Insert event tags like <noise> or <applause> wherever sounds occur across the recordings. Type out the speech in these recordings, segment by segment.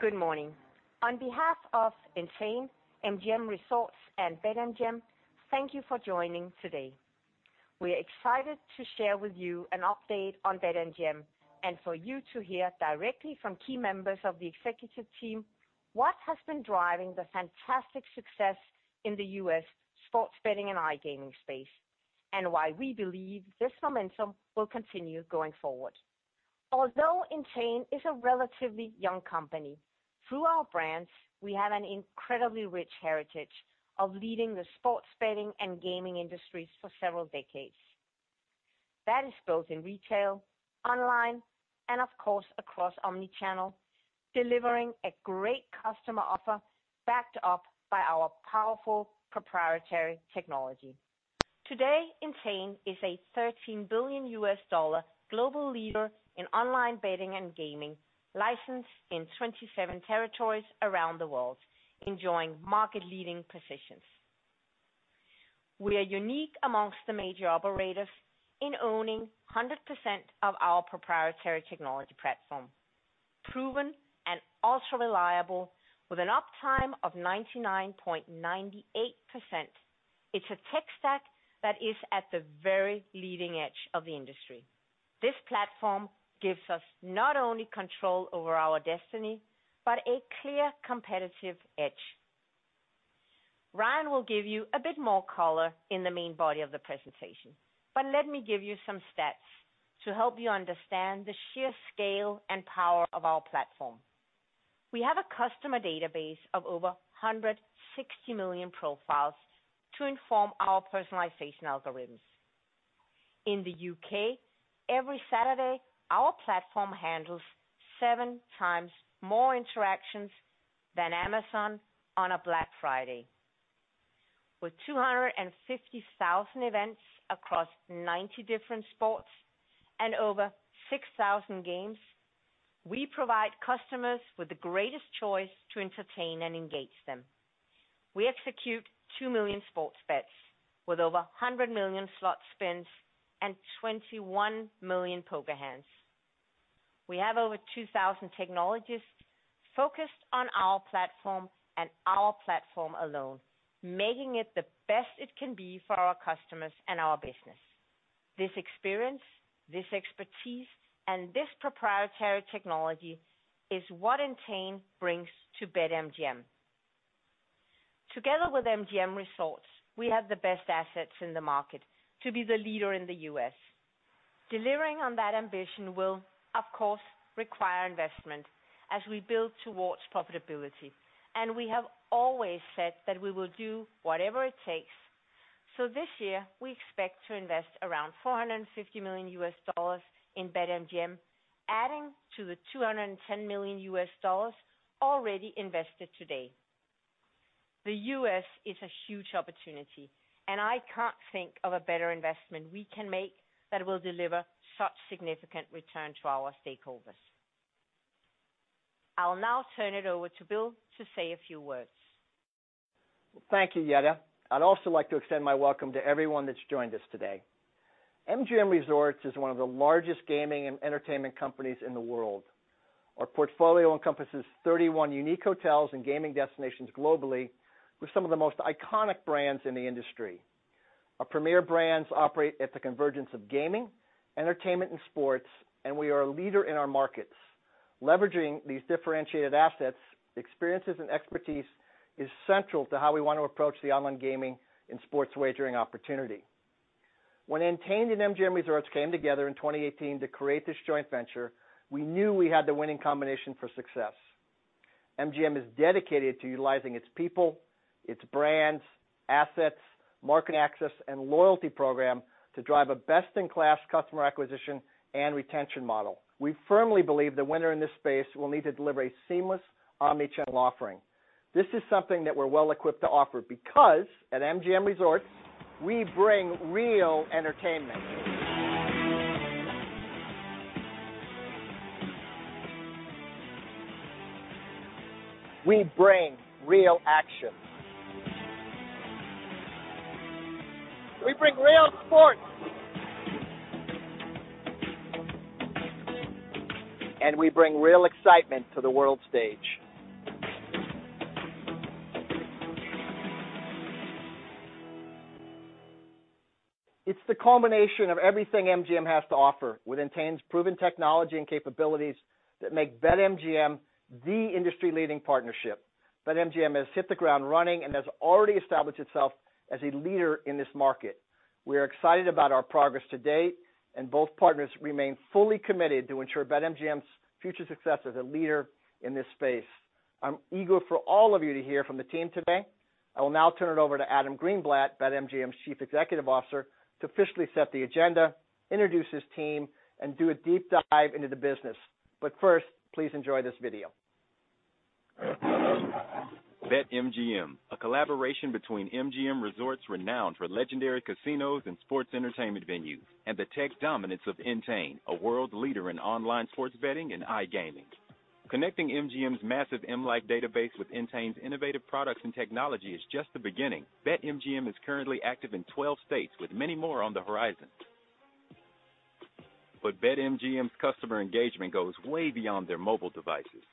Good morning. On behalf of Entain, MGM Resorts, and BetMGM, thank you for joining today. We're excited to share with you an update on BetMGM and for you to hear directly from key members of the executive team what has been driving the fantastic success in the U.S. sports betting and iGaming space, and why we believe this momentum will continue going forward. Although Entain is a relatively young company, through our brands, we have an incredibly rich heritage of leading the sports betting and gaming industries for several decades. That is both in retail, online, and of course, across omnichannel, delivering a great customer offer backed up by our powerful proprietary technology. Today, Entain is a $13 billion U.S. global leader in online betting and gaming, licensed in 27 territories around the world, enjoying market-leading positions. We are unique amongst the major operators in owning 100% of our proprietary technology platform, proven and ultra-reliable with an uptime of 99.98%. It's a tech stack that is at the very leading edge of the industry. This platform gives us not only control over our destiny, but a clear competitive edge. Ryan will give you a bit more color in the main body of the presentation, but let me give you some stats to help you understand the sheer scale and power of our platform. We have a customer database of over 160 million profiles to inform our personalization algorithms. In the U.K., every Saturday, our platform handles seven times more interactions than Amazon on a Black Friday. With 250,000 events across 90 different sports and over 6,000 games, we provide customers with the greatest choice to entertain and engage them. We execute 2 million sports bets with over 100 million slot spins and 21 million poker hands. We have over 2,000 technologists focused on our platform and our platform alone, making it the best it can be for our customers and our business. This experience, this expertise, and this proprietary technology is what Entain brings to BetMGM. Together with MGM Resorts, we have the best assets in the market to be the leader in the U.S. Delivering on that ambition will, of course, require investment as we build towards profitability, and we have always said that we will do whatever it takes. This year, we expect to invest around $450 million in BetMGM, adding to the $210 million already invested to date. The U.S. is a huge opportunity. I can't think of a better investment we can make that will deliver such significant return to our stakeholders. I'll now turn it over to Bill to say a few words. Thank you, Jette. I'd also like to extend my welcome to everyone that's joined us today. MGM Resorts is one of the largest gaming and entertainment companies in the world. Our portfolio encompasses 31 unique hotels and gaming destinations globally with some of the most iconic brands in the industry. Our premier brands operate at the convergence of gaming, entertainment, and sports, and we are a leader in our markets. Leveraging these differentiated assets, experiences, and expertise is central to how we want to approach the online gaming and sports wagering opportunity. When Entain and MGM Resorts came together in 2018 to create this joint venture, we knew we had the winning combination for success. MGM is dedicated to utilizing its people, its brands, assets, market access, and loyalty program to drive a best-in-class customer acquisition and retention model. We firmly believe the winner in this space will need to deliver a seamless omnichannel offering. This is something that we're well-equipped to offer because at MGM Resorts, we bring real entertainment. We bring real action. We bring real sports. We bring real excitement to the world stage. It's the culmination of everything MGM has to offer with Entain's proven technology and capabilities that make BetMGM the industry-leading partnership. BetMGM has hit the ground running and has already established itself as a leader in this market. We are excited about our progress to date, and both partners remain fully committed to ensure BetMGM's future success as a leader in this space. I'm eager for all of you to hear from the team today. I will now turn it over to Adam Greenblatt, BetMGM's Chief Executive Officer, to officially set the agenda, introduce his team, and do a deep dive into the business. First, please enjoy this video. BetMGM, a collaboration between MGM Resorts renowned for legendary casinos and sports entertainment venues, and the tech dominance of Entain, a world leader in online sports betting and iGaming. Connecting MGM's massive M life database with Entain's innovative products and technology is just the beginning. BetMGM is currently active in 12 states with many more on the horizon. BetMGM's customer engagement goes way beyond their mobile devices.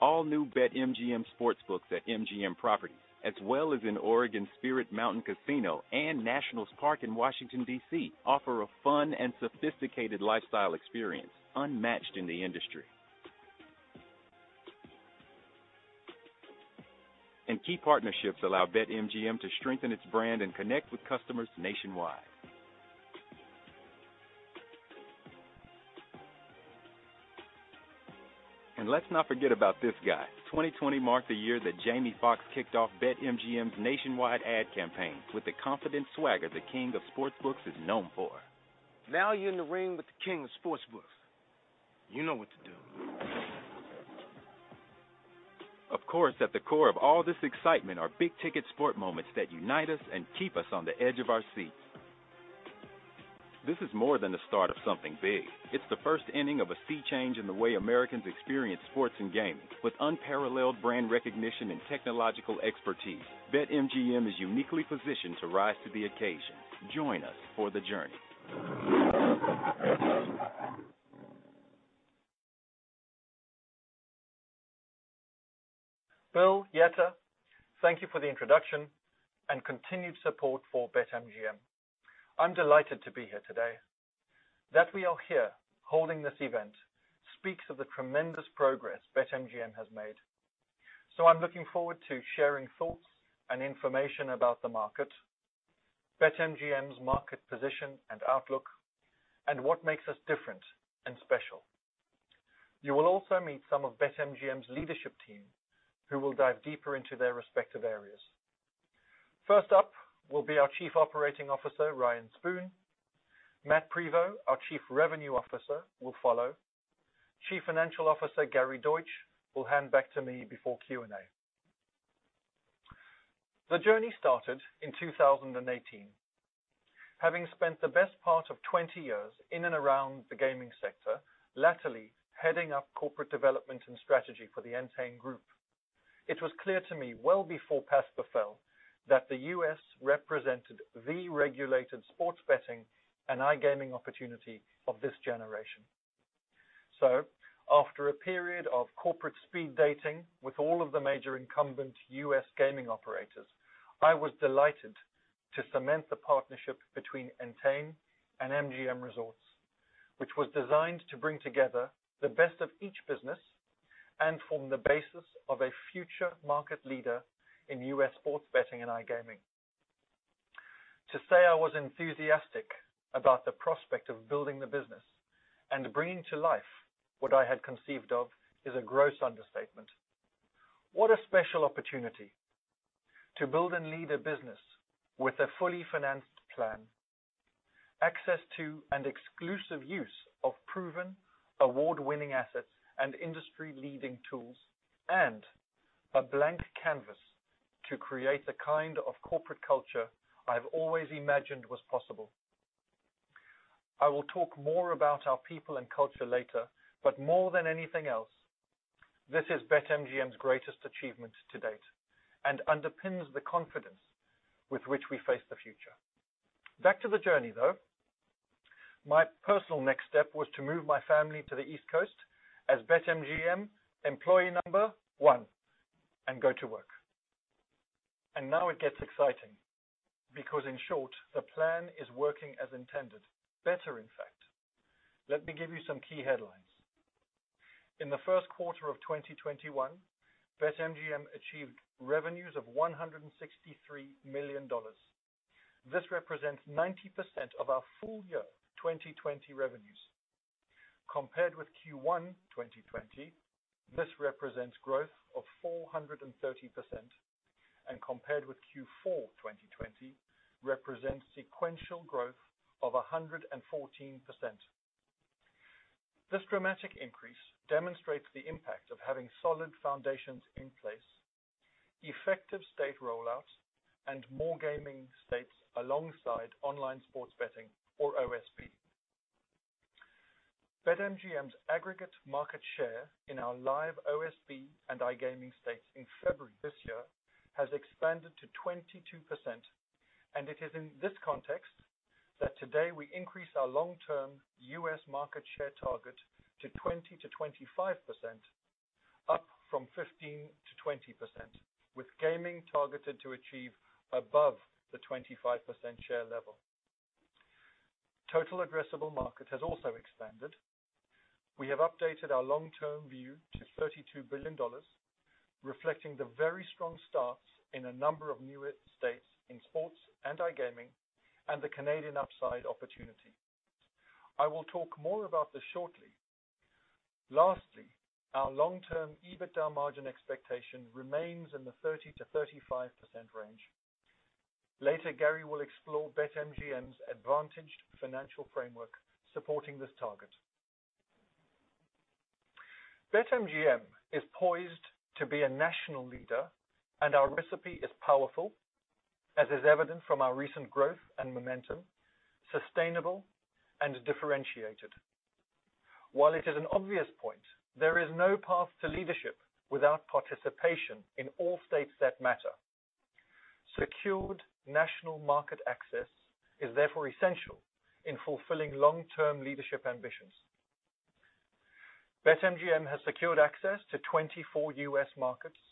All new BetMGM sports books at MGM Properties, as well as in Oregon Spirit Mountain Casino and Nationals Park in Washington, D.C., offer a fun and sophisticated lifestyle experience unmatched in the industry. Key partnerships allow BetMGM to strengthen its brand and connect with customers nationwide. Let's not forget about this guy. 2020 marked the year that Jamie Foxx kicked off BetMGM's nationwide ad campaign with the confident swagger the king of sports books is known for. Now you're in the ring with the king of sportsbooks. You know what to do. Of course, at the core of all this excitement are big-ticket sports moments that unite us and keep us on the edge of our seats. This is more than the start of something big. It's the first inning of a sea change in the way Americans experience sports and gaming. With unparalleled brand recognition and technological expertise, BetMGM is uniquely positioned to rise to the occasion. Join us for the journey. Bill, Jette, thank you for the introduction and continued support for BetMGM. I'm delighted to be here today. That we are here holding this event speaks of the tremendous progress BetMGM has made. I'm looking forward to sharing thoughts and information about the market, BetMGM's market position and outlook, and what makes us different and special. You will also meet some of BetMGM's leadership team who will dive deeper into their respective areas. First up will be our Chief Operating Officer, Ryan Spoon. Matt Prevost, our Chief Revenue Officer, will follow. Chief Financial Officer Gary Deutsch will hand back to me before Q&A. The journey started in 2018. Having spent the best part of 20 years in and around the gaming sector, latterly heading up corporate development and strategy for the Entain Group, it was clear to me well before PASPA fell that the U.S. represented the regulated sports betting and iGaming opportunity of this generation. After a period of corporate speed dating with all of the major incumbent U.S. gaming operators, I was delighted to cement the partnership between Entain and MGM Resorts, which was designed to bring together the best of each business and form the basis of a future market leader in U.S. sports betting and iGaming. To say I was enthusiastic about the prospect of building the business and bringing to life what I had conceived of is a gross understatement. What a special opportunity to build and lead a business with a fully financed plan, access to and exclusive use of proven award-winning assets and industry-leading tools, and a blank canvas to create the kind of corporate culture I've always imagined was possible. I will talk more about our people and culture later, but more than anything else, this is BetMGM's greatest achievement to date and underpins the confidence with which we face the future. Back to the journey, though. My personal next step was to move my family to the East Coast as BetMGM employee number one and go to work. Now it gets exciting because, in short, the plan is working as intended. Better, in fact. Let me give you some key headlines. In the first quarter of 2021, BetMGM achieved revenues of $163 million. This represents 90% of our full-year 2020 revenues. Compared with Q1 2020, this represents growth of 430%, and compared with Q4 2020, represents sequential growth of 114%. This dramatic increase demonstrates the impact of having solid foundations in place, effective state rollouts, and more gaming states alongside online sports betting or OSB. BetMGM's aggregate market share in our live OSB and iGaming states in February this year has expanded to 22%, and it is in this context that today we increase our long-term U.S. market share target to 20%-25%, up from 15%-20%, with gaming targeted to achieve above the 25% share level. Total addressable market has also expanded. We have updated our long-term view to $32 billion, reflecting the very strong starts in a number of newer states in sports and iGaming and the Canadian upside opportunity. I will talk more about this shortly. Lastly, our long-term EBITDA margin expectation remains in the 30% to 35% range. Later, Gary will explore BetMGM's advantaged financial framework supporting this target. BetMGM is poised to be a national leader, and our recipe is powerful as is evident from our recent growth and momentum, sustainable, and differentiated. While it is an obvious point, there is no path to leadership without participation in all states that matter. Secured national market access is therefore essential in fulfilling long-term leadership ambitions. BetMGM has secured access to 24 U.S. markets.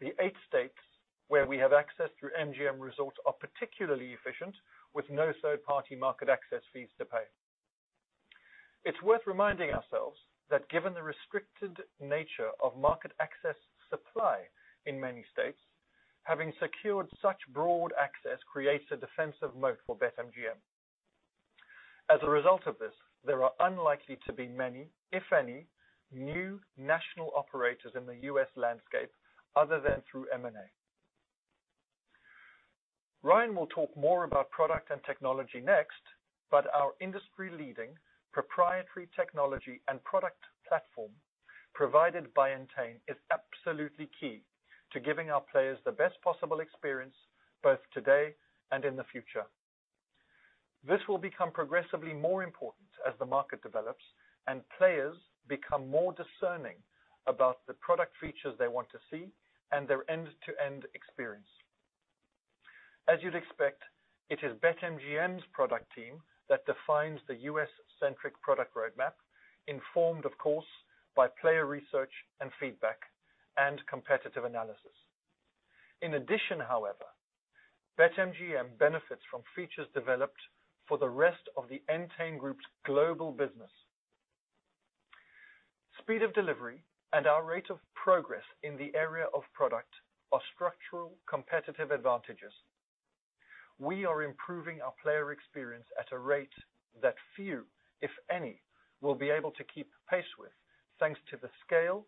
The eight states where we have access through MGM Resorts are particularly efficient, with no third-party market access fees to pay. It's worth reminding ourselves that given the restricted nature of market access supply in many states, having secured such broad access creates a defensive moat for BetMGM. As a result of this, there are unlikely to be many, if any, new national operators in the U.S. landscape other than through M&A. Ryan will talk more about product and technology next. Our industry-leading proprietary technology and product platform provided by Entain is absolutely key to giving our players the best possible experience both today and in the future. This will become progressively more important as the market develops and players become more discerning about the product features they want to see and their end-to-end experience. As you'd expect, it is BetMGM's product team that defines the U.S.-centric product roadmap, informed of course, by player research and feedback and competitive analysis. In addition, however, BetMGM benefits from features developed for the rest of the Entain Group's global business. Speed of delivery and our rate of progress in the area of product are structural competitive advantages. We are improving our player experience at a rate that few, if any, will be able to keep pace with, thanks to the scale,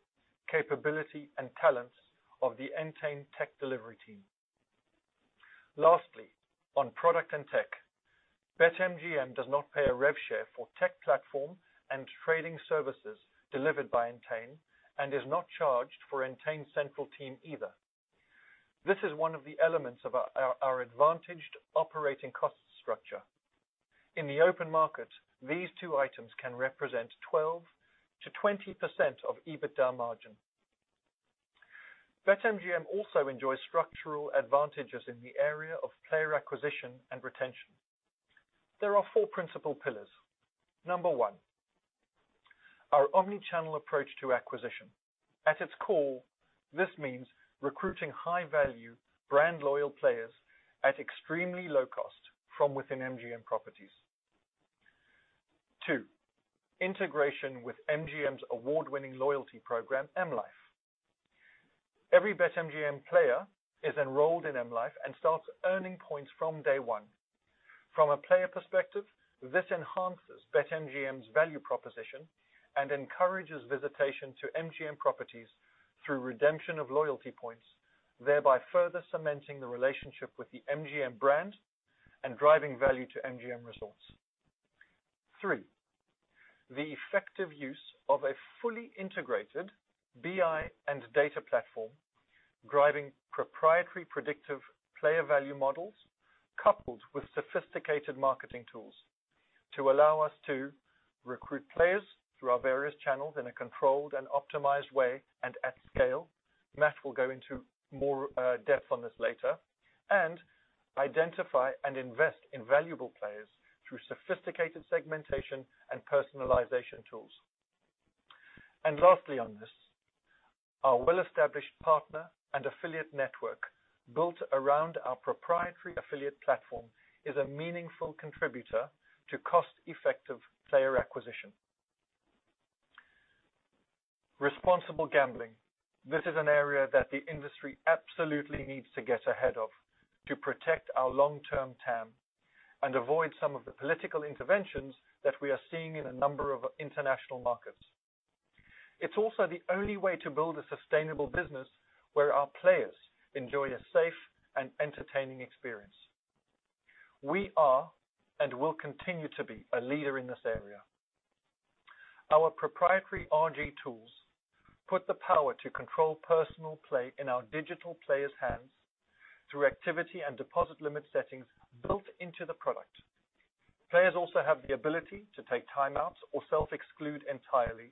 capability, and talents of the Entain tech delivery team. Lastly, on product and tech, BetMGM does not pay a rev share for tech platform and trading services delivered by Entain and is not charged for Entain central team either. This is one of the elements of our advantaged operating cost structure. In the open market, these two items can represent 12%-20% of EBITDA margin. BetMGM also enjoys structural advantages in the area of player acquisition and retention. There are four principal pillars. Number one, our omnichannel approach to acquisition. At its core, this means recruiting high-value, brand-loyal players at extremely low cost from within MGM properties. Two, integration with MGM's award-winning loyalty program, M life. Every BetMGM player is enrolled in M life and starts earning points from day one. From a player perspective, this enhances BetMGM's value proposition and encourages visitation to MGM properties through redemption of loyalty points, thereby further cementing the relationship with the MGM brand and driving value to MGM Resorts. Three, the effective use of a fully integrated BI and data platform driving proprietary predictive player value models coupled with sophisticated marketing tools to allow us to recruit players through our various channels in a controlled and optimized way, and at scale. Matt will go into more depth on this later. Identify and invest in valuable players through sophisticated segmentation and personalization tools. Lastly on this, our well-established partner and affiliate network built around our proprietary affiliate platform is a meaningful contributor to cost-effective player acquisition. Responsible gambling. This is an area that the industry absolutely needs to get ahead of to protect our long-term TAM and avoid some of the political interventions that we are seeing in a number of international markets. It's also the only way to build a sustainable business where our players enjoy a safe and entertaining experience. We are, and will continue to be, a leader in this area. Our proprietary RG tools put the power to control personal play in our digital players' hands through activity and deposit limit settings built into the product. Players also have the ability to take timeouts or self-exclude entirely,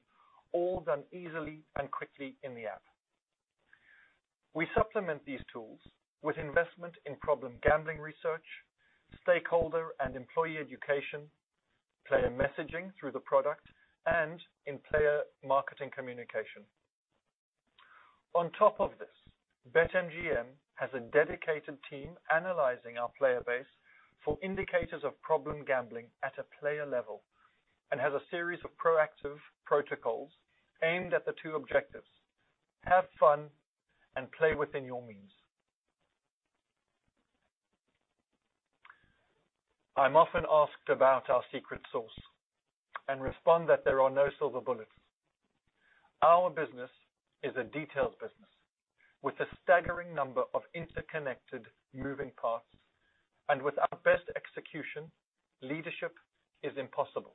all done easily and quickly in the app. We supplement these tools with investment in problem gambling research, stakeholder and employee education, player messaging through the product, and in player marketing communication. On top of this, BetMGM has a dedicated team analyzing our player base for indicators of problem gambling at a player level and has a series of proactive protocols aimed at the two objectives. Have fun and play within your means. I'm often asked about our secret sauce and respond that there are no silver bullets. Our business is a details business with a staggering number of interconnected moving parts, and without best execution, leadership is impossible.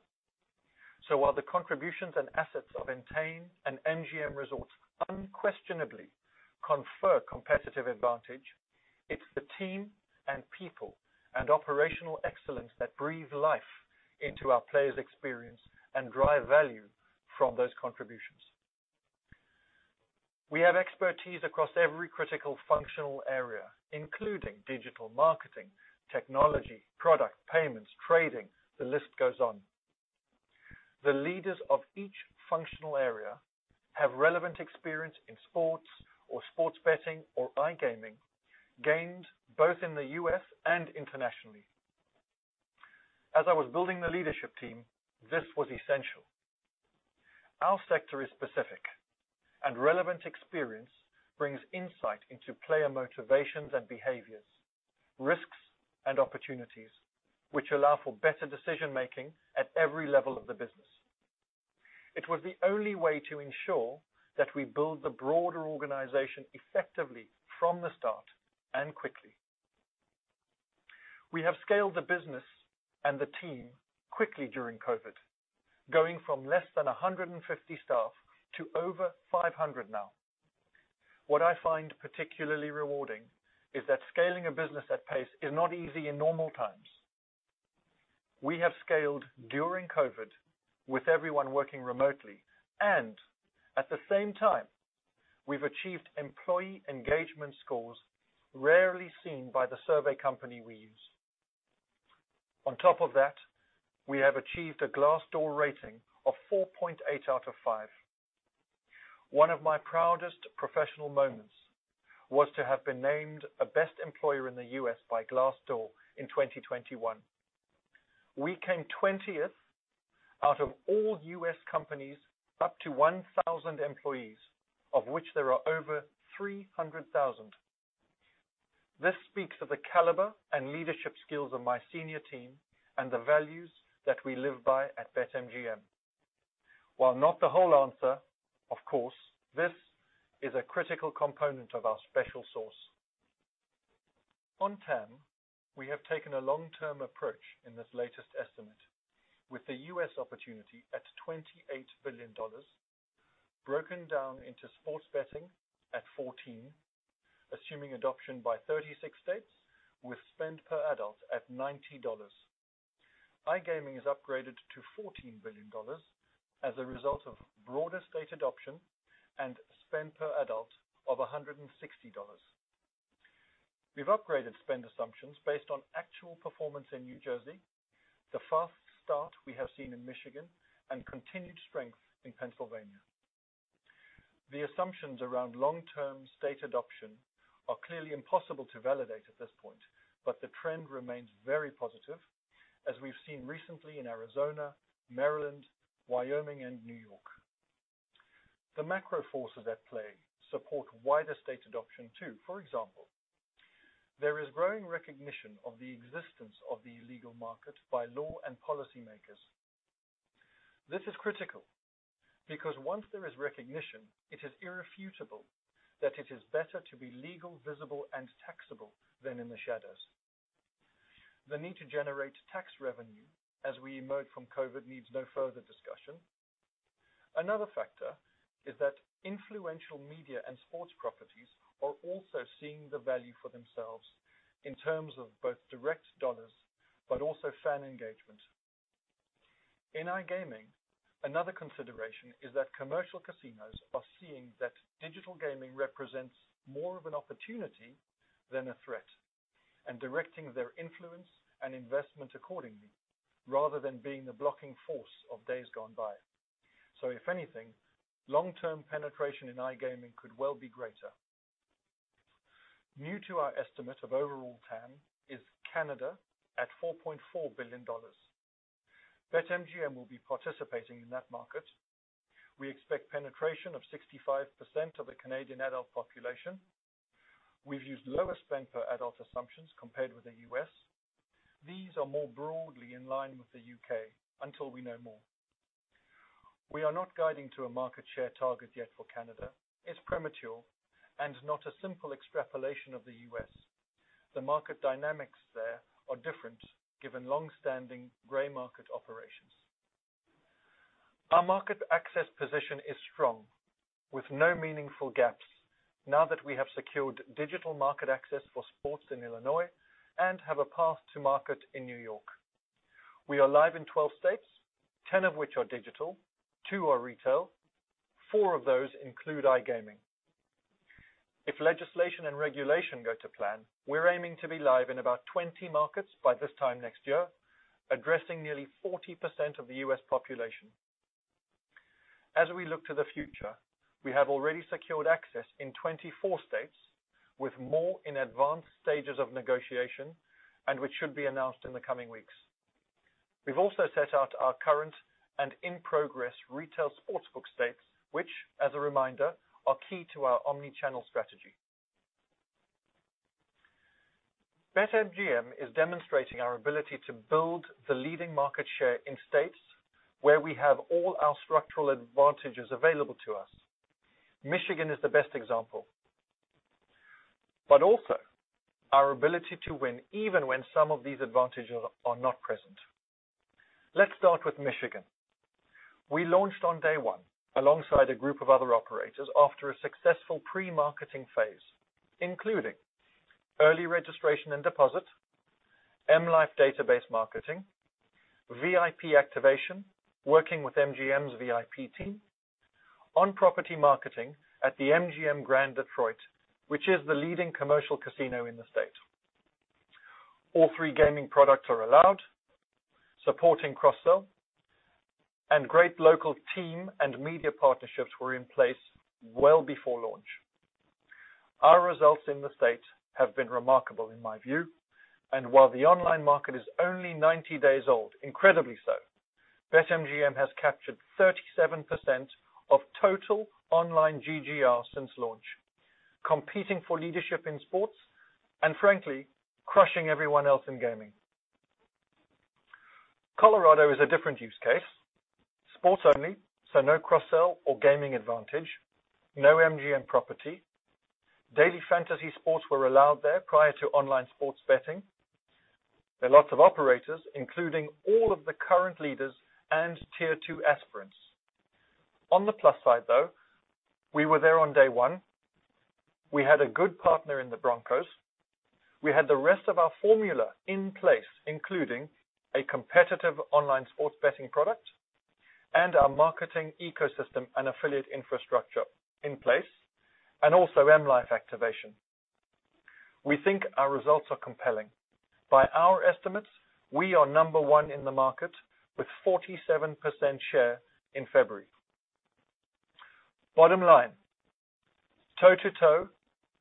While the contributions and assets of Entain and MGM Resorts unquestionably confer competitive advantage, it's the team and people and operational excellence that breathe life into our players' experience and drive value from those contributions. We have expertise across every critical functional area, including digital marketing, technology, product, payments, trading, the list goes on. The leaders of each functional area have relevant experience in sports or sports betting or iGaming, gained both in the U.S. and internationally. As I was building the leadership team, this was essential. Our sector is specific, and relevant experience brings insight into player motivations and behaviors, risks and opportunities, which allow for better decision-making at every level of the business. It was the only way to ensure that we build the broader organization effectively from the start, and quickly. We have scaled the business and the team quickly during COVID, going from less than 150 staff to over 500 now. What I find particularly rewarding is that scaling a business at pace is not easy in normal times. We have scaled during COVID with everyone working remotely, and at the same time, we've achieved employee engagement scores rarely seen by the survey company we use. On top of that, we have achieved a Glassdoor rating of 4.8 out of five. One of my proudest professional moments was to have been named a best employer in the U.S. by Glassdoor in 2021. We came 20th out of all U.S. companies up to 1,000 employees, of which there are over 300,000. This speaks of the caliber and leadership skills of my senior team and the values that we live by at BetMGM. While not the whole answer, of course, this is a critical component of our special sauce. On TAM, we have taken a long-term approach in this latest estimate, with the U.S. opportunity at $28 billion, broken down into sports betting at $14 billion, assuming adoption by 36 states with spend per adult at $90. iGaming is upgraded to $14 billion as a result of broader state adoption and spend per adult of $160. We've upgraded spend assumptions based on actual performance in New Jersey, the fast start we have seen in Michigan, and continued strength in Pennsylvania. The assumptions around long-term state adoption are clearly impossible to validate at this point, but the trend remains very positive, as we've seen recently in Arizona, Maryland, Wyoming, and New York. The macro forces at play support wider state adoption, too. For example, there is growing recognition of the existence of the illegal market by law and policymakers. This is critical because once there is recognition, it is irrefutable that it is better to be legal, visible, and taxable than in the shadows. The need to generate tax revenue as we emerge from COVID needs no further discussion. Another factor is that influential media and sports properties are also seeing the value for themselves in terms of both direct dollars, but also fan engagement. In iGaming, another consideration is that commercial casinos are seeing that digital gaming represents more of an opportunity than a threat, and directing their influence and investment accordingly rather than being the blocking force of days gone by. If anything, long-term penetration in iGaming could well be greater. New to our estimate of overall TAM is Canada at $4.4 billion. BetMGM will be participating in that market. We expect penetration of 65% of the Canadian adult population. We've used lower spend per adult assumptions compared with the U.S. These are more broadly in line with the U.K. until we know more. We are not guiding to a market share target yet for Canada. It's premature and not a simple extrapolation of the U.S. The market dynamics there are different given long-standing gray market operations. Our market access position is strong, with no meaningful gaps now that we have secured digital market access for sports in Illinois and have a path to market in New York. We are live in 12 states, 10 of which are digital, two are retail. Four of those include iGaming. If legislation and regulation go to plan, we're aiming to be live in about 20 markets by this time next year, addressing nearly 40% of the U.S. population. As we look to the future, we have already secured access in 24 states, with more in advanced stages of negotiation and which should be announced in the coming weeks. We've also set out our current and in-progress retail sportsbook states, which, as a reminder, are key to our omnichannel strategy. BetMGM is demonstrating our ability to build the leading market share in states where we have all our structural advantages available to us. Michigan is the best example. Also our ability to win even when some of these advantages are not present. Let's start with Michigan. We launched on day one alongside a group of other operators after a successful pre-marketing phase, including early registration and deposit, M life database marketing, VIP activation, working with MGM's VIP team, on-property marketing at the MGM Grand Detroit, which is the leading commercial casino in the state. All three gaming products are allowed, supporting cross-sell, and great local team and media partnerships were in place well before launch. Our results in the state have been remarkable in my view, and while the online market is only 90 days old, incredibly so, BetMGM has captured 37% of total online GGR since launch, competing for leadership in sports, and frankly, crushing everyone else in gaming. Colorado is a different use case. Sports only, no cross-sell or gaming advantage. No MGM property. Daily fantasy sports were allowed there prior to online sports betting. There are lots of operators, including all of the current leaders and Tier 2 aspirants. On the plus side, though, we were there on day one. We had a good partner in the Broncos. We had the rest of our formula in place, including a competitive online sports betting product and our marketing ecosystem and affiliate infrastructure in place, and also M life activation. We think our results are compelling. By our estimates, we are number one in the market with 47% share in February. Bottom line; Toe-to-toe,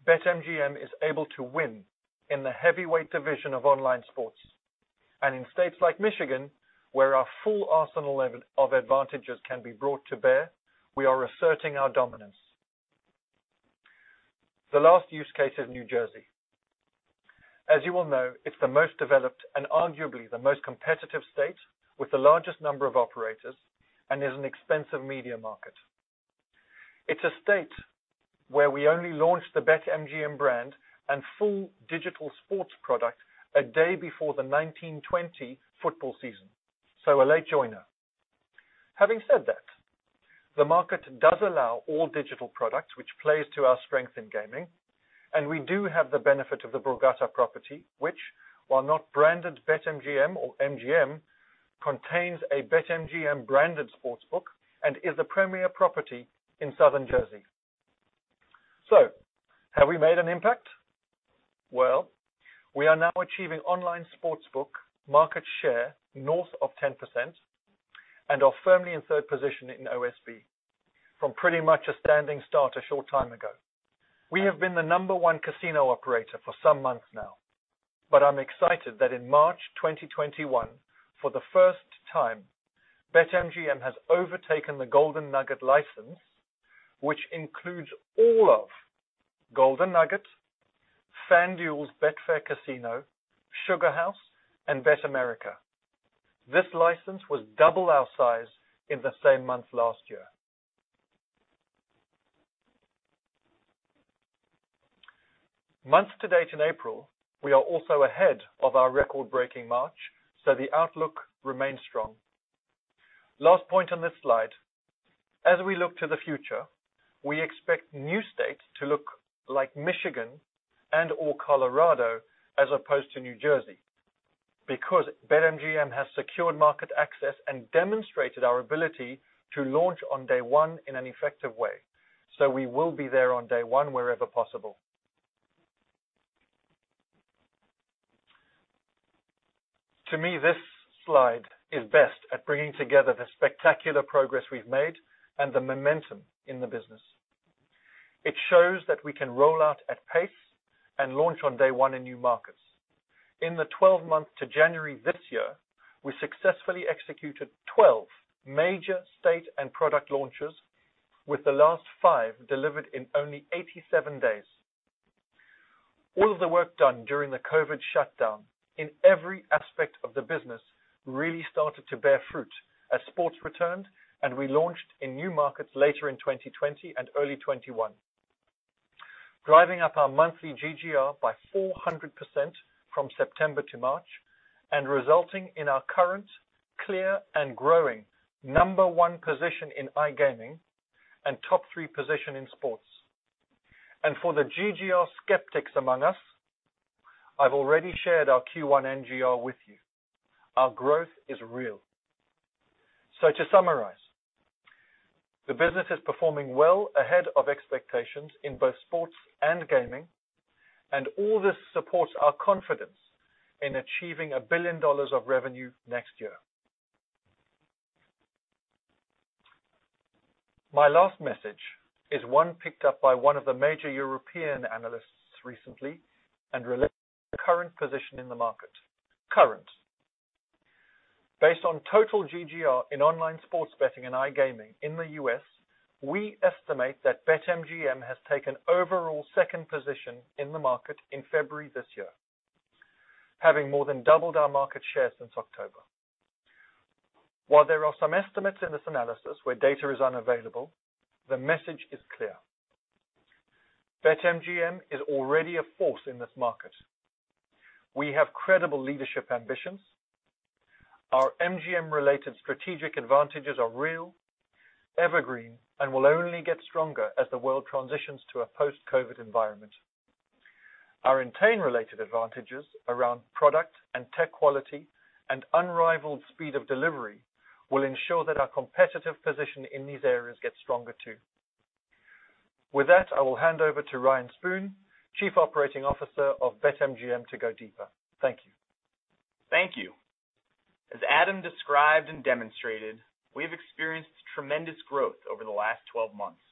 BetMGM is able to win in the heavyweight division of online sports. In states like Michigan, where our full arsenal of advantages can be brought to bear, we are asserting our dominance. The last use case is New Jersey. As you all know, it's the most developed and arguably the most competitive state with the largest number of operators and is an expensive media market. It's a state where we only launched the BetMGM brand and full digital sports product a day before the 19/20 football season, so a late joiner. Having said that, the market does allow all digital products, which plays to our strength in gaming, and we do have the benefit of the Borgata property, which, while not branded BetMGM or MGM, contains a BetMGM-branded sportsbook and is a premier property in Southern Jersey. Have we made an impact? Well, we are now achieving online sportsbook market share north of 10% and are firmly in third position in OSB from pretty much a standing start a short time ago. We have been the number one casino operator for some months now, but I'm excited that in March 2021, for the first time, BetMGM has overtaken the Golden Nugget license, which includes all of Golden Nugget, FanDuel's Betfair Casino, SugarHouse, and BetAmerica. This license was double our size in the same month last year. Month to date in April, we are also ahead of our record-breaking March, so the outlook remains strong. Last point on this slide, as we look to the future, we expect new states to look like Michigan and or Colorado as opposed to New Jersey because BetMGM has secured market access and demonstrated our ability to launch on day one in an effective way. We will be there on day one wherever possible. To me, this slide is best at bringing together the spectacular progress we've made and the momentum in the business. It shows that we can roll out at pace and launch on day one in new markets. In the 12 months to January this year, we successfully executed 12 major state and product launches with the last five delivered in only 87 days. All of the work done during the COVID shutdown in every aspect of the business really started to bear fruit as sports returned and we launched in new markets later in 2020 and early 2021, driving up our monthly GGR by 400% from September to March and resulting in our current clear and growing number one position in iGaming and top three position in sports. For the GGR skeptics among us, I've already shared our Q1 NGR with you. Our growth is real. To summarize, the business is performing well ahead of expectations in both sports and gaming, and all this supports our confidence in achieving $1 billion of revenue next year. My last message is one picked up by one of the major European analysts recently and relates to our current position in the market. Current. Based on total GGR in online sports betting and iGaming in the U.S., we estimate that BetMGM has taken overall second position in the market in February this year, having more than doubled our market share since October. There are some estimates in this analysis where data is unavailable, the message is clear. BetMGM is already a force in this market. We have credible leadership ambitions. Our MGM-related strategic advantages are real, evergreen, and will only get stronger as the world transitions to a post-COVID environment. Our Entain-related advantages around product and tech quality and unrivaled speed of delivery will ensure that our competitive position in these areas gets stronger, too. I will hand over to Ryan Spoon, Chief Operating Officer of BetMGM, to go deeper. Thank you. Thank you. As Adam described and demonstrated, we've experienced tremendous growth over the last 12 months.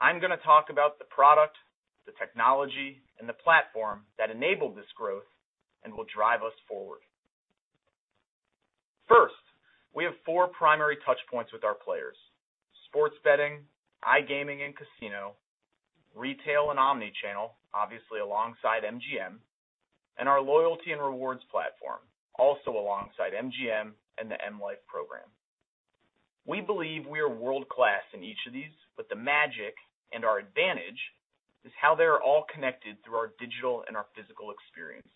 I'm going to talk about the product, the technology, and the platform that enabled this growth and will drive us forward. First, we have four primary touchpoints with our players: sports betting, iGaming and casino, retail and omnichannel, obviously alongside MGM, and our loyalty and rewards platform, also alongside MGM and the M life program. We believe we are world-class in each of these. The magic and our advantage is how they're all connected through our digital and our physical experiences.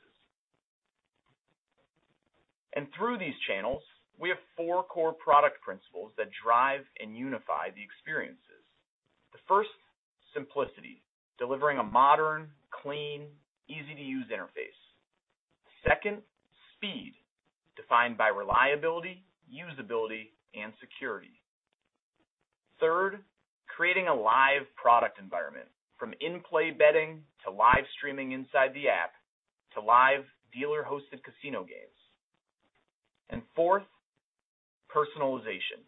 Through these channels, we have four core product principles that drive and unify the experiences. The first, simplicity, delivering a modern, clean, easy-to-use interface. Second, speed, defined by reliability, usability, and security. Third, creating a live product environment, from in-play betting to live streaming inside the app to live dealer-hosted casino games. Fourth, personalization.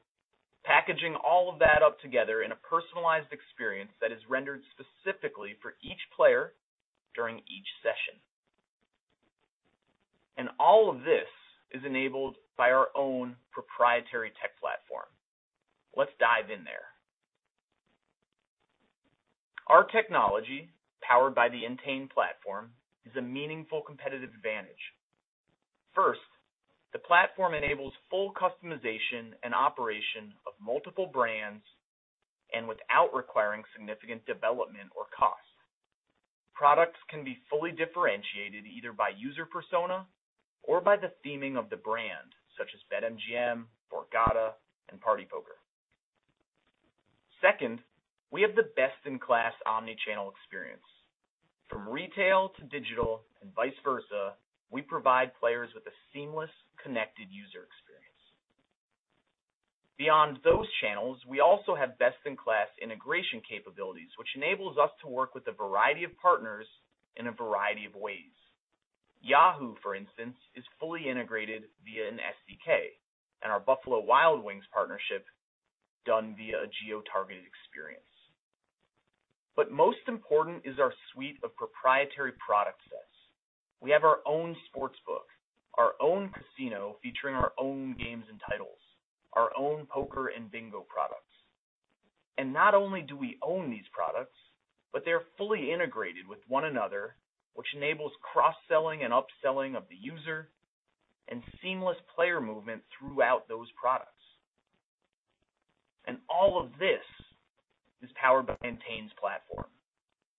Packaging all of that up together in a personalized experience that is rendered specifically for each player during each session. All of this is enabled by our own proprietary tech platform. Let's dive in there. Our technology, powered by the Entain platform, is a meaningful competitive advantage. First, the platform enables full customization and operation of multiple brands without requiring significant development or cost. Products can be fully differentiated either by user persona or by the theming of the brand, such as BetMGM, Borgata, and partypoker. Second, we have the best-in-class omnichannel experience. From retail to digital and vice versa, we provide players with a seamless connected user experience. Beyond those channels, we also have best-in-class integration capabilities, which enables us to work with a variety of partners in a variety of ways. Yahoo, for instance, is fully integrated via an SDK, and our Buffalo Wild Wings partnership done via a geo-targeted experience. Most important is our suite of proprietary product sets. We have our own sportsbook, our own casino, featuring our own games and titles, our own poker and bingo products. Not only do we own these products, but they're fully integrated with one another, which enables cross-selling and upselling of the user and seamless player movement throughout those products. All of this is powered by Entain's platform,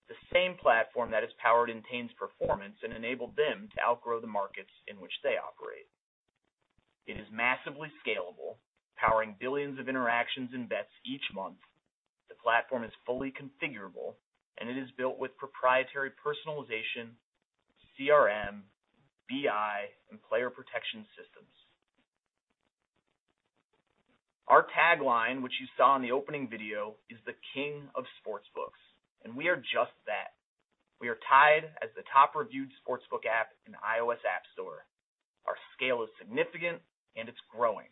the same platform that has powered Entain's performance and enabled them to outgrow the markets in which they operate. It is massively scalable, powering billions of interactions and bets each month. The platform is fully configurable, and it is built with proprietary personalization, CRM, BI, and player protection systems. Our tagline, which you saw in the opening video, is the King of Sportsbooks. We are just that. We are tied as the top-reviewed sportsbook app in iOS App Store. Our scale is significant, and it's growing.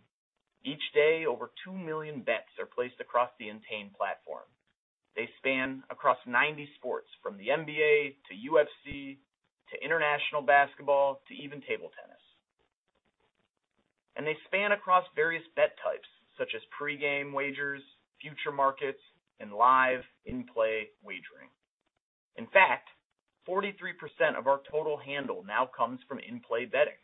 Each day, over 2 million bets are placed across the Entain platform. They span across 90 sports, from the NBA to UFC to international basketball to even table tennis. They span across various bet types, such as pre-game wagers, future markets, and live in-play wagering. In fact, 43% of our total handle now comes from in-play betting.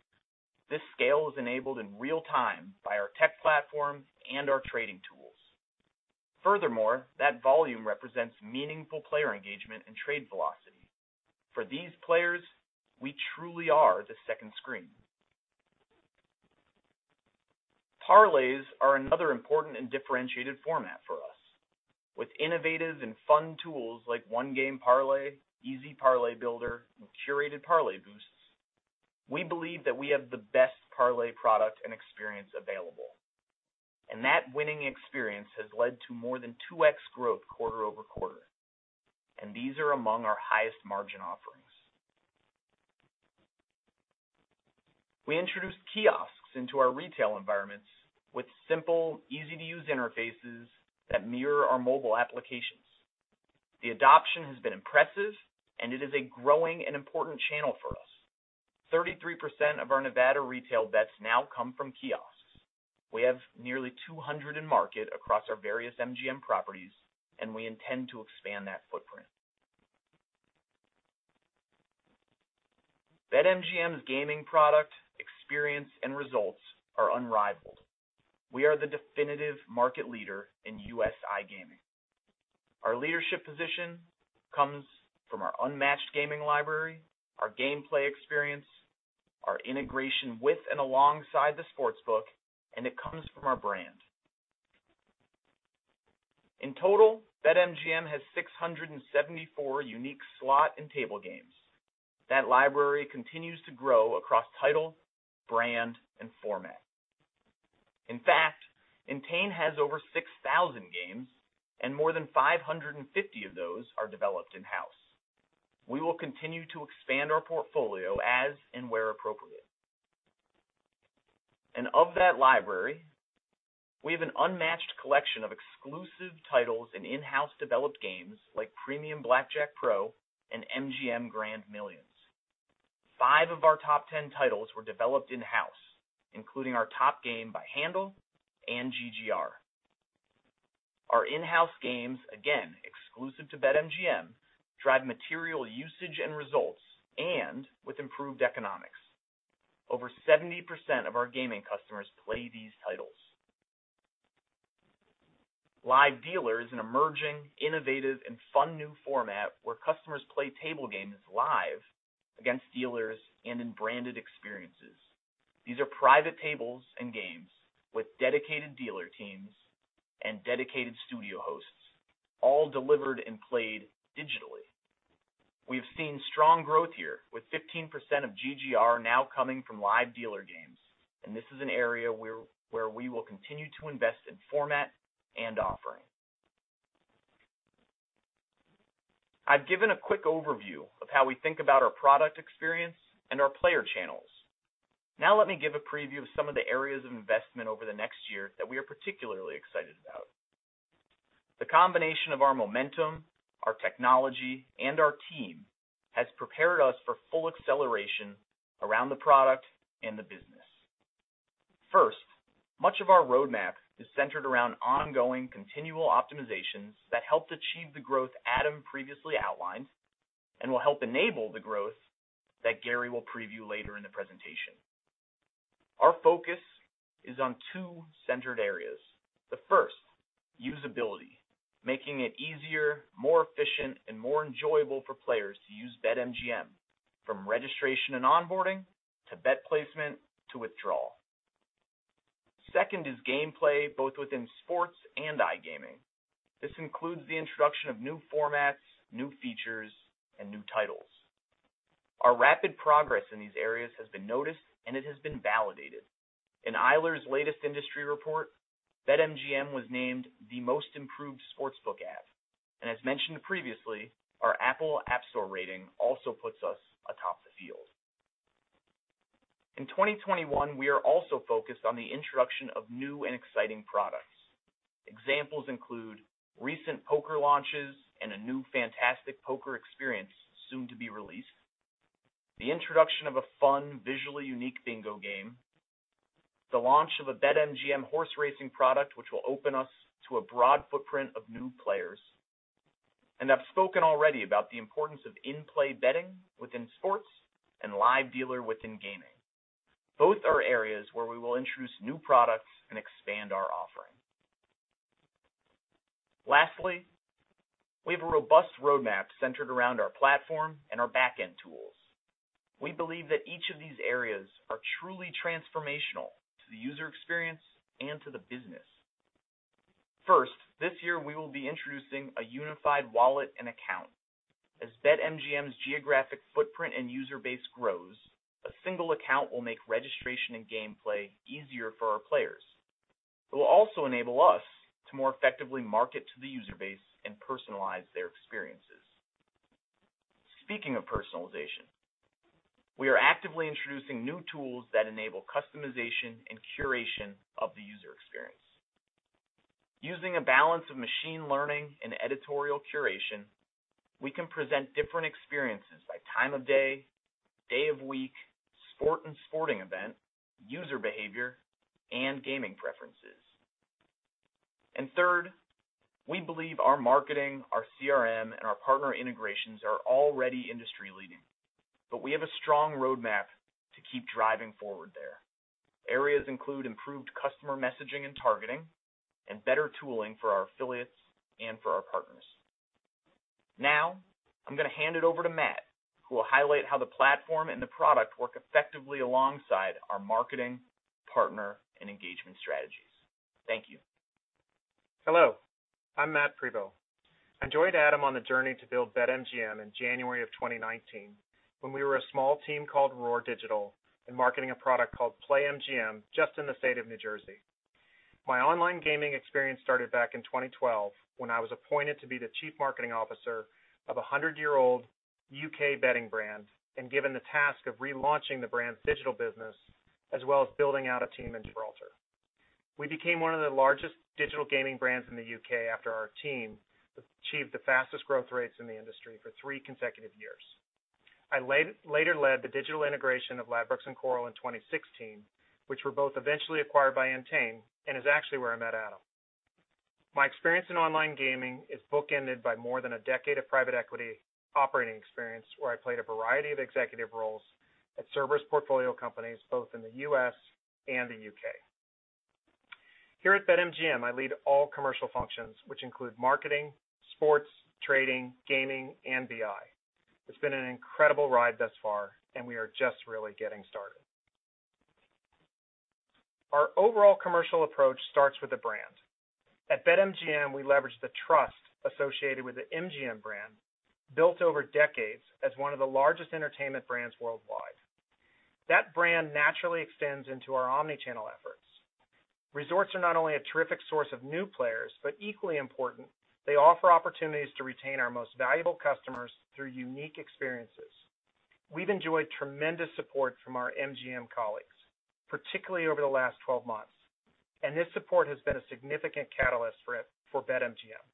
This scale is enabled in real-time by our tech platform and our trading tools. Furthermore, that volume represents meaningful player engagement and trade velocity. For these players, we truly are the second screen. Parlays are another important and differentiated format for us. With innovative and fun tools like One Game Parlay, Easy Parlay Builder, and Curated Parlay Boosts, we believe that we have the best parlay product and experience available. That winning experience has led to more than 2x growth quarter-over-quarter. These are among our highest margin offerings. We introduced kiosks into our retail environments with simple, easy-to-use interfaces that mirror our mobile applications. The adoption has been impressive, and it is a growing and important channel for us. 33% of our Nevada retail bets now come from kiosks. We have nearly 200 in market across our various MGM properties, and we intend to expand that footprint. BetMGM's gaming product, experience, and results are unrivaled. We are the definitive market leader in U.S. iGaming. Our leadership position comes from our unmatched gaming library, our gameplay experience, our integration with and alongside the sports book, and it comes from our brand. In total, BetMGM has 674 unique slot and table games. That library continues to grow across title, brand, and format. In fact, Entain has over 6,000 games, and more than 550 of those are developed in-house. We will continue to expand our portfolio as and where appropriate. Of that library, we have an unmatched collection of exclusive titles and in-house developed games like Premium Blackjack Pro and MGM Grand Millions. Five of our top 10 titles were developed in-house, including our top game by Handle and GGR. Our in-house games, again, exclusive to BetMGM, drive material usage and results, and with improved economics. Over 70% of our gaming customers play these titles. Live Dealer is an emerging, innovative, and fun new format where customers play table games live against dealers and in branded experiences. These are private tables and games with dedicated dealer teams and dedicated studio hosts, all delivered and played digitally. We've seen strong growth here with 15% of GGR now coming from Live Dealer games, and this is an area where we will continue to invest in format and offering. I've given a quick overview of how we think about our product experience and our player channels. Now let me give a preview of some of the areas of investment over the next year that we are particularly excited about. The combination of our momentum, our technology, and our team has prepared us for full acceleration around the product and the business. Much of our roadmap is centered around ongoing continual optimizations that helped achieve the growth Adam previously outlined and will help enable the growth that Gary will preview later in the presentation. Our focus is on two centered areas. The first, usability, making it easier, more efficient, and more enjoyable for players to use BetMGM, from registration and onboarding to bet placement to withdrawal. Second is gameplay, both within sports and iGaming. This includes the introduction of new formats, new features, and new titles. Our rapid progress in these areas has been noticed, and it has been validated. In Eilers' latest industry report, BetMGM was named the most improved sportsbook app. As mentioned previously, our Apple App Store rating also puts us atop the field. In 2021, we are also focused on the introduction of new and exciting products. Examples include recent poker launches and a new fantastic poker experience soon to be released, the introduction of a fun, visually unique bingo game, the launch of a BetMGM horse racing product which will open us to a broad footprint of new players. I've spoken already about the importance of in-play betting within sports and Live Dealer within gaming. Both are areas where we will introduce new products and expand our offering. Lastly, we have a robust roadmap centered around our platform and our back-end tools. We believe that each of these areas are truly transformational to the user experience and to the business. First, this year we will be introducing a unified wallet and account. As BetMGM's geographic footprint and user base grows, a single account will make registration and gameplay easier for our players. It will also enable us to more effectively market to the user base and personalize their experiences. Speaking of personalization, we are actively introducing new tools that enable customization and curation of the user experience. Using a balance of machine learning and editorial curation, we can present different experiences by time of day of week, sport and sporting event, user behavior, and gaming preferences. Third, we believe our marketing, our CRM, and our partner integrations are already industry-leading, but we have a strong roadmap to keep driving forward there. Areas include improved customer messaging and targeting and better tooling for our affiliates and for our partners. Now, I'm going to hand it over to Matt, who will highlight how the platform and the product work effectively alongside our marketing, partner, and engagement strategies. Thank you. Hello, I'm Matt Prevost. I joined Adam on the journey to build BetMGM in January of 2019 when we were a small team called ROAR Digital and marketing a product called playMGM just in the state of New Jersey. My online gaming experience started back in 2012 when I was appointed to be the chief marketing officer of a hundred-year-old U.K. betting brand and given the task of relaunching the brand's digital business as well as building out a team in Gibraltar. We became one of the largest digital gaming brands in the U.K. after our team achieved the fastest growth rates in the industry for three consecutive years. I later led the digital integration of Ladbrokes and Coral in 2016, which were both eventually acquired by Entain and is actually where I met Adam. My experience in online gaming is bookended by more than a decade of private equity operating experience, where I played a variety of executive roles at service portfolio companies both in the U.S. and the U.K. Here at BetMGM, I lead all commercial functions, which include marketing, sports, trading, gaming, and BI. It's been an incredible ride thus far, and we are just really getting started. Our overall commercial approach starts with the brand. At BetMGM, we leverage the trust associated with the MGM brand, built over decades as one of the largest entertainment brands worldwide. That brand naturally extends into our omnichannel efforts. Resorts are not only a terrific source of new players, but equally important, they offer opportunities to retain our most valuable customers through unique experiences. We've enjoyed tremendous support from our MGM colleagues, particularly over the last 12 months, and this support has been a significant catalyst for BetMGM.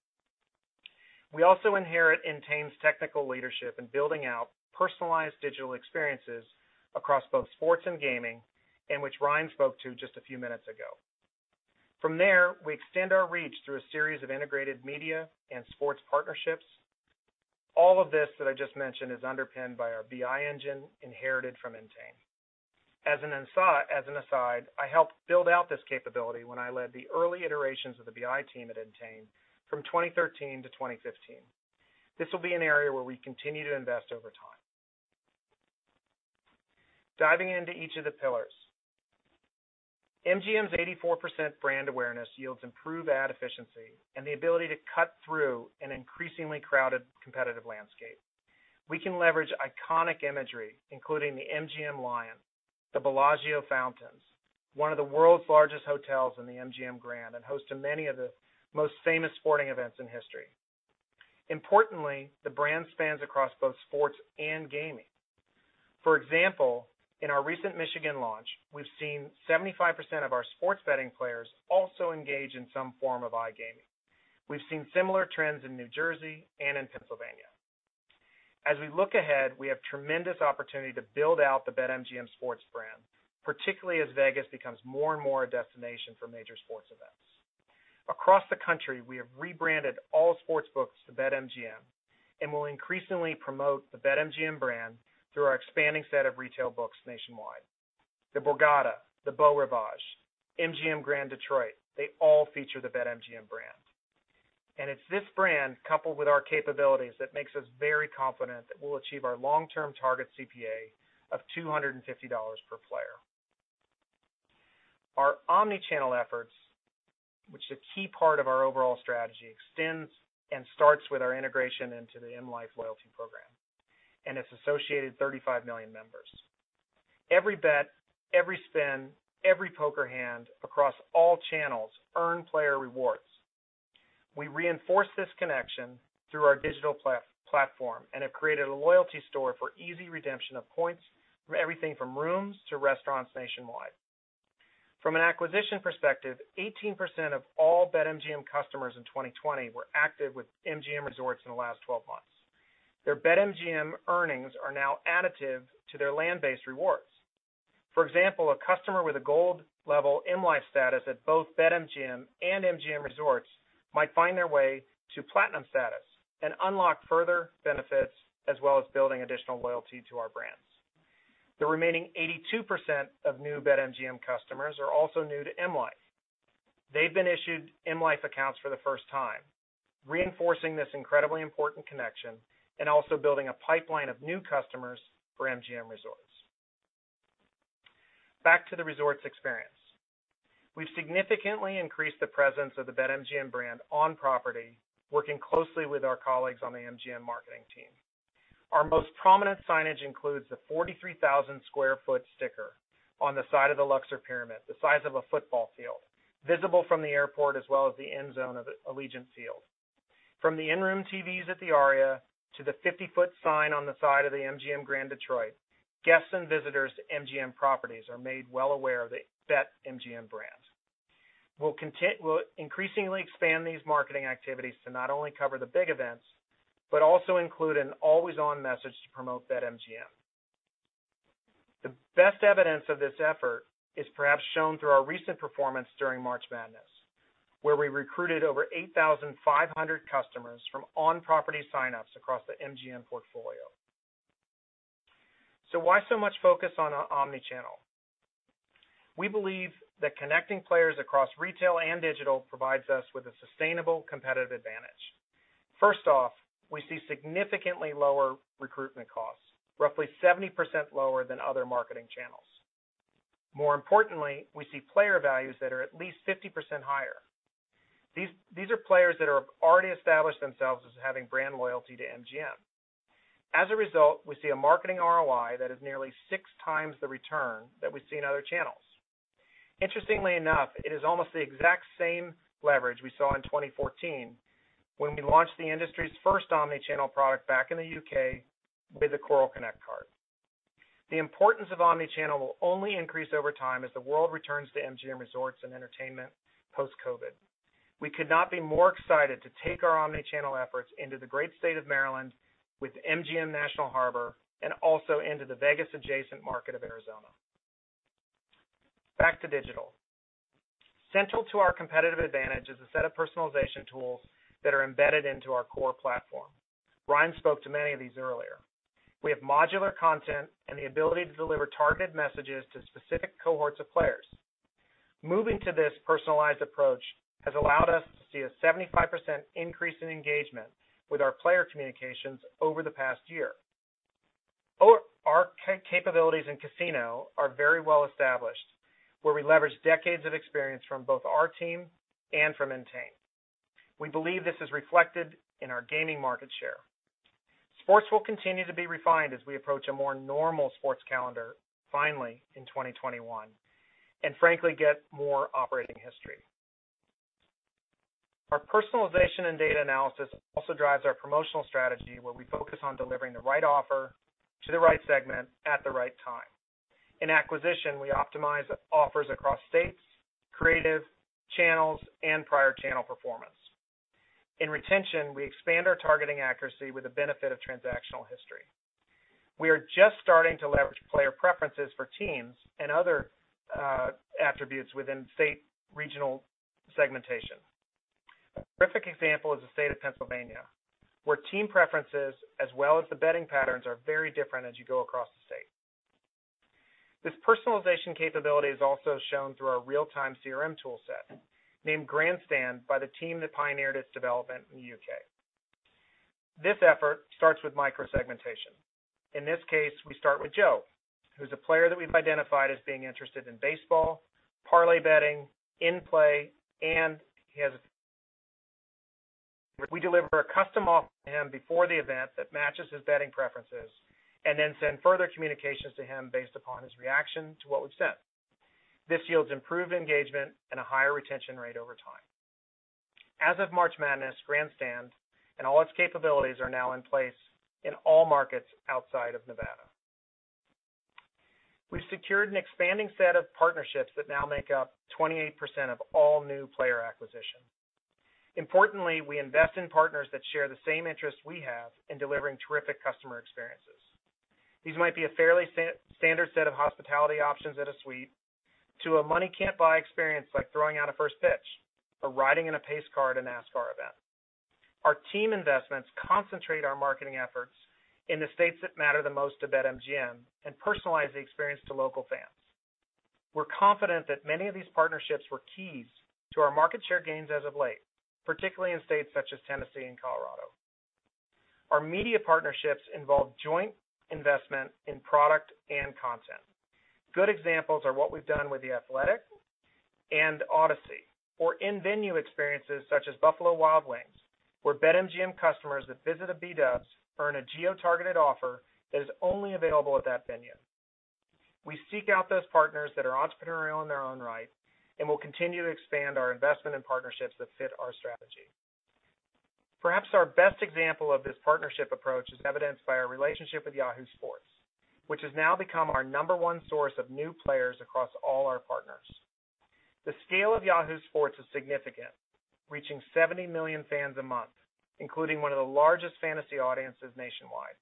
We also inherit Entain's technical leadership in building out personalized digital experiences across both sports and gaming, and which Ryan spoke to just a few minutes ago. From there, we extend our reach through a series of integrated media and sports partnerships. All of this that I just mentioned is underpinned by our BI engine inherited from Entain. As an aside, I helped build out this capability when I led the early iterations of the BI team at Entain from 2013 to 2015. This will be an area where we continue to invest over time. Diving into each of the pillars. MGM's 84% brand awareness yields improved ad efficiency and the ability to cut through an increasingly crowded competitive landscape. We can leverage iconic imagery, including the MGM lion, the Bellagio fountains, one of the world's largest hotels in the MGM Grand, and host to many of the most famous sporting events in history. Importantly, the brand spans across both sports and gaming. For example, in our recent Michigan launch, we've seen 75% of our sports betting players also engage in some form of iGaming. We've seen similar trends in New Jersey and in Pennsylvania. As we look ahead, we have tremendous opportunity to build out the BetMGM sports brand, particularly as Vegas becomes more and more a destination for major sports events. Across the country, we have rebranded all sports books to BetMGM and will increasingly promote the BetMGM brand through our expanding set of retail books nationwide. The Borgata, the Beau Rivage, MGM Grand Detroit, they all feature the BetMGM brand. It's this brand, coupled with our capabilities, that makes us very confident that we'll achieve our long-term target CPA of $250 per player. Our omnichannel efforts, which is a key part of our overall strategy, extends and starts with our integration into the M life loyalty program and its associated 35 million members. Every bet, every spin, every poker hand across all channels earn player rewards. We reinforce this connection through our digital platform and have created a loyalty store for easy redemption of points for everything from rooms to restaurants nationwide. From an acquisition perspective, 18% of all BetMGM customers in 2020 were active with MGM Resorts in the last 12 months. Their BetMGM earnings are now additive to their land-based rewards. For example, a customer with a gold level M life status at both BetMGM and MGM Resorts might find their way to platinum status and unlock further benefits, as well as building additional loyalty to our brands. The remaining 82% of new BetMGM customers are also new to M life. They've been issued M life accounts for the first time, reinforcing this incredibly important connection and also building a pipeline of new customers for MGM Resorts. Back to the resorts experience. We've significantly increased the presence of the BetMGM brand on property, working closely with our colleagues on the MGM marketing team. Our most prominent signage includes the 43,000 sq ft sticker on the side of the Luxor Pyramid, the size of a football field, visible from the airport as well as the end zone of Allegiant Stadium. From the in-room TVs at the Aria to the 50-foot sign on the side of the MGM Grand Detroit, guests and visitors to MGM properties are made well aware of the BetMGM brand. We'll increasingly expand these marketing activities to not only cover the big events, but also include an always-on message to promote BetMGM. The best evidence of this effort is perhaps shown through our recent performance during March Madness, where we recruited over 8,500 customers from on-property sign-ups across the MGM portfolio. Why so much focus on our omnichannel? We believe that connecting players across retail and digital provides us with a sustainable competitive advantage. First off, we see significantly lower recruitment costs, roughly 70% lower than other marketing channels. More importantly, we see player values that are at least 50% higher. These are players that have already established themselves as having brand loyalty to MGM. As a result, we see a marketing ROI that is nearly six times the return that we see in other channels. Interestingly enough, it is almost the exact same leverage we saw in 2014 when we launched the industry's first omnichannel product back in the U.K. with the Coral Connect card. The importance of omnichannel will only increase over time as the world returns to MGM Resorts International post-COVID. We could not be more excited to take our omnichannel efforts into the great state of Maryland with MGM National Harbor and also into the Vegas-adjacent market of Arizona. Back to digital. Central to our competitive advantage is a set of personalization tools that are embedded into our core platform. Ryan spoke to many of these earlier. We have modular content and the ability to deliver targeted messages to specific cohorts of players. Moving to this personalized approach has allowed us to see a 75% increase in engagement with our player communications over the past year. Our capabilities in Casino are very well established, where we leverage decades of experience from both our team and from Entain. We believe this is reflected in our gaming market share. Sports will continue to be refined as we approach a more normal sports calendar, finally, in 2021. Frankly, get more operating history. Our personalization and data analysis also drives our promotional strategy, where we focus on delivering the right offer to the right segment at the right time. In acquisition, we optimize offers across states, creative, channels, and prior channel performance. In retention, we expand our targeting accuracy with the benefit of transactional history. We are just starting to leverage player preferences for teams and other attributes within state regional segmentation. A terrific example is the state of Pennsylvania, where team preferences as well as the betting patterns are very different as you go across the state. This personalization capability is also shown through our real-time CRM tool set, named Grandstand by the team that pioneered its development in the U.K. This effort starts with micro-segmentation. In this case, we start with Joe, who's a player that we've identified as being interested in baseball, parlay betting, in-play. We deliver a custom offer to him before the event that matches his betting preferences, and then send further communications to him based upon his reaction to what we've sent. This yields improved engagement and a higher retention rate over time. As of March Madness, Grandstand and all its capabilities are now in place in all markets outside of Nevada. We've secured an expanding set of partnerships that now make up 28% of all new player acquisition. Importantly, we invest in partners that share the same interests we have in delivering terrific customer experiences. These might be a fairly standard set of hospitality options at a suite to a money-can't-buy experience like throwing out a first pitch or riding in a pace car at a NASCAR event. Our team investments concentrate our marketing efforts in the states that matter the most to BetMGM and personalize the experience to local fans. We're confident that many of these partnerships were keys to our market share gains as of late, particularly in states such as Tennessee and Colorado. Our media partnerships involve joint investment in product and content. Good examples are what we've done with The Athletic and Audacy, or in-venue experiences such as Buffalo Wild Wings, where BetMGM customers that visit a B-Dubs earn a geo-targeted offer that is only available at that venue. We seek out those partners that are entrepreneurial in their own right and will continue to expand our investment in partnerships that fit our strategy. Perhaps our best example of this partnership approach is evidenced by our relationship with Yahoo Sports, which has now become our number one source of new players across all our partners. The scale of Yahoo Sports is significant, reaching 70 million fans a month, including one of the largest fantasy audiences nationwide.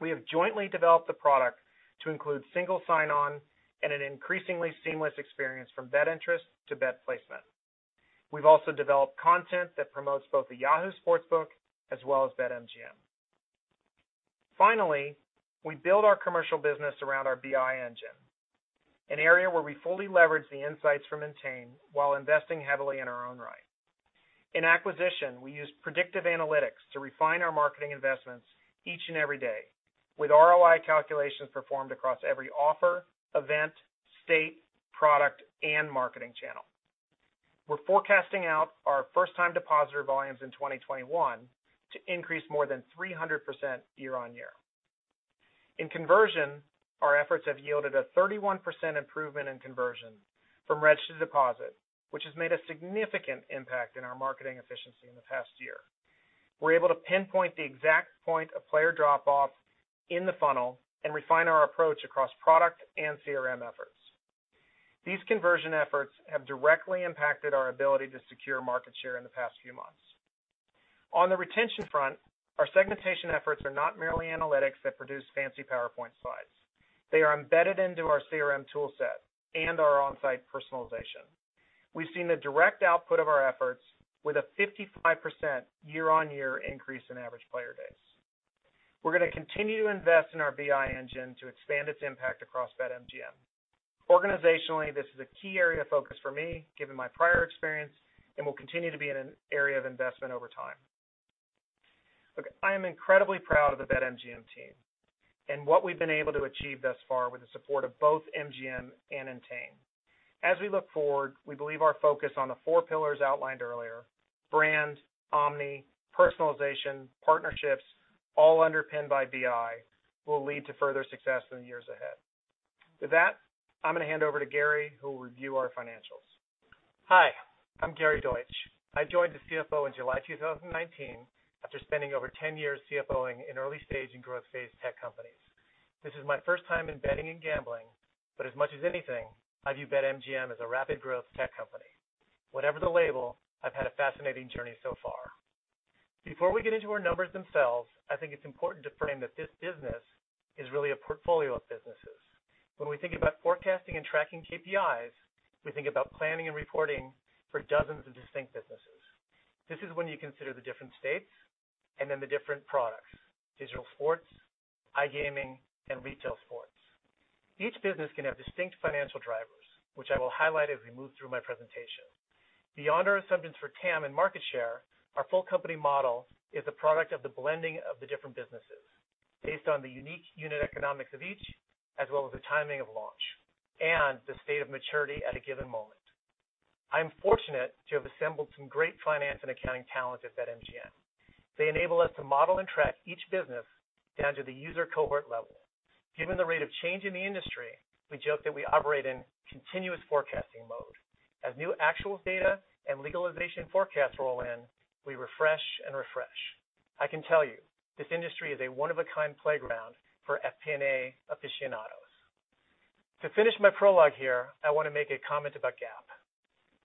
We have jointly developed the product to include single sign-on and an increasingly seamless experience from bet interest to bet placement. We've also developed content that promotes both the Yahoo Sportsbook as well as BetMGM. Finally, we build our commercial business around our BI engine, an area where we fully leverage the insights from Entain while investing heavily in our own right. In acquisition, we use predictive analytics to refine our marketing investments each and every day with ROI calculations performed across every offer, event, state, product, and marketing channel. We're forecasting out our first-time depositor volumes in 2021 to increase more than 300% year-over-year. In conversion, our efforts have yielded a 31% improvement in conversion from reg to deposit, which has made a significant impact in our marketing efficiency in the past year. We're able to pinpoint the exact point of player drop-off in the funnel and refine our approach across product and CRM efforts. These conversion efforts have directly impacted our ability to secure market share in the past few months. On the retention front, our segmentation efforts are not merely analytics that produce fancy PowerPoint slides. They are embedded into our CRM tool set and our on-site personalization. We've seen the direct output of our efforts with a 55% year-on-year increase in average player days. We're going to continue to invest in our BI engine to expand its impact across BetMGM. Organizationally, this is a key area of focus for me, given my prior experience, and will continue to be an area of investment over time. Look, I am incredibly proud of the BetMGM team and what we've been able to achieve thus far with the support of both MGM and Entain. As we look forward, we believe our focus on the four pillars outlined earlier, brand, omni, personalization, partnerships, all underpinned by BI, will lead to further success in the years ahead. With that, I'm going to hand over to Gary, who will review our financials. Hi, I'm Gary Deutsch. I joined as CFO in July 2019 after spending over 10 years CFO-ing in early-stage and growth-phase tech companies. This is my first time in betting and gambling, but as much as anything, I view BetMGM as a rapid growth tech company. Whatever the label, I've had a fascinating journey so far. Before we get into our numbers themselves, I think it's important to frame that this business is really a portfolio of businesses. When we think about forecasting and tracking KPIs, we think about planning and reporting for dozens of distinct businesses. This is when you consider the different states and then the different products, digital sports, iGaming, and retail sports. Each business can have distinct financial drivers, which I will highlight as we move through my presentation. Beyond our assumptions for TAM and market share, our full company model is a product of the blending of the different businesses based on the unique unit economics of each, as well as the timing of launch and the state of maturity at a given moment. I'm fortunate to have assembled some great finance and accounting talent at BetMGM. They enable us to model and track each business down to the user cohort level. Given the rate of change in the industry, we joke that we operate in continuous forecasting mode. As new actual data and legalization forecasts roll in, we refresh and refresh. I can tell you, this industry is a one-of-a-kind playground for FP&A aficionados. To finish my prologue here, I want to make a comment about GAAP.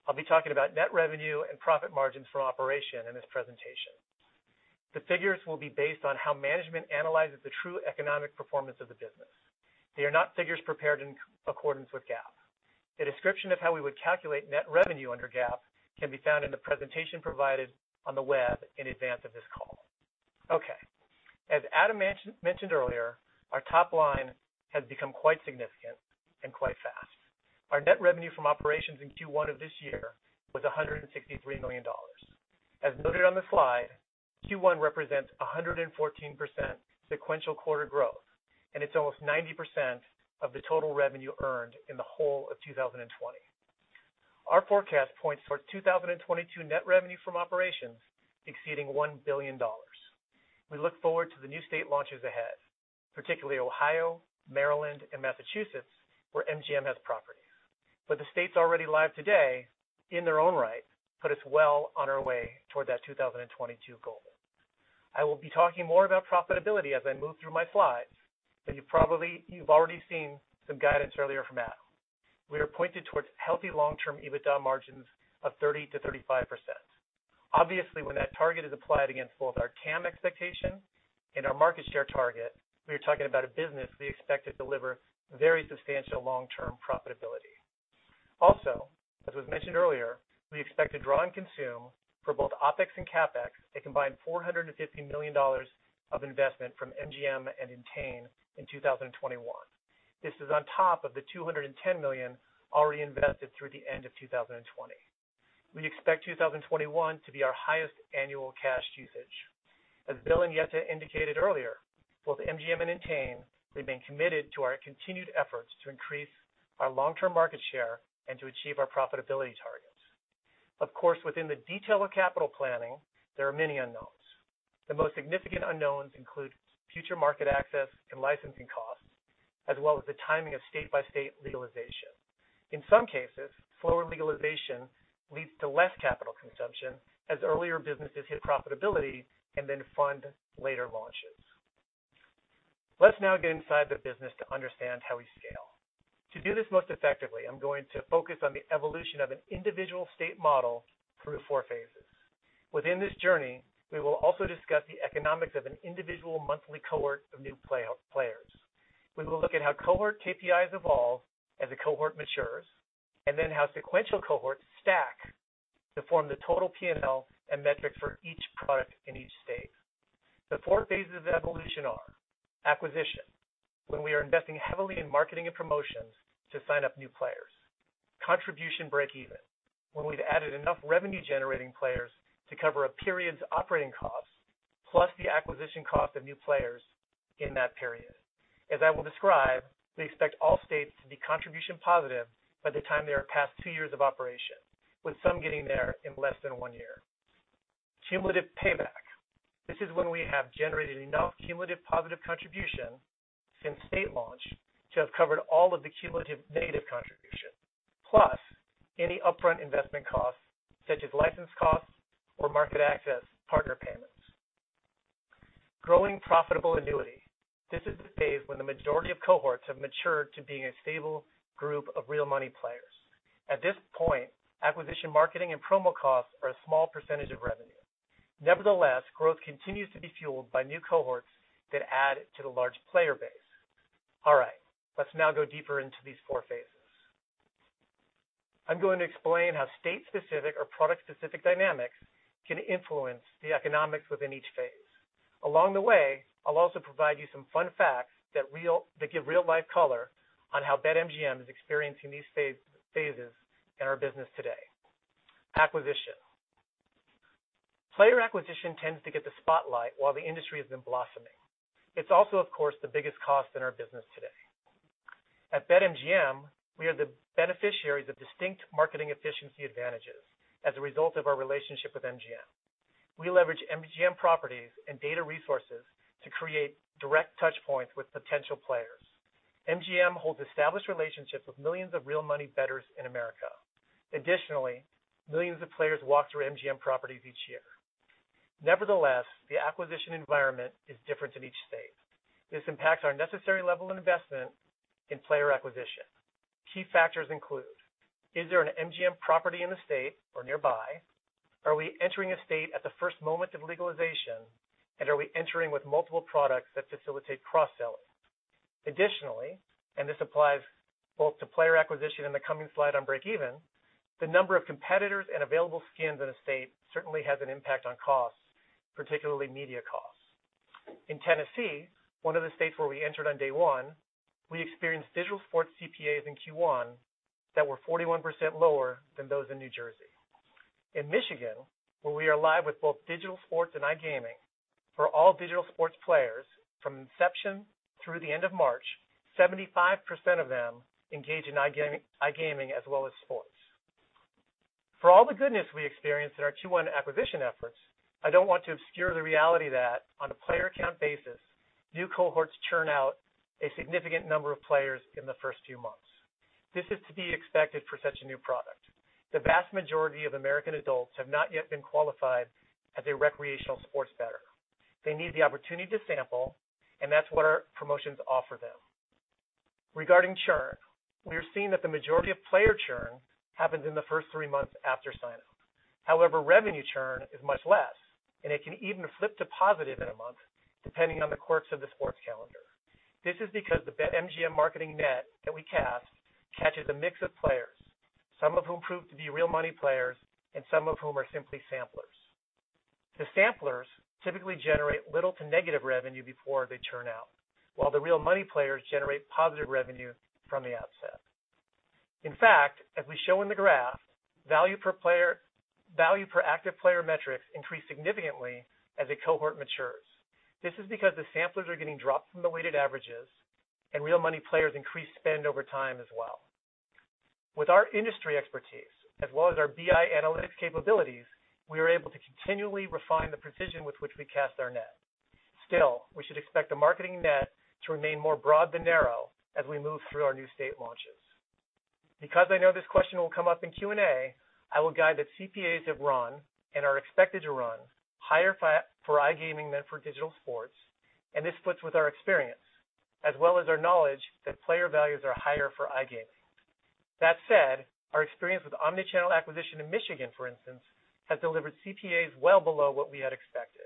I'll be talking about net revenue and profit margins from operation in this presentation. The figures will be based on how management analyzes the true economic performance of the business. They are not figures prepared in accordance with GAAP. A description of how we would calculate net revenue under GAAP can be found in the presentation provided on the web in advance of this call. Okay. As Adam mentioned earlier, our top line has become quite significant and quite fast. Our net revenue from operations in Q1 of this year was $163 million. As noted on the slide, Q1 represents 114% sequential quarter growth, and it's almost 90% of the total revenue earned in the whole of 2020. Our forecast points towards 2022 net revenue from operations exceeding $1 billion. We look forward to the new state launches ahead, particularly Ohio, Maryland, and Massachusetts, where MGM has properties. The states already live today, in their own right, put us well on our way toward that 2022 goal. I will be talking more about profitability as I move through my slides, but you've already seen some guidance earlier from Adam. We are pointed towards healthy long-term EBITDA margins of 30%-35%. Obviously, when that target is applied against both our TAM expectation and our market share target, we are talking about a business we expect to deliver very substantial long-term profitability. As was mentioned earlier, we expect to draw and consume for both OpEx and CapEx a combined $450 million of investment from MGM and Entain in 2021. This is on top of the $210 million already invested through the end of 2020. We expect 2021 to be our highest annual cash usage. As Bill and Jette indicated earlier, both MGM and Entain, we've been committed to our continued efforts to increase our long-term market share and to achieve our profitability targets. Of course, within the detail of capital planning, there are many unknowns. The most significant unknowns include future market access and licensing costs, as well as the timing of state-by-state legalization. In some cases, slower legalization leads to less capital consumption as earlier businesses hit profitability and then fund later launches. Let's now get inside the business to understand how we scale. To do this most effectively, I'm going to focus on the evolution of an individual state model through four phases. Within this journey, we will also discuss the economics of an individual monthly cohort of new players. We will look at how cohort KPIs evolve as a cohort matures, and then how sequential cohorts stack to form the total P&L and metrics for each product in each state. The four phases of evolution are: acquisition, when we are investing heavily in marketing and promotions to sign up new players; contribution breakeven, when we've added enough revenue-generating players to cover a period's operating costs, plus the acquisition cost of new players in that period. As I will describe, we expect all states to be contribution positive by the time they are past two years of operation, with some getting there in less than one year. Cumulative payback. This is when we have generated enough cumulative positive contribution since state launch to have covered all of the cumulative negative contribution, plus any upfront investment costs such as license costs or market access partner payments. Growing profitable annuity. This is the phase when the majority of cohorts have matured to being a stable group of real money players. At this point, acquisition marketing and promo costs are a small percentage of revenue. Nevertheless, growth continues to be fueled by new cohorts that add to the large player base. All right. Let's now go deeper into these four phases. I'm going to explain how state-specific or product-specific dynamics can influence the economics within each phase. Along the way, I'll also provide you some fun facts that give real-life color on how BetMGM is experiencing these phases in our business today. Acquisition. Player acquisition tends to get the spotlight while the industry has been blossoming. It's also, of course, the biggest cost in our business today. At BetMGM, we are the beneficiaries of distinct marketing efficiency advantages as a result of our relationship with MGM. We leverage MGM properties and data resources to create direct touchpoints with potential players. MGM holds established relationships with millions of real money bettors in America. Additionally, millions of players walk through MGM properties each year. Nevertheless, the acquisition environment is different in each state. This impacts our necessary level of investment in player acquisition. Key factors include: Is there an MGM property in the state or nearby? Are we entering a state at the first moment of legalization? Are we entering with multiple products that facilitate cross-selling? Additionally, and this applies both to player acquisition and the coming slide on breakeven, the number of competitors and available skins in a state certainly has an impact on costs, particularly media costs. In Tennessee, one of the states where we entered on day one, we experienced digital sports CPAs in Q1 that were 41% lower than those in New Jersey. In Michigan, where we are live with both digital sports and iGaming, for all digital sports players from inception through the end of March, 75% of them engage in iGaming as well as sports. For all the goodness we experienced in our Q1 acquisition efforts, I don't want to obscure the reality that on a player count basis, new cohorts churn out a significant number of players in the first few months. This is to be expected for such a new product. The vast majority of American adults have not yet been qualified as a recreational sports bettor. They need the opportunity to sample, and that's what our promotions offer them. Regarding churn, we are seeing that the majority of player churn happens in the first three months after sign-up. However, revenue churn is much less, and it can even flip to positive in a month, depending on the quirks of the sports calendar. This is because the BetMGM marketing net that we cast catches a mix of players, some of whom prove to be real money players, and some of whom are simply samplers. The samplers typically generate little to negative revenue before they churn out. While the real money players generate positive revenue from the outset. In fact, as we show in the graph, value per active player metrics increase significantly as a cohort matures. This is because the samplers are getting dropped from the weighted averages and real money players increase spend over time as well. With our industry expertise as well as our BI analytics capabilities, we are able to continually refine the precision with which we cast our net. Still, we should expect the marketing net to remain more broad than narrow as we move through our new state launches. Because I know this question will come up in Q&A, I will guide that CPAs have run, and are expected to run higher for iGaming than for digital sports, and this splits with our experience, as well as our knowledge that player values are higher for iGaming. That said, our experience with omnichannel acquisition in Michigan, for instance, has delivered CPAs well below what we had expected.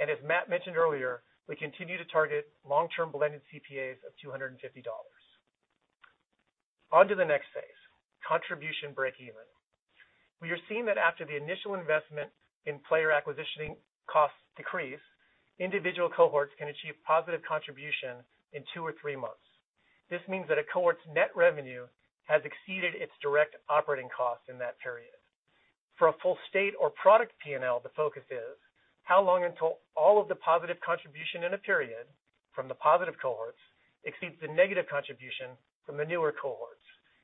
As Matt mentioned earlier, we continue to target long-term blended CPAs of $250. On to the next phase, contribution breakeven. We are seeing that after the initial investment in player acquisition costs decrease, individual cohorts can achieve positive contribution in two or three months. This means that a cohort's net revenue has exceeded its direct operating costs in that period. For a full state or product P&L, the focus is how long until all of the positive contribution in a period from the positive cohorts exceeds the negative contribution from the newer cohorts,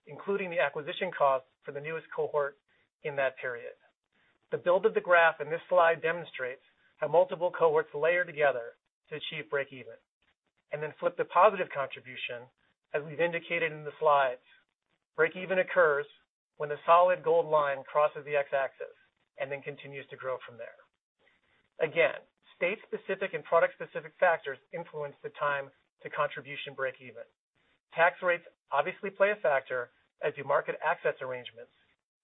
including the acquisition cost for the newest cohort in that period. The build of the graph in this slide demonstrates how multiple cohorts layer together to achieve breakeven, then flip to positive contribution, as we've indicated in the slides. Breakeven occurs when the solid gold line crosses the X-axis and then continues to grow from there. Again, state-specific and product-specific factors influence the time to contribution breakeven. Tax rates obviously play a factor, as do market access arrangements,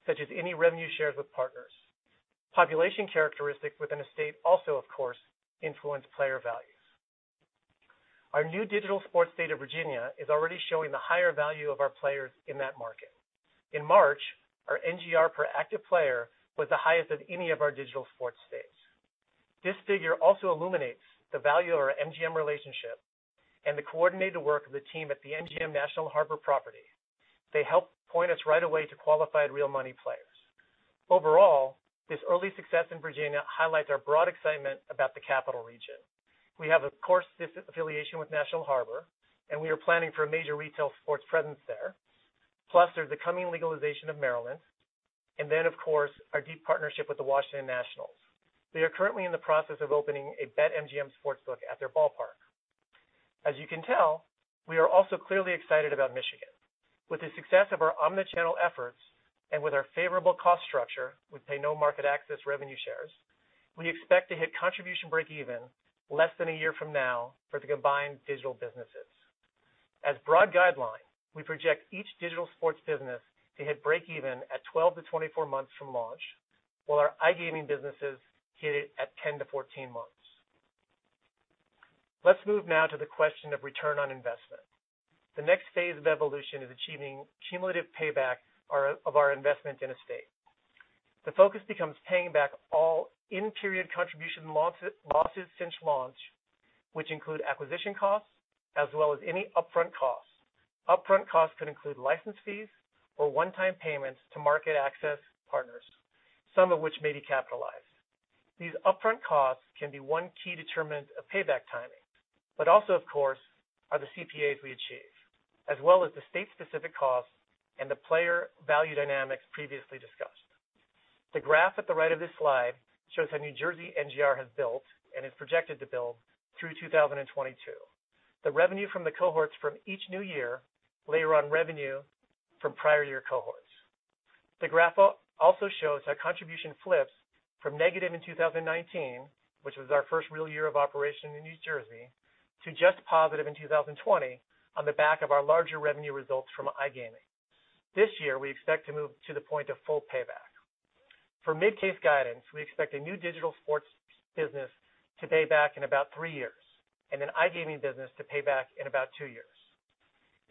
such as any revenue shares with partners. Population characteristics within a state also, of course, influence player values. Our new digital sports state of Virginia is already showing the higher value of our players in that market. In March, our NGR per active player was the highest of any of our digital sports states. This figure also illuminates the value of our MGM relationship and the coordinated work of the team at the MGM National Harbor property. They helped point us right away to qualified real money players. Overall, this early success in Virginia highlights our broad excitement about the Capital Region. We have, of course, this affiliation with National Harbor, and we are planning for a major retail sports presence there. Plus, there's the coming legalization of Maryland, and then, of course, our deep partnership with the Washington Nationals. They are currently in the process of opening a BetMGM sports book at their ballpark. As you can tell, we are also clearly excited about Michigan. With the success of our omnichannel efforts and with our favorable cost structure, we pay no market access revenue shares. We expect to hit contribution breakeven less than a year from now for the combined digital businesses. As broad guideline, we project each digital sports business to hit breakeven at 12 to 24 months from launch, while our iGaming businesses hit it at 10 to 14 months. Let's move now to the question of return on investment. The next phase of evolution is achieving cumulative payback of our investment in a state. The focus becomes paying back all in-period contribution losses since launch, which include acquisition costs as well as any upfront costs. Upfront costs could include license fees or one-time payments to market access partners, some of which may be capitalized. Also, of course, are the CPAs we achieve, as well as the state-specific costs and the player value dynamics previously discussed. The graph at the right of this slide shows how New Jersey NGR has built and is projected to build through 2022. The revenue from the cohorts from each new year layer on revenue from prior year cohorts. The graph also shows how contribution flips from negative in 2019, which was our first real year of operation in New Jersey, to just positive in 2020 on the back of our larger revenue results from iGaming. This year, we expect to move to the point of full payback. For mid-case guidance, we expect a new digital sports business to pay back in about three years, and an iGaming business to pay back in about two years.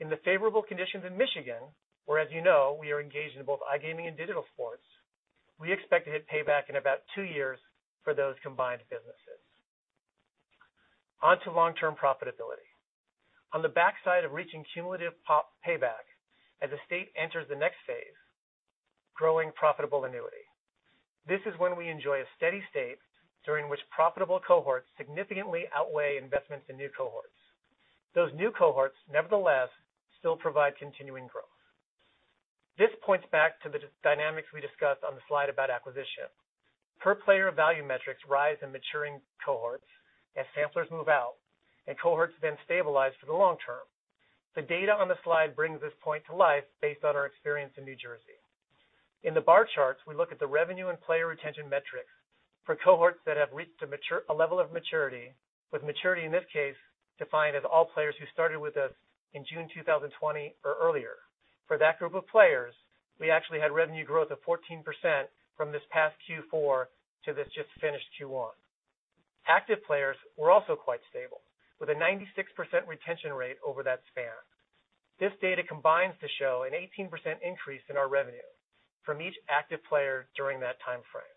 In the favorable conditions in Michigan, where as you know, we are engaged in both iGaming and digital sports, we expect to hit payback in about two years for those combined businesses. On to long-term profitability. On the backside of reaching cumulative payback, as the state enters the next phase, growing profitable annuity. This is when we enjoy a steady state during which profitable cohorts significantly outweigh investments in new cohorts. Those new cohorts, nevertheless, still provide continuing growth. This points back to the dynamics we discussed on the slide about acquisition. Per player value metrics rise in maturing cohorts as samplers move out, and cohorts then stabilize for the long term. The data on the slide brings this point to life based on our experience in New Jersey. In the bar charts, we look at the revenue and player retention metrics for cohorts that have reached a level of maturity, with maturity in this case defined as all players who started with us in June 2020 or earlier. For that group of players, we actually had revenue growth of 14% from this past Q4 to this just finished Q1. Active players were also quite stable, with a 96% retention rate over that span. This data combines to show an 18% increase in our revenue from each active player during that timeframe.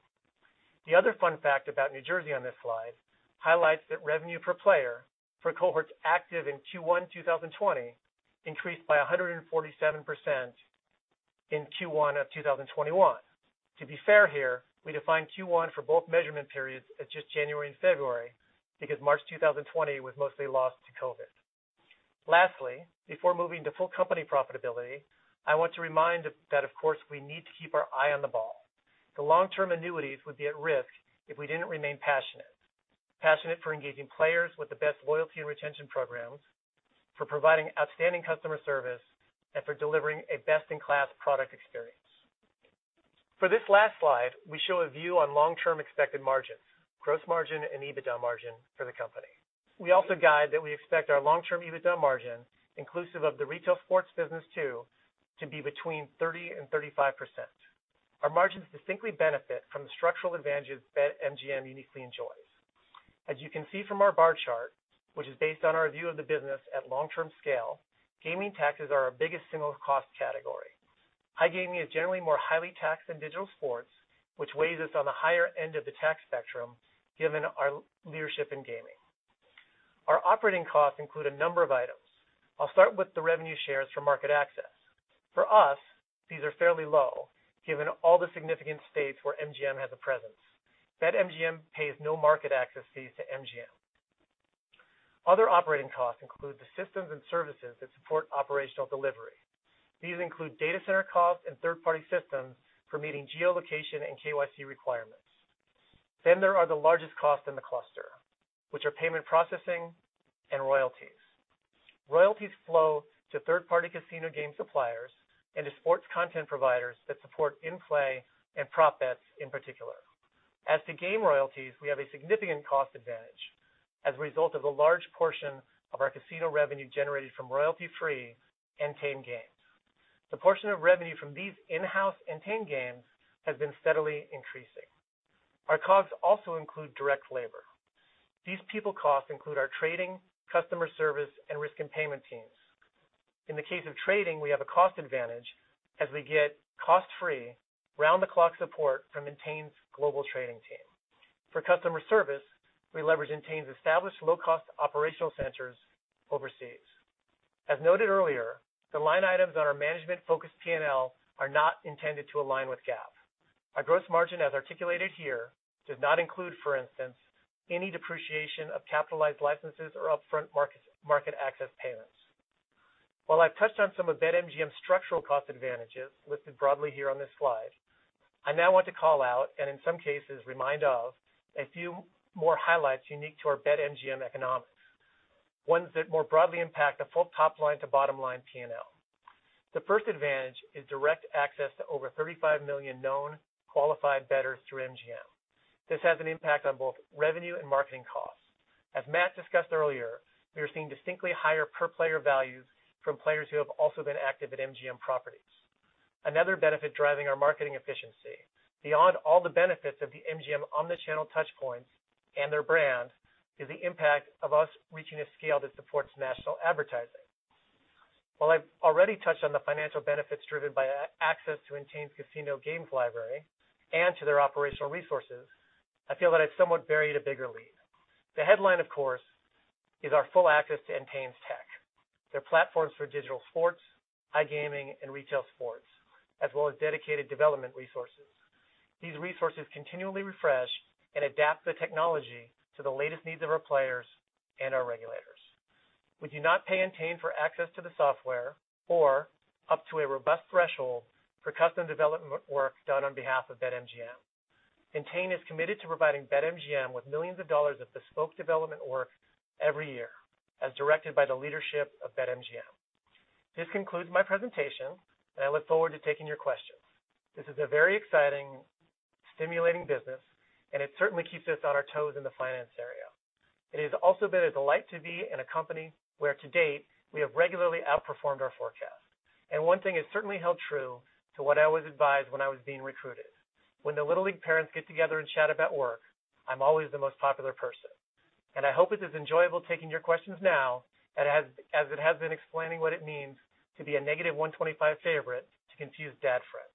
The other fun fact about New Jersey on this slide highlights that revenue per player for cohorts active in Q1 2020 increased by 147% in Q1 of 2021. To be fair here, we define Q1 for both measurement periods as just January and February because March 2020 was mostly lost to COVID. Lastly, before moving to full company profitability, I want to remind that of course, we need to keep our eye on the ball. The long-term annuities would be at risk if we didn't remain passionate. Passionate for engaging players with the best loyalty and retention programs, for providing outstanding customer service, and for delivering a best-in-class product experience. For this last slide, we show a view on long-term expected margins, gross margin, and EBITDA margin for the company. We also guide that we expect our long-term EBITDA margin, inclusive of the retail sports business too, to be between 30% and 35%. Our margins distinctly benefit from the structural advantages BetMGM uniquely enjoys. As you can see from our bar chart, which is based on our view of the business at long-term scale, gaming taxes are our biggest single cost category. iGaming is generally more highly taxed than digital sports, which weighs us on the higher end of the tax spectrum given our leadership in gaming. Our operating costs include a number of items. I'll start with the revenue shares for market access. For us, these are fairly low, given all the significant states where MGM has a presence. BetMGM pays no market access fees to MGM. Other operating costs include the systems and services that support operational delivery. These include data center costs and third-party systems for meeting geolocation and KYC requirements. There are the largest costs in the cluster, which are payment processing and royalties. Royalties flow to third-party casino game suppliers and to sports content providers that support in-play and prop bets in particular. As to game royalties, we have a significant cost advantage as a result of a large portion of our casino revenue generated from royalty-free Entain games. The portion of revenue from these in-house Entain games has been steadily increasing. Our costs also include direct labor. These people costs include our trading, customer service, and risk and payment teams. In the case of trading, we have a cost advantage as we get cost-free, round-the-clock support from Entain's global trading team. For customer service, we leverage Entain's established low-cost operational centers overseas. As noted earlier, the line items on our management-focused P&L are not intended to align with GAAP. Our gross margin, as articulated here, does not include, for instance, any depreciation of capitalized licenses or upfront market access payments. While I've touched on some of BetMGM's structural cost advantages, listed broadly here on this slide, I now want to call out, and in some cases remind of, a few more highlights unique to our BetMGM economics, ones that more broadly impact a full top line to bottom line P&L. The first advantage is direct access to over 35 million known qualified bettors through MGM. This has an impact on both revenue and marketing costs. As Matt discussed earlier, we are seeing distinctly higher per player values from players who have also been active at MGM properties. Another benefit driving our marketing efficiency, beyond all the benefits of the MGM omnichannel touchpoints and their brand, is the impact of us reaching a scale that supports national advertising. While I've already touched on the financial benefits driven by access to Entain's casino games library and to their operational resources, I feel that I've somewhat buried a bigger lead. The headline, of course, is our full access to Entain's tech, their platforms for digital sports, iGaming, and retail sports, as well as dedicated development resources. These resources continually refresh and adapt the technology to the latest needs of our players and our regulators. We do not pay Entain for access to the software or up to a robust threshold for custom development work done on behalf of BetMGM. Entain is committed to providing BetMGM with millions of dollars of bespoke development work every year, as directed by the leadership of BetMGM. This concludes my presentation. I look forward to taking your questions. This is a very exciting, stimulating business. It certainly keeps us on our toes in the finance area. It has also been a delight to be in a company where, to date, we have regularly outperformed our forecast. One thing has certainly held true to what I was advised when I was being recruited. When the Little League parents get together and chat about work, I'm always the most popular person. I hope it is enjoyable taking your questions now, as it has been explaining what it means to be a negative 125 favorite to confuse dad friends.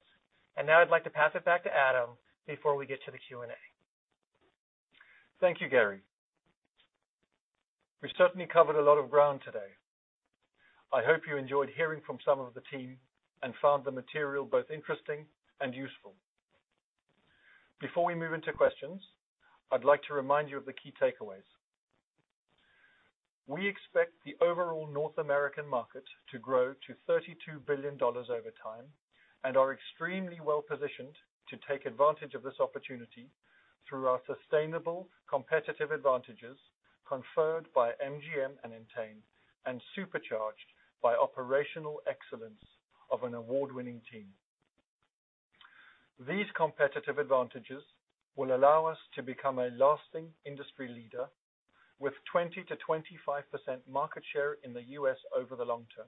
Now I'd like to pass it back to Adam before we get to the Q&A. Thank you, Gary. We certainly covered a lot of ground today. I hope you enjoyed hearing from some of the team and found the material both interesting and useful. Before we move into questions, I'd like to remind you of the key takeaways. We expect the overall North American market to grow to $32 billion over time and are extremely well-positioned to take advantage of this opportunity through our sustainable competitive advantages conferred by MGM and Entain, and supercharged by operational excellence of an award-winning team. These competitive advantages will allow us to become a lasting industry leader with 20%-25% market share in the U.S. over the long term.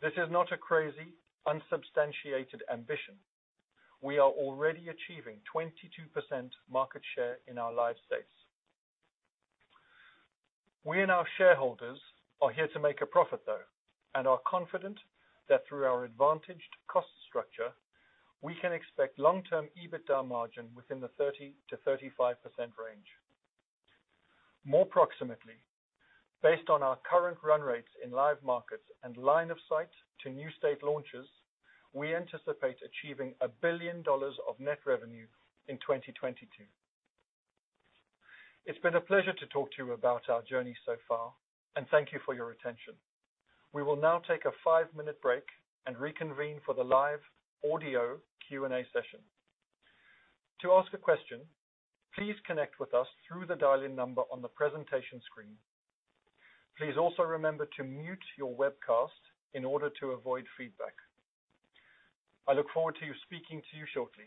This is not a crazy, unsubstantiated ambition. We are already achieving 22% market share in our live states. We and our shareholders are here to make a profit, though, and are confident that through our advantaged cost structure, we can expect long-term EBITDA margin within the 30%-35% range. More proximately, based on our current run rates in live markets and line of sight to new state launches, we anticipate achieving $1 billion of net revenue in 2022. It's been a pleasure to talk to you about our journey so far, and thank you for your attention. We will now take a five-minute break and reconvene for the live audio Q&A session. To ask a question, please connect with us through the dial-in number on the presentation screen. Please also remember to mute your webcast in order to avoid feedback. I look forward to speaking to you shortly.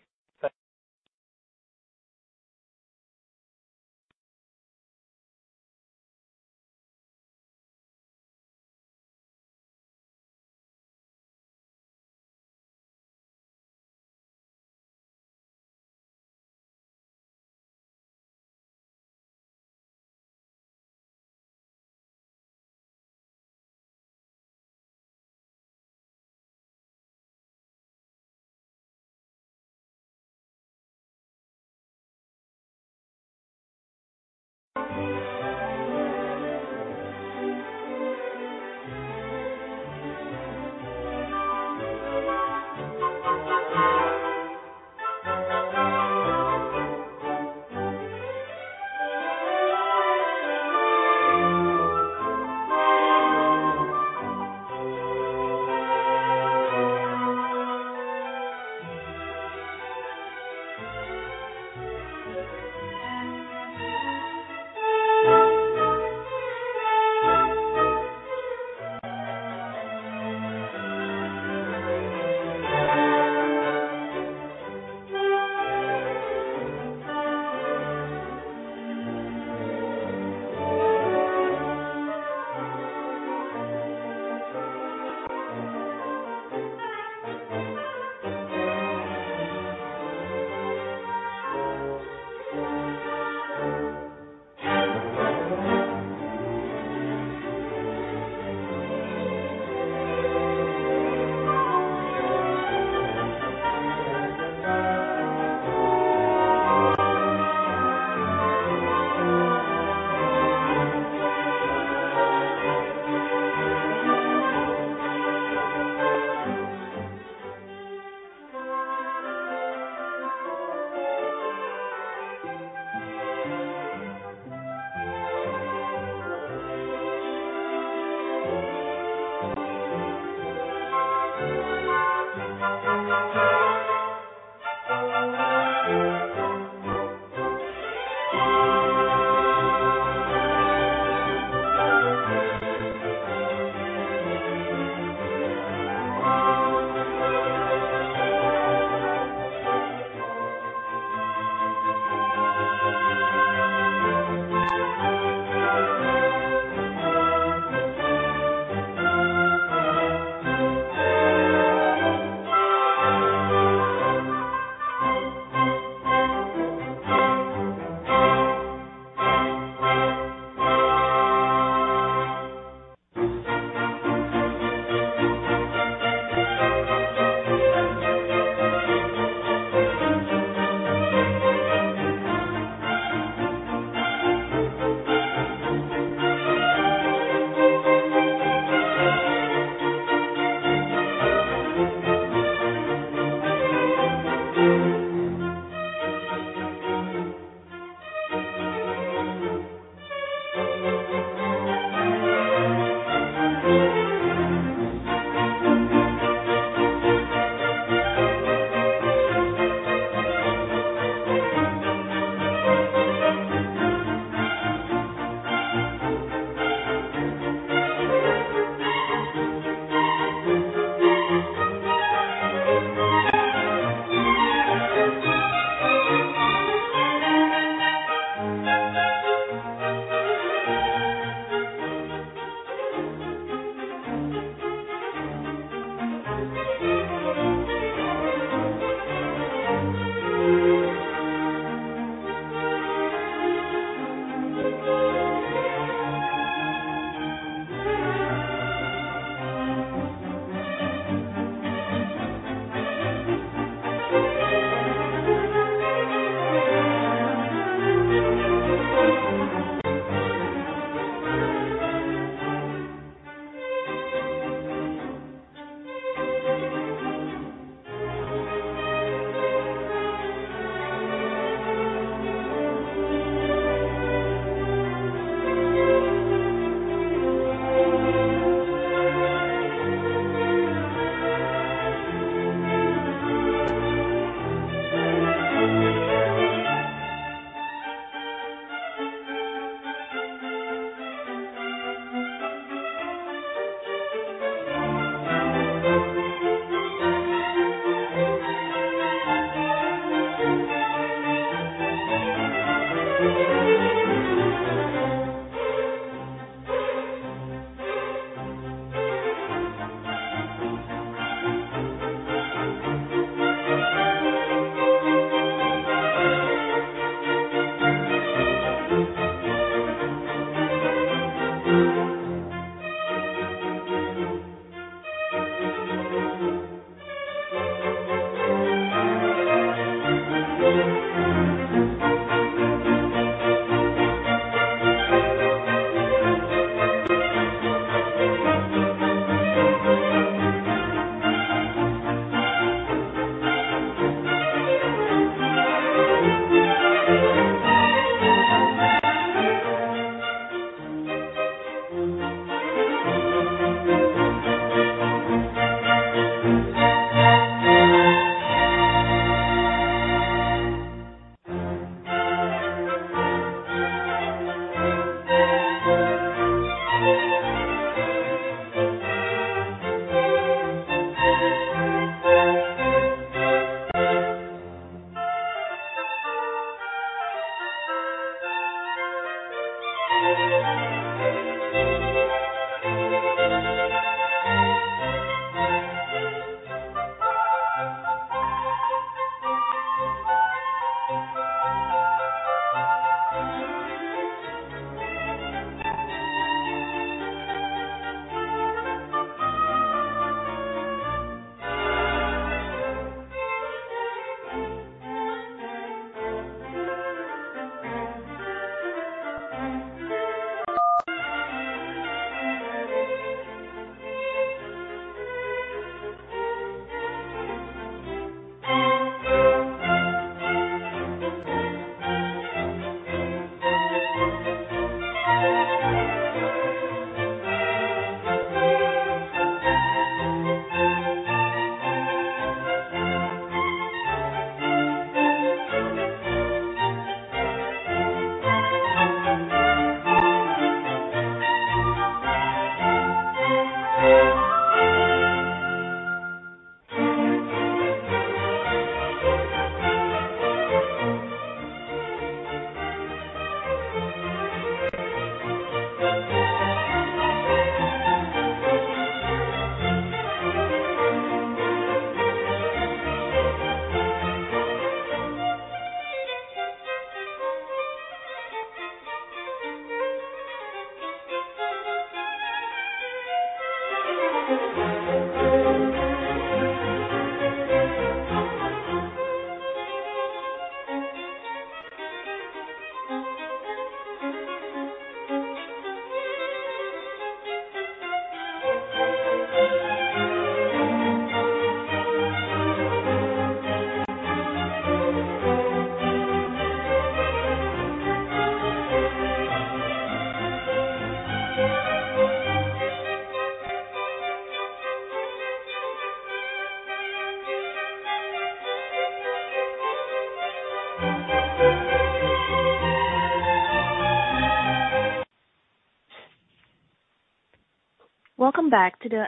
Thank you. Welcome back to the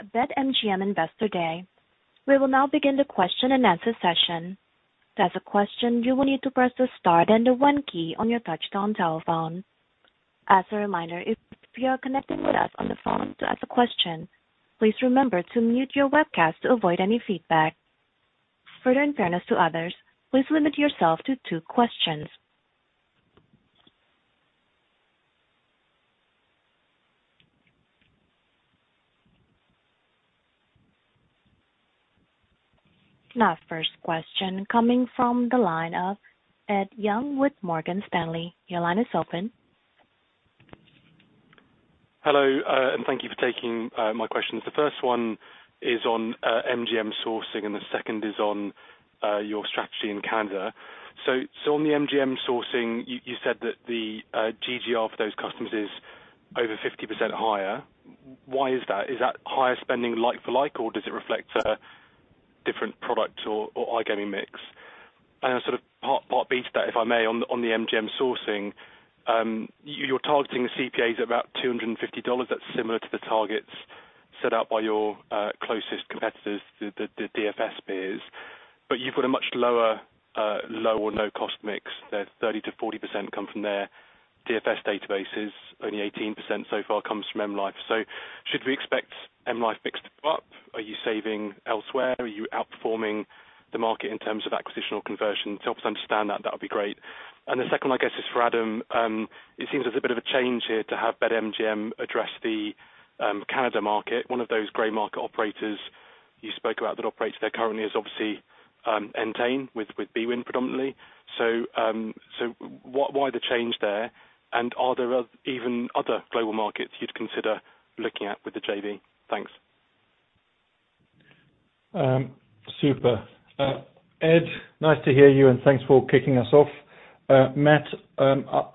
BetMGM Investor Day. We will now begin the question-and-answer session. To ask a question, you will need to press the star, then the one key on your touch-tone telephone. As a reminder, if you are connecting with us on the phone to ask a question, please remember to mute your webcast to avoid any feedback. Further, in fairness to others, please limit yourself to two questions. Now, first question coming from the line of Edward Young with Morgan Stanley. Your line is open. Hello, thank you for taking my questions. The first one is on MGM sourcing, the second is on your strategy in Canada. On the MGM sourcing, you said that the GGR for those customers is over 50% higher. Why is that? Is that higher spending like for like, or does it reflect a different product or iGaming mix? Sort of part B to that, if I may, on the MGM sourcing, you're targeting CPAs at about $250. That's similar to the targets set out by your closest competitors, the DFS peers. You've got a much lower low or no-cost mix. Their 30%-40% come from their DFS databases. Only 18% so far comes from M life. Should we expect M life mix to go up? Are you saving elsewhere? Are you outperforming the market in terms of acquisition or conversion? To help us understand that would be great. The second, I guess, is for Adam. It seems there's a bit of a change here to have BetMGM address the Canada market. One of those gray market operators you spoke about that operates there currently is obviously Entain with bwin predominantly. Why the change there? Are there even other global markets you'd consider looking at with the JV? Thanks. Super. Ed, nice to hear you, and thanks for kicking us off. Matt,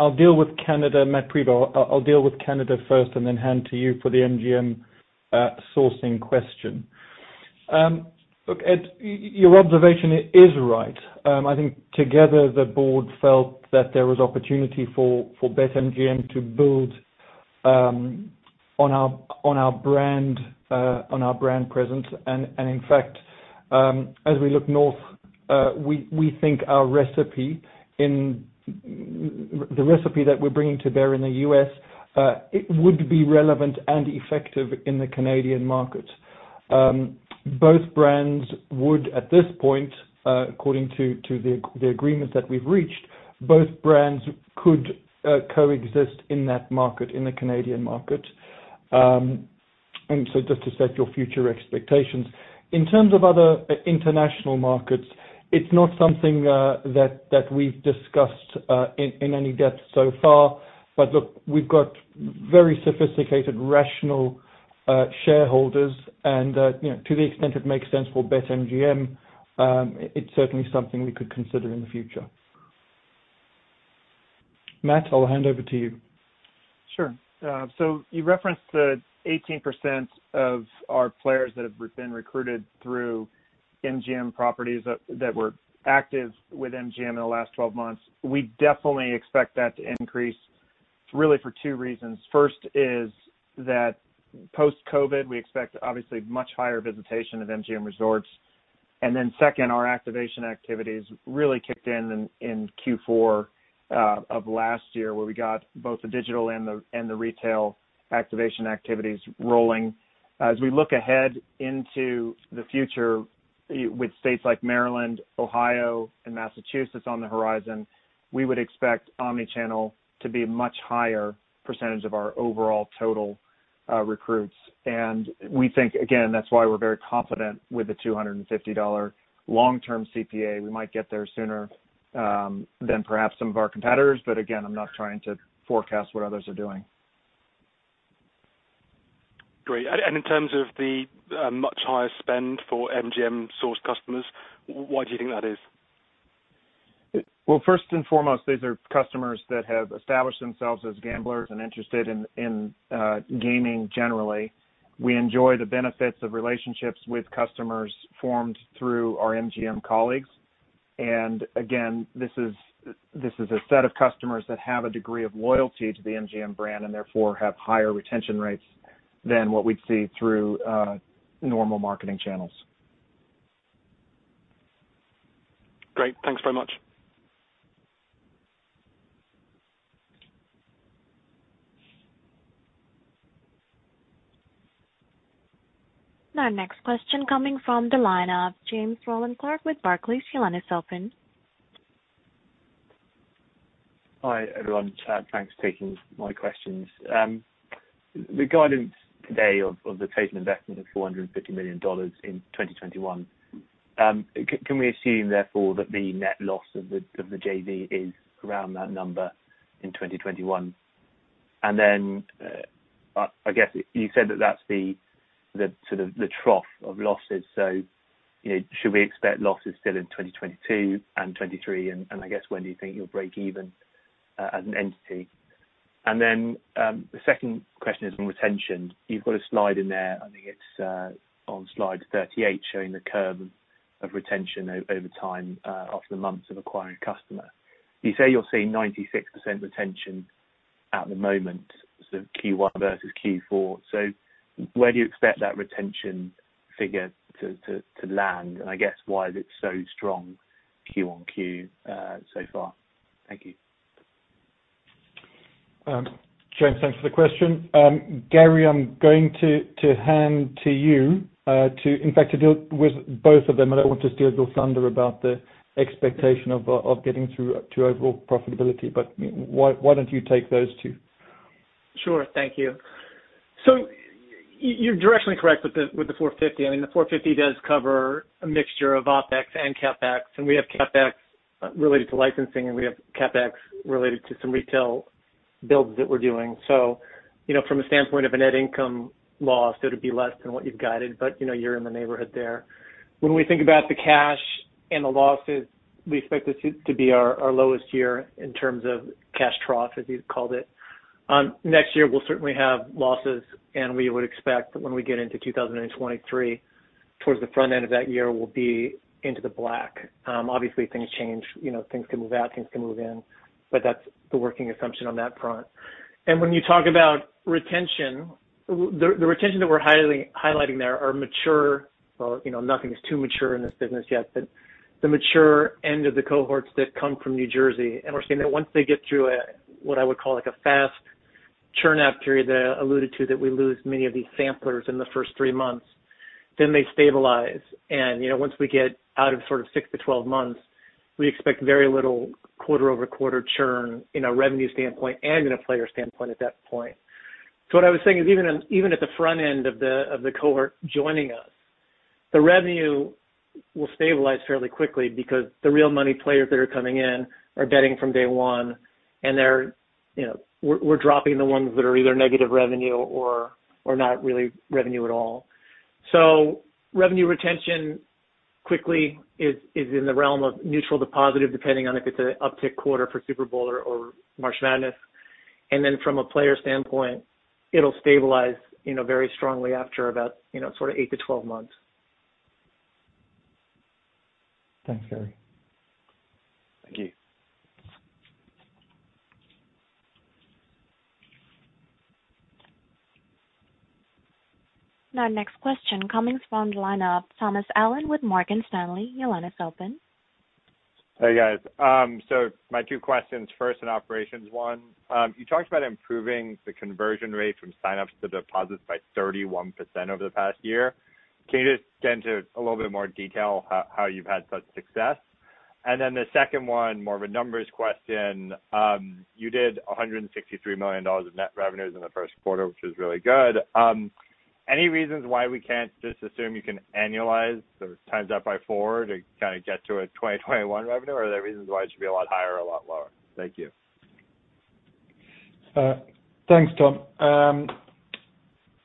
I'll deal with Canada. Matt Prevost, I'll deal with Canada first and then hand to you for the MGM sourcing question. Look, Ed, your observation is right. I think together the board felt that there was opportunity for BetMGM to build on our brand presence. In fact, as we look north, we think the recipe that we're bringing to bear in the U.S. would be relevant and effective in the Canadian market. Both brands would, at this point, according to the agreement that we've reached, both brands could coexist in that market, in the Canadian market. Just to set your future expectations. In terms of other international markets, it's not something that we've discussed in any depth so far. Look, we've got very sophisticated, rational shareholders and to the extent it makes sense for BetMGM, it's certainly something we could consider in the future. Matt, I'll hand over to you. Sure. You referenced the 18% of our players that have been recruited through MGM properties that were active with MGM in the last 12 months. We definitely expect that to increase really for two reasons. First is that post-COVID, we expect obviously much higher visitation of MGM Resorts. Second, our activation activities really kicked in in Q4 of last year, where we got both the digital and the retail activation activities rolling. As we look ahead into the future with states like Maryland, Ohio, and Massachusetts on the horizon, we would expect omnichannel to be a much higher percentage of our overall total recruits. We think, again, that's why we're very confident with the $250 long-term CPA. We might get there sooner than perhaps some of our competitors, again, I'm not trying to forecast what others are doing. In terms of the much higher spend for MGM-sourced customers, why do you think that is? Well, first and foremost, these are customers that have established themselves as gamblers and interested in gaming generally. We enjoy the benefits of relationships with customers formed through our MGM colleagues. Again, this is a set of customers that have a degree of loyalty to the MGM brand and therefore have higher retention rates than what we'd see through normal marketing channels. Great. Thanks very much. Our next question coming from the line of James Rowland Clark with Barclays. Your line is open. Hi, everyone. Thanks for taking my questions. The guidance today of the total investment of $450 million in 2021, can we assume therefore that the net loss of the JV is around that number in 2021? I guess you said that that's the sort of the trough of losses. Should we expect losses still in 2022 and 2023? I guess, when do you think you'll break even as an entity? The second question is on retention. You've got a slide in there, I think it's on slide 38, showing the curve of retention over time after the months of acquiring a customer. You say you're seeing 96% retention at the moment, sort of Q1 versus Q4. Where do you expect that retention figure to land? I guess why is it so strong Q on Q so far? Thank you. James, thanks for the question. Gary, I'm going to hand to you to, in fact, to deal with both of them. I don't want to steal your thunder about the expectation of getting to overall profitability. Why don't you take those two? Sure. Thank you. You're directionally correct with the $450. I mean, the $450 does cover a mixture of OpEx and CapEx, and we have CapEx related to licensing, and we have CapEx related to some retail builds that we're doing. From a standpoint of a net income loss, it would be less than what you've guided, but you're in the neighborhood there. When we think about the cash The losses, we expect this to be our lowest year in terms of cash trough, as you called it. Next year, we'll certainly have losses. We would expect that when we get into 2023, towards the front end of that year, we'll be into the black. Obviously, things change, things can move out, things can move in, but that's the working assumption on that front. When you talk about retention, the retention that we're highlighting there are mature, well, nothing is too mature in this business yet, but the mature end of the cohorts that come from New Jersey. We're seeing that once they get through what I would call a fast churn-out period, I alluded to that we lose many of these samplers in the first three months, then they stabilize. Once we get out of sort of six to 12 months, we expect very little quarter-over-quarter churn in a revenue standpoint and in a player standpoint at that point. What I was saying is even at the front end of the cohort joining us, the revenue will stabilize fairly quickly because the real money players that are coming in are betting from day one, and we're dropping the ones that are either negative revenue or not really revenue at all. Revenue retention quickly is in the realm of neutral to positive, depending on if it's an uptick quarter for Super Bowl or March Madness. Then from a player standpoint, it'll stabilize very strongly after about eight to 12 months. Thanks, Gary. Thank you. Next question coming from the line of Thomas Allen with Morgan Stanley. Your line is open. Hey, guys. My two questions. First, an operations one. You talked about improving the conversion rate from sign-ups to deposits by 31% over the past year. Can you just get into a little bit more detail how you've had such success? The second one, more of a numbers question. You did $163 million of net revenues in the first quarter, which was really good. Any reasons why we can't just assume you can annualize, so times that by four to kind of get to a 2021 revenue? Are there reasons why it should be a lot higher or a lot lower? Thank you. Thanks, Thomas.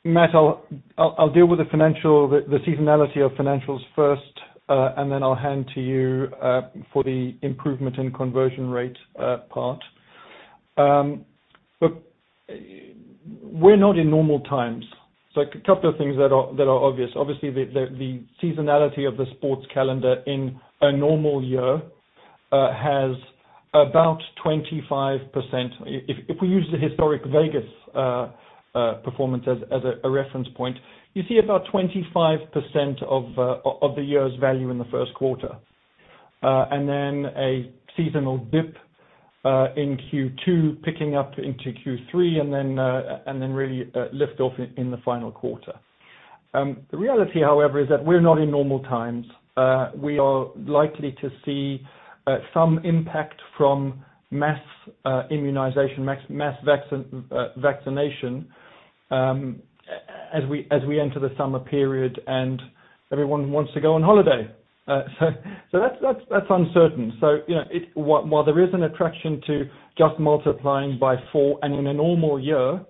Matt, I'll deal with the seasonality of financials first, and then I'll hand to you for the improvement in conversion rate part. Look, we're not in normal times. A couple of things that are obvious. Obviously, the seasonality of the sports calendar in a normal year has about 25%. If we use the historic Vegas performance as a reference point, you see about 25% of the year's value in the first quarter, and then a seasonal dip in Q2, picking up into Q3, and then really lift off in the final quarter. The reality, however, is that we're not in normal times. We are likely to see some impact from mass immunization, mass vaccination as we enter the summer period, and everyone wants to go on holiday. That's uncertain. While there is an attraction to just multiplying by four, and in a normal year,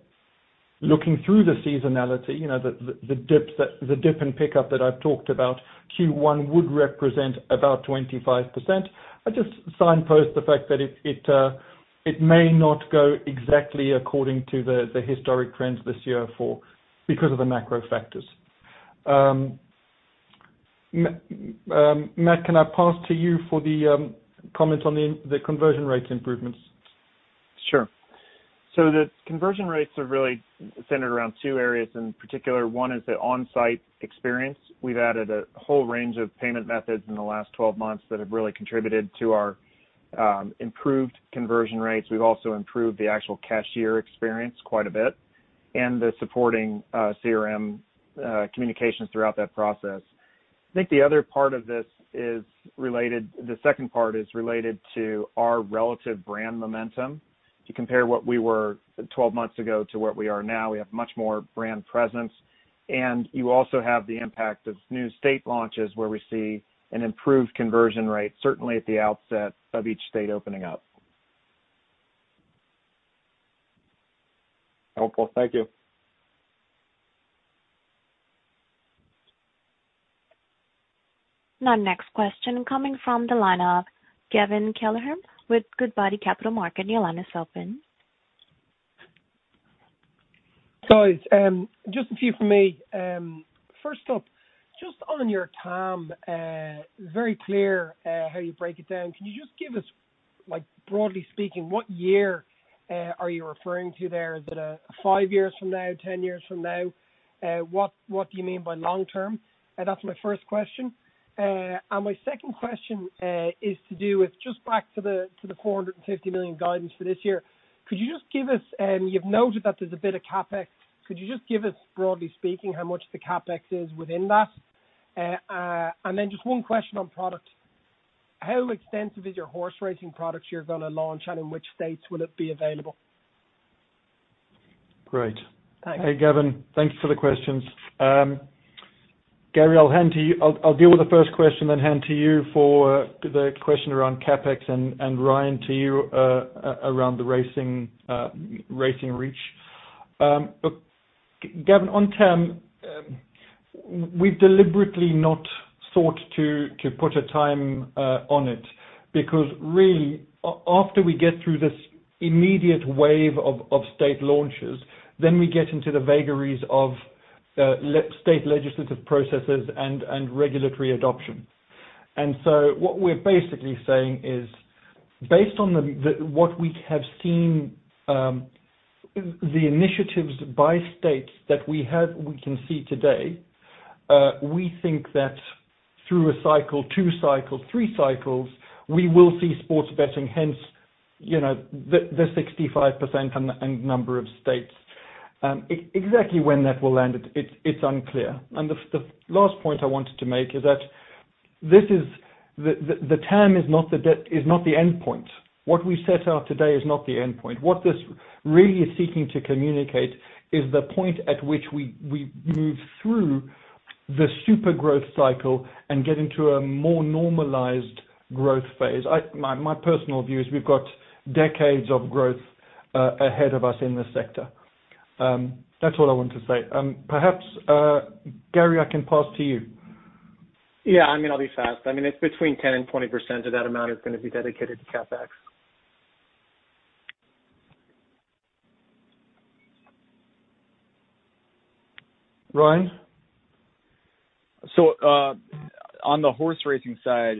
looking through the seasonality, the dip and pickup that I've talked about, Q1 would represent about 25%. I just signpost the fact that it may not go exactly according to the historic trends this year because of the macro factors. Matt, can I pass to you for the comment on the conversion rate improvements? Sure. The conversion rates are really centered around two areas in particular. One is the on-site experience. We've added a whole range of payment methods in the last 12 months that have really contributed to our improved conversion rates. We've also improved the actual cashier experience quite a bit and the supporting CRM communications throughout that process. I think the other part of this, the second part, is related to our relative brand momentum. To compare what we were 12 months ago to where we are now, we have much more brand presence. You also have the impact of new state launches, where we see an improved conversion rate, certainly at the outset of each state opening up. Helpful. Thank you. Now, next question coming from the line of Gavin Kelleher with Goodbody Capital Markets. Your line is open. Guys, just a few from me. Just on your TAM, very clear how you break it down. Can you just give us, broadly speaking, what year are you referring to there? Is it five years from now, 10 years from now? What do you mean by long-term? That's my first question. My second question is to do with just back to the $450 million guidance for this year. You've noted that there's a bit of CapEx. Could you just give us, broadly speaking, how much the CapEx is within that? Just one question on product. How extensive is your horse racing product you're going to launch, and in which states will it be available? Great. Thanks. Hey, Gavin. Thank you for the questions. Gary, I'll deal with the first question, then hand to you for the question around CapEx, and Ryan to you around the racing reach. Gavin, on TAM, we've deliberately not sought to put a time on it, because really, after we get through this immediate wave of state launches, then we get into the vagaries of state legislative processes and regulatory adoption. What we're basically saying is, based on what we have seen, the initiatives by states that we can see today, we think that through a cycle, two cycles, three cycles, we will see sports betting, hence, the 65% and the number of states. Exactly when that will land, it's unclear. The last point I wanted to make is that the TAM is not the endpoint. What we set out today is not the endpoint. What this really is seeking to communicate is the point at which we move through the super growth cycle and get into a more normalized growth phase. My personal view is we've got decades of growth ahead of us in this sector. That's all I want to say. Perhaps, Gary, I can pass to you. I'll be fast. It's between 10% and 20% of that amount is going to be dedicated to CapEx. Ryan? On the horse racing side,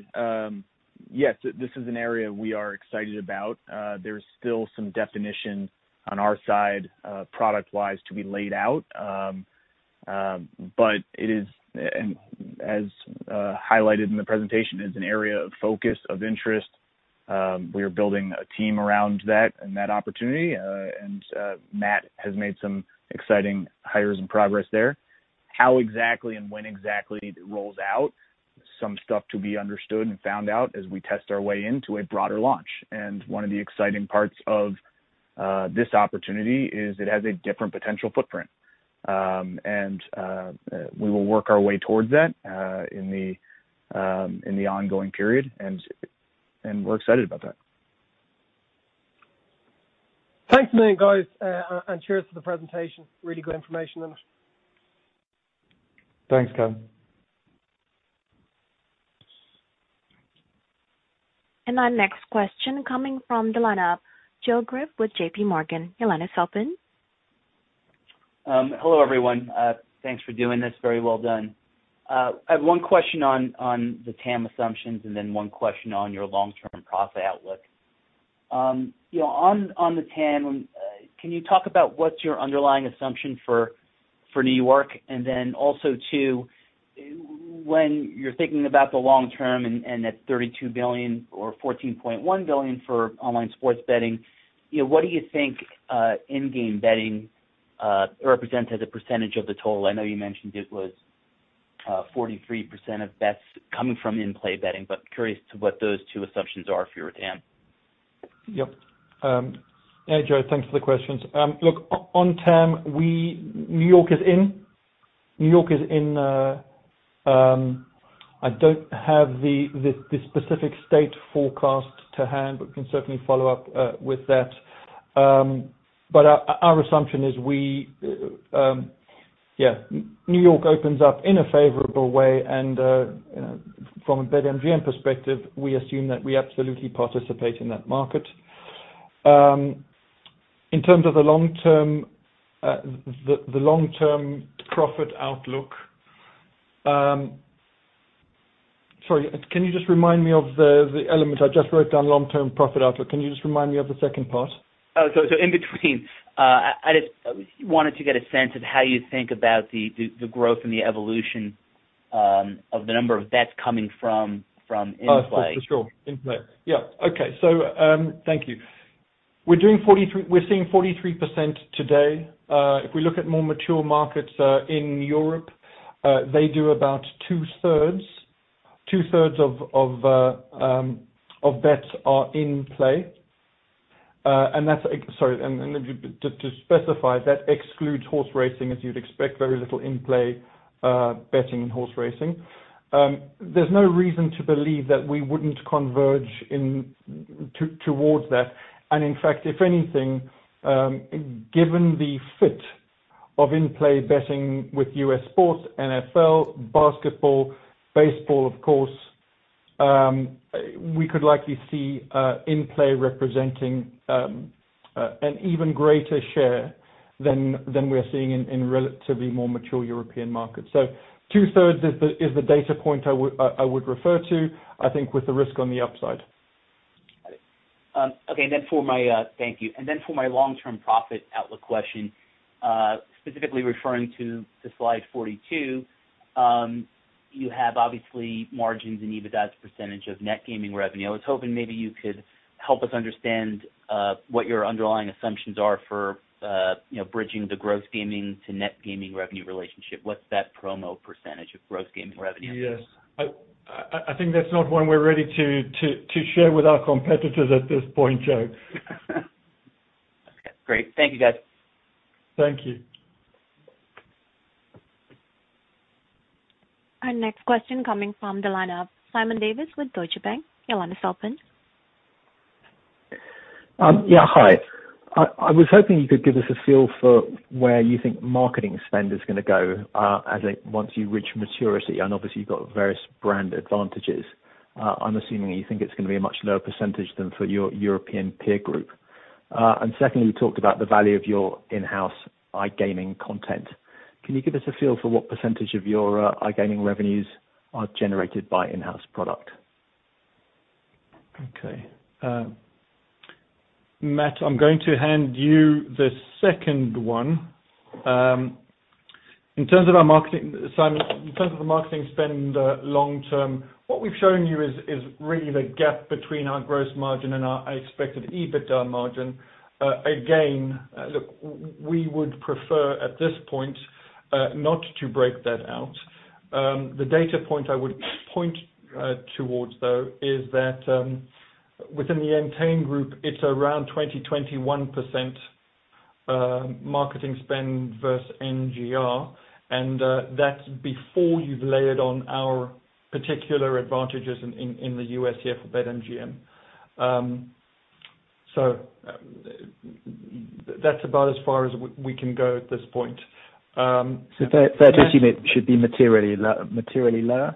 yes, this is an area we are excited about. There is still some definition on our side, product-wise, to be laid out. It is, as highlighted in the presentation, is an area of focus, of interest. We are building a team around that and that opportunity, and Matt has made some exciting hires and progress there. How exactly and when exactly it rolls out, some stuff to be understood and found out as we test our way into a broader launch. One of the exciting parts of this opportunity is it has a different potential footprint. We will work our way towards that in the ongoing period, and we are excited about that. Thanks a million, guys, and cheers for the presentation. Really good information. Thanks, Gavin. Our next question coming from the line-up, Joe Greff with JPMorgan. Your line is open. Hello, everyone. Thanks for doing this. Very well done. I have one question on the TAM assumptions and then one question on your long-term profit outlook. On the TAM, can you talk about what's your underlying assumption for New York? When you're thinking about the long term and that $32 billion or $14.1 billion for online sports betting, what do you think in-game betting represents as a percentage of the total? I know you mentioned it was 43% of bets coming from in-play betting, but curious to what those two assumptions are for your TAM. Yep. Hey, Joe. Thanks for the questions. On TAM, New York is in. I don't have the specific state forecast to hand, we can certainly follow up with that. Our assumption is New York opens up in a favorable way and, from a BetMGM perspective, we assume that we absolutely participate in that market. In terms of the long-term profit outlook. Sorry, can you just remind me of the element? I just wrote down long-term profit outlook. Can you just remind me of the second part? In between, I just wanted to get a sense of how you think about the growth and the evolution of the number of bets coming from in-play. Oh, for sure. In-play. Yeah. Okay. Thank you. We're seeing 43% today. If we look at more mature markets in Europe, they do about two-thirds of bets are in-play. Sorry, to specify, that excludes horse racing, as you'd expect, very little in-play betting in horse racing. There's no reason to believe that we wouldn't converge towards that. In fact, if anything, given the fit of in-play betting with U.S. sports, NFL, basketball, baseball, of course, we could likely see in-play representing an even greater share than we're seeing in relatively more mature European markets. Two-thirds is the data point I would refer to, I think with the risk on the upside. Got it. Thank you. For my long-term profit outlook question, specifically referring to slide 42, you have obviously margins and EBITDA's percentage of net gaming revenue. I was hoping maybe you could help us understand what your underlying assumptions are for bridging the gross gaming to net gaming revenue relationship. What's that promo percentage of gross gaming revenue? Yes. I think that's not one we're ready to share with our competitors at this point, Joe. Okay, great. Thank you, guys. Thank you. Our next question coming from the line of Simon Davies with Deutsche Bank. Your line is open. Yeah, hi. I was hoping you could give us a feel for where you think marketing spend is going to go once you reach maturity, obviously you've got various brand advantages. I'm assuming that you think it's going to be a much lower percentage than for your European peer group. Secondly, you talked about the value of your in-house iGaming content. Can you give us a feel for what percentage of your iGaming revenues are generated by in-house product? Okay. Matt, I'm going to hand you the second one. Simon, in terms of the marketing spend long term, what we've shown you is really the gap between our gross margin and our expected EBITDA margin. Again, look, we would prefer at this point, not to break that out. The data point I would point towards, though, is that within the Entain Group, it's around 20%, 21% marketing spend versus NGR, and that's before you've layered on our particular advantages in the U.S. here for BetMGM. That's about as far as we can go at this point. Fair to assume it should be materially lower?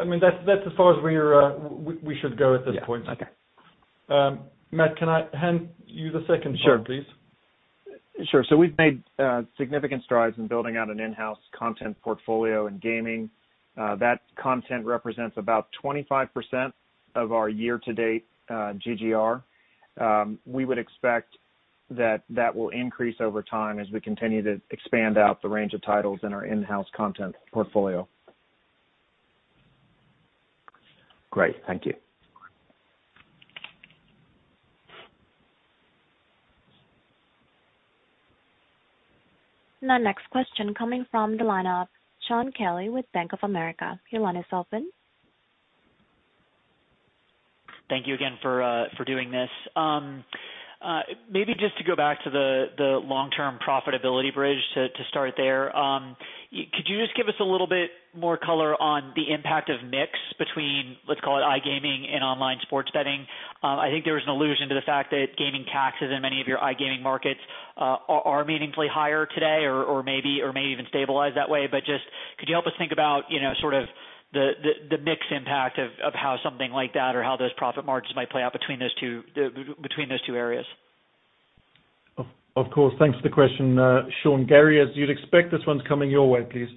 I mean, that's as far as we should go at this point. Yeah. Okay. Matt, can I hand you the second part, please? Sure. We've made significant strides in building out an in-house content portfolio in gaming. That content represents about 25% of our year-to-date GGR. We would expect that that will increase over time as we continue to expand out the range of titles in our in-house content portfolio. Great. Thank you. Our next question coming from the line of Shaun Kelley with Bank of America. Your line is open. Thank you again for doing this. Maybe just to go back to the long-term profitability bridge to start there. Could you just give us a little bit more color on the impact of mix between, let's call it iGaming and online sports betting? I think there was an allusion to the fact that gaming taxes in many of your iGaming markets are meaningfully higher today or may even stabilize that way. Just could you help us think about the mix impact of how something like that or how those profit margins might play out between those two areas? Of course. Thanks for the question, Shaun. Gary, as you'd expect, this one's coming your way, please.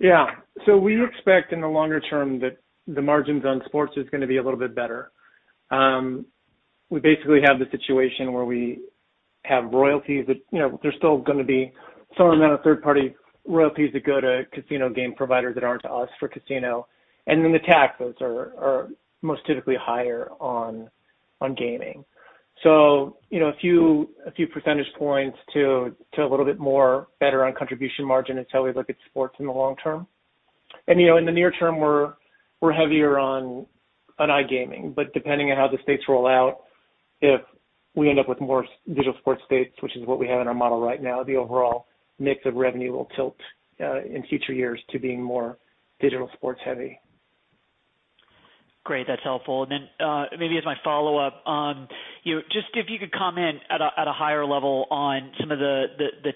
Yeah. We expect in the longer term that the margins on sports is going to be a little bit better. We basically have the situation where we have royalties that, they're still going to be some amount of third-party royalties that go to casino game providers that aren't us for casino. Then the tax loads are most typically higher on gaming. A few percentage points to a little bit more better on contribution margin is how we look at sports in the long term. In the near term, we're heavier on iGaming, but depending on how the states roll out, if we end up with more digital sports states, which is what we have in our model right now, the overall mix of revenue will tilt in future years to being more digital sports heavy. Great. That's helpful. Maybe as my follow-up, just if you could comment at a higher level on some of the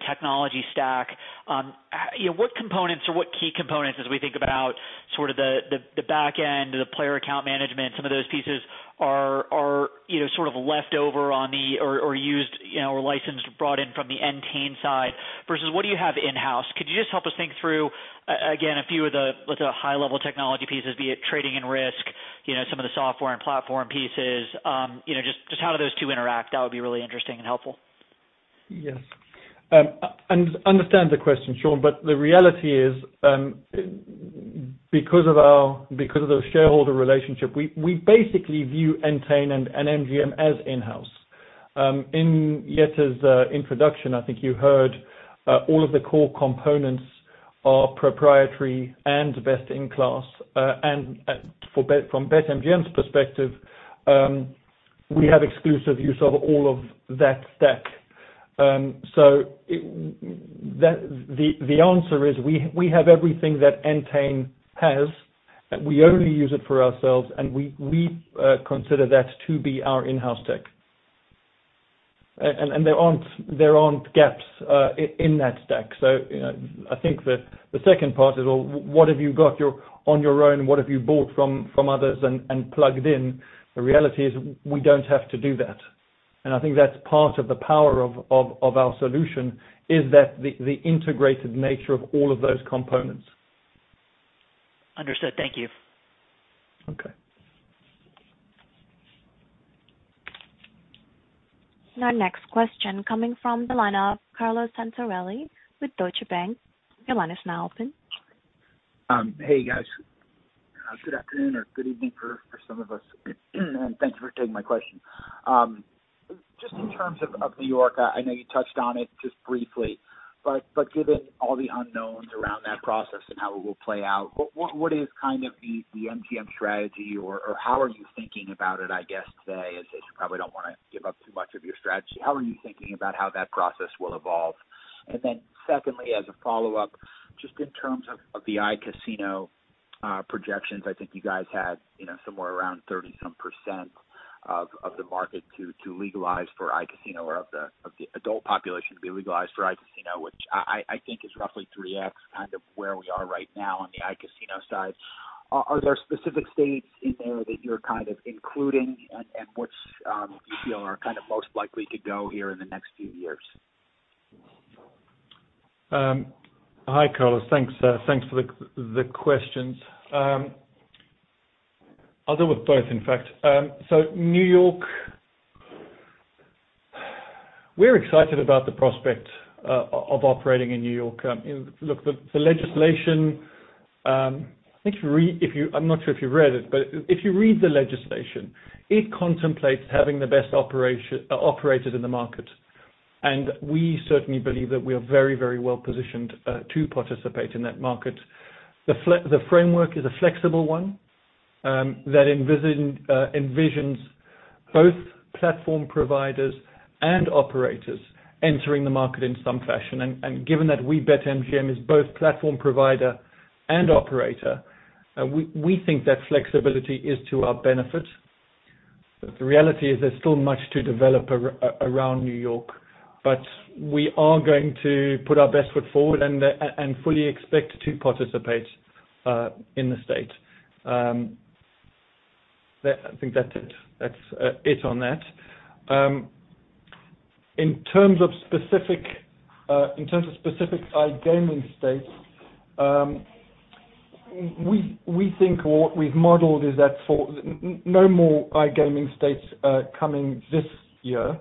technology stack. What components or what key components as we think about the back end, the player account management, some of those pieces are sort of left over or used or licensed, brought in from the Entain side, versus what do you have in-house? Could you just help us think through, again, a few of the high-level technology pieces, be it trading and risk, some of the software and platform pieces, just how do those two interact? That would be really interesting and helpful. Yes. Understand the question, Shaun, the reality is, because of the shareholder relationship, we basically view Entain and MGM as in-house. In Jette's introduction, I think you heard all of the core components are proprietary and best in class. From BetMGM's perspective, we have exclusive use of all of that stack. The answer is we have everything that Entain has. We only use it for ourselves, and we consider that to be our in-house tech. There aren't gaps in that stack. I think that the second part is, well, what have you got on your own? What have you bought from others and plugged in? The reality is we don't have to do that. I think that's part of the power of our solution, is that the integrated nature of all of those components. Understood. Thank you. Okay. Our next question coming from the line of Carlo Santarelli with Deutsche Bank. Your line is now open. Hey, guys. Good afternoon or good evening for some of us. Thanks for taking my question. In terms of N.Y., I know you touched on it just briefly, but given all the unknowns around that process and how it will play out, what is the MGM strategy? How are you thinking about it, I guess, today, as you probably don't want to give up too much of your strategy. How are you thinking about how that process will evolve? Secondly, as a follow-up, just in terms of the iCasino projections, I think you guys had somewhere around 30-some% of the market to legalize for iCasino, or of the adult population to be legalized for iCasino, which I think is roughly 3x where we are right now on the iCasino side. Are there specific states in there that you're including and which you feel are most likely to go here in the next few years? Hi, Carlo. Thanks for the questions. I'll deal with both, in fact. New York, we're excited about the prospect of operating in New York. Look, the legislation, I'm not sure if you've read it, but if you read the legislation, it contemplates having the best operated in the market. We certainly believe that we are very well-positioned to participate in that market. The framework is a flexible one that envisions both platform providers and operators entering the market in some fashion. Given that we BetMGM is both platform provider and operator, we think that flexibility is to our benefit. The reality is there's still much to develop around New York, but we are going to put our best foot forward and fully expect to participate in the state. I think that's it on that. In terms of specific iGaming states, we think what we've modeled is that for no more iGaming states coming this year.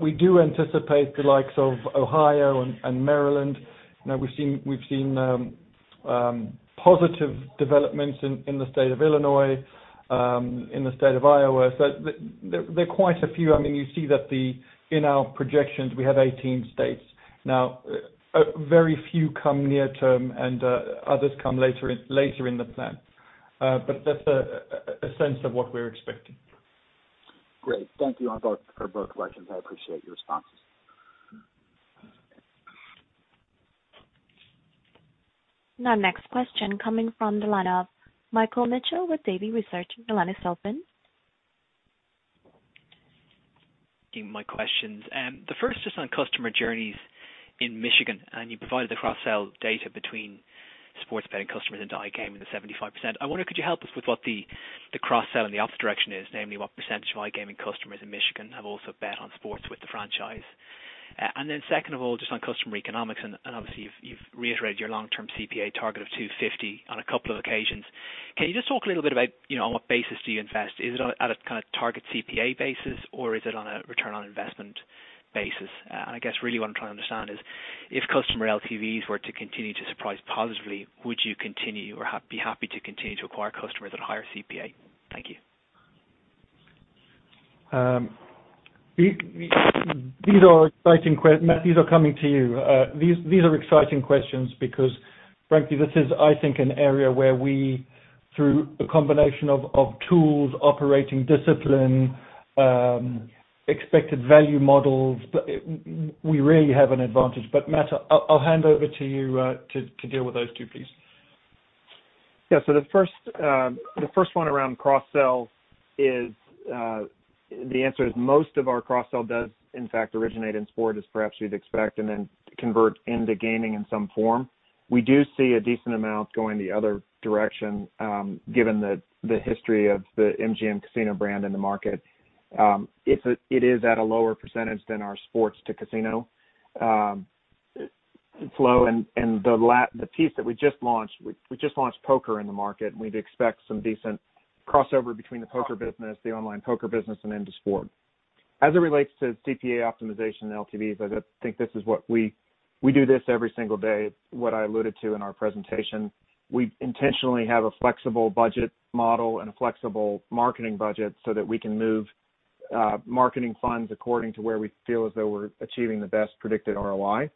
We do anticipate the likes of Ohio and Maryland. We've seen positive developments in the state of Illinois, in the state of Iowa. There are quite a few. You see that in our projections, we have 18 states. Now, very few come near term, and others come later in the plan. That's a sense of what we're expecting. Great. Thank you for both questions. I appreciate your responses. Now, next question coming from the line of Michael Mitchell with Davy Research. Give my questions. The first is on customer journeys in Michigan. You provided the cross-sell data between sports betting customers into iGaming, the 75%. I wonder, could you help us with what the cross-sell in the opposite direction is, namely what percentage of iGaming customers in Michigan have also bet on sports with the franchise? Second of all, just on customer economics. Obviously you've reiterated your long-term CPA target of $250 on a couple of occasions. Can you just talk a little bit about on what basis do you invest? Is it at a kind of target CPA basis, or is it on a return on investment basis? I guess really what I'm trying to understand is if customer LTVs were to continue to surprise positively, would you continue or be happy to continue to acquire customers at higher CPA? Thank you. These are exciting questions. Matt, these are coming to you. These are exciting questions because frankly, this is, I mean, an area where we, through a combination of tools, operating discipline, expected value models, we really have an advantage. Matt, I'll hand over to you to deal with those two, please. The first one around cross-sell is, the answer is most of our cross-sell does in fact originate in sport, as perhaps you'd expect, and then convert into gaming in some form. We do see a decent amount going the other direction, given the history of the MGM Casino brand in the market. It is at a lower percentage than our sports to casino flow. The piece that we just launched, we just launched poker in the market, and we'd expect some decent crossover between the poker business, the online poker business, and into sport. As it relates to CPA optimization and LTVs, I think this is what we do this every single day, what I alluded to in our presentation. We intentionally have a flexible budget model and a flexible marketing budget so that we can move marketing funds according to where we feel as though we're achieving the best predicted ROI,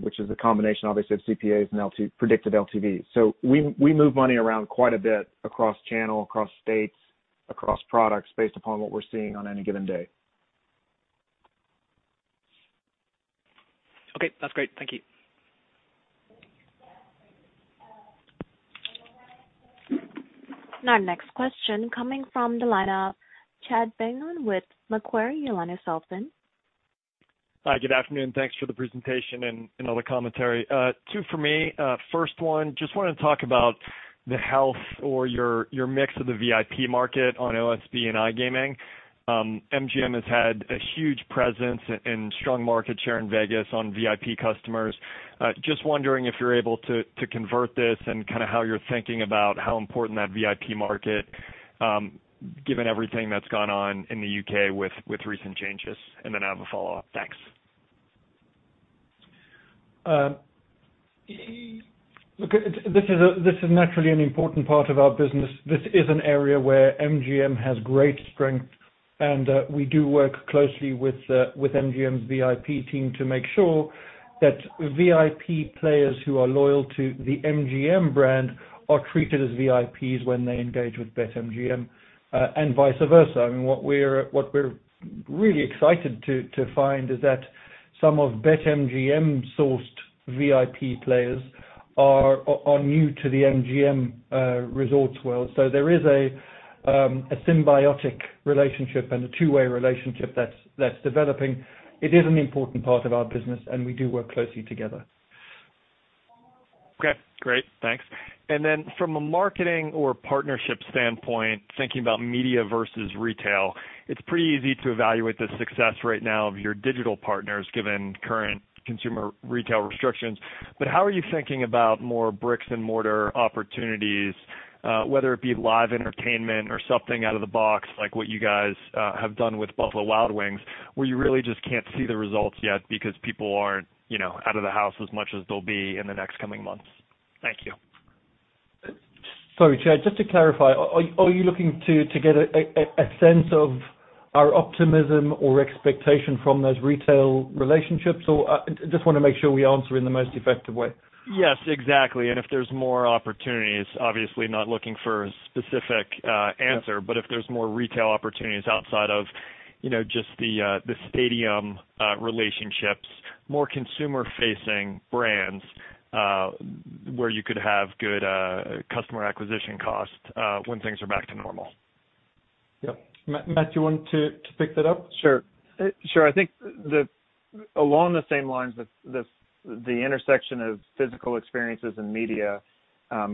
which is a combination, obviously, of CPAs and predicted LTVs. We move money around quite a bit across channel, across states, across products based upon what we're seeing on any given day. Okay. That's great. Thank you. Next question coming from the line of Chad Beynon with Macquarie. Your line is open. Hi, good afternoon. Thanks for the presentation and all the commentary. Two for me. First one, just want to talk about the health or your mix of the VIP market on OSB and iGaming. MGM has had a huge presence and strong market share in Vegas on VIP customers. Just wondering if you're able to convert this and kind of how you're thinking about how important that VIP market, given everything that's gone on in the U.K. with recent changes. Then I have a follow-up. Thanks. Look, this is naturally an important part of our business. This is an area where MGM has great strength, and we do work closely with MGM's VIP team to make sure that VIP players who are loyal to the MGM brand are treated as VIPs when they engage with BetMGM, and vice versa. I mean, what we're really excited to find is that some of BetMGM-sourced VIP players are new to the MGM Resorts world. There is a symbiotic relationship and a two-way relationship that's developing. It is an important part of our business, and we do work closely together. Okay, great. Thanks. From a marketing or partnership standpoint, thinking about media versus retail, it's pretty easy to evaluate the success right now of your digital partners, given current consumer retail restrictions. How are you thinking about more bricks-and-mortar opportunities, whether it be live entertainment or something out of the box like what you guys have done with Buffalo Wild Wings, where you really just can't see the results yet because people aren't out of the house as much as they'll be in the next coming months? Thank you. Sorry, Chad, just to clarify, are you looking to get a sense of our optimism or expectation from those retail relationships? Or I just want to make sure we answer in the most effective way. Yes, exactly. If there's more opportunities, obviously not looking for a specific answer, but if there's more retail opportunities outside of just the stadium relationships, more consumer-facing brands, where you could have good customer acquisition costs when things are back to normal. Yeah. Matt, you want to pick that up? Sure. I think along the same lines, the intersection of physical experiences and media,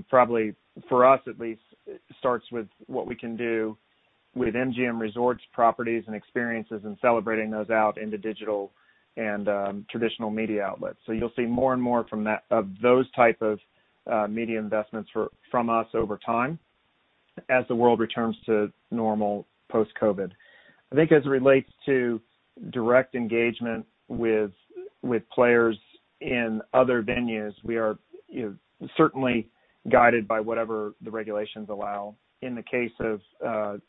probably for us at least, it starts with what we can do with MGM Resorts properties and experiences and celebrating those out into digital and traditional media outlets. You'll see more and more of those type of media investments from us over time as the world returns to normal post-COVID. I think as it relates to direct engagement with players in other venues, we are certainly guided by whatever the regulations allow. In the case of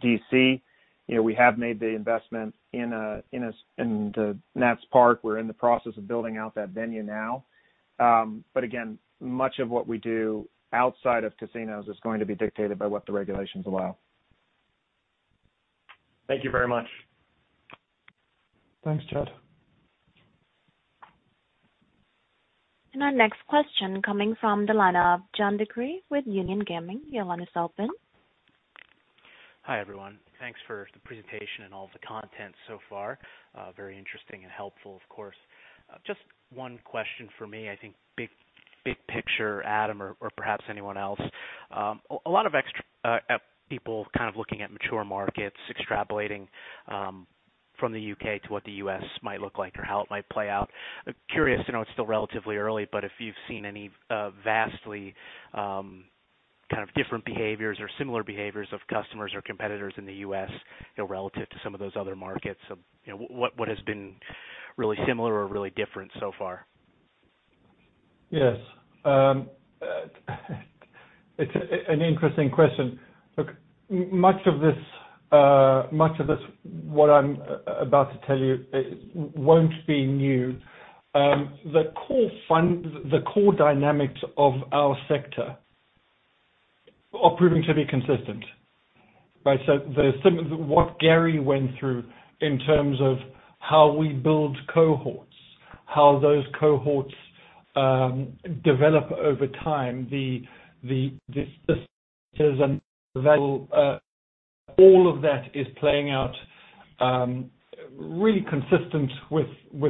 D.C., we have made the investment in the Nats Park. We're in the process of building out that venue now. Again, much of what we do outside of casinos is going to be dictated by what the regulations allow. Thank you very much. Thanks, Chad. Our next question coming from the line of John DeCree with Union Gaming. Hi, everyone. Thanks for the presentation and all of the content so far. Very interesting and helpful, of course. Just one question from me, I think big picture, Adam, or perhaps anyone else. A lot of people kind of looking at mature markets, extrapolating from the U.K. to what the U.S. might look like or how it might play out. Curious, I know it's still relatively early, if you've seen any vastly kind of different behaviors or similar behaviors of customers or competitors in the U.S. relative to some of those other markets. What has been really similar or really different so far? Yes. It's an interesting question. Look, much of this, what I'm about to tell you, won't be new. The core dynamics of our sector are proving to be consistent, right? What Gary went through in terms of how we build cohorts, how those cohorts develop over time, the systems, and value, all of that is playing out really consistent with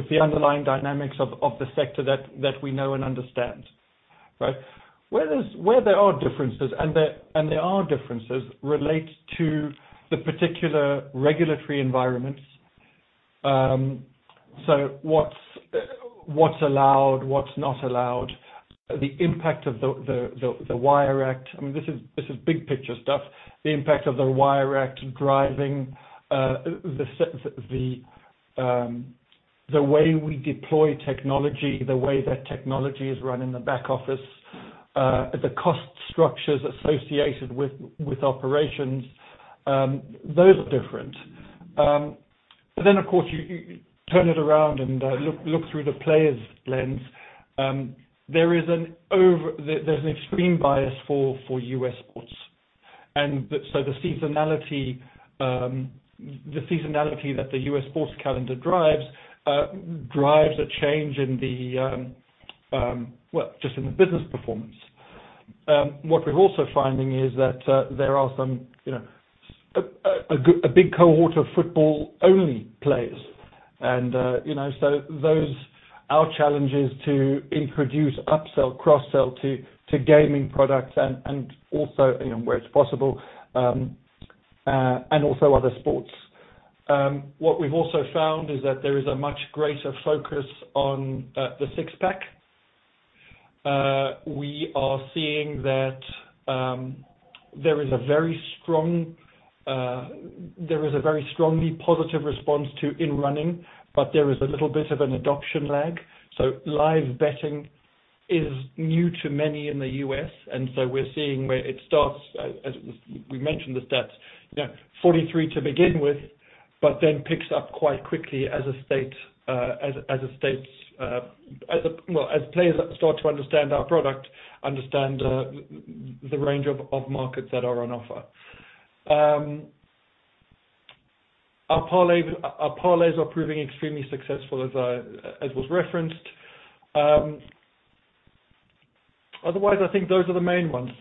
the underlying dynamics of the sector that we know and understand. Right? Where there are differences, and there are differences relate to the particular regulatory environments. What's allowed, what's not allowed, the impact of the Wire Act. I mean, this is big-picture stuff. The impact of the Wire Act driving the way we deploy technology, the way that technology is run in the back office, the cost structures associated with operations, those are different. Of course, you turn it around and look through the player's lens. There's an extreme bias for U.S. sports, the seasonality that the U.S. sports calendar drives a change in the, well, just in the business performance. What we're also finding is that there are a big cohort of football-only players. Our challenge is to introduce upsell, cross-sell to gaming products and also where it's possible, and also other sports. What we've also found is that there is a much greater focus on the six-pack. We are seeing that there is a very strongly positive response to in-running, there is a little bit of an adoption lag. Live betting is new to many in the U.S., we're seeing where it starts, as we mentioned the stats, 43 to begin with, picks up quite quickly as players start to understand our product, understand the range of markets that are on offer. Our parlays are proving extremely successful as was referenced. Otherwise, I think those are the main ones,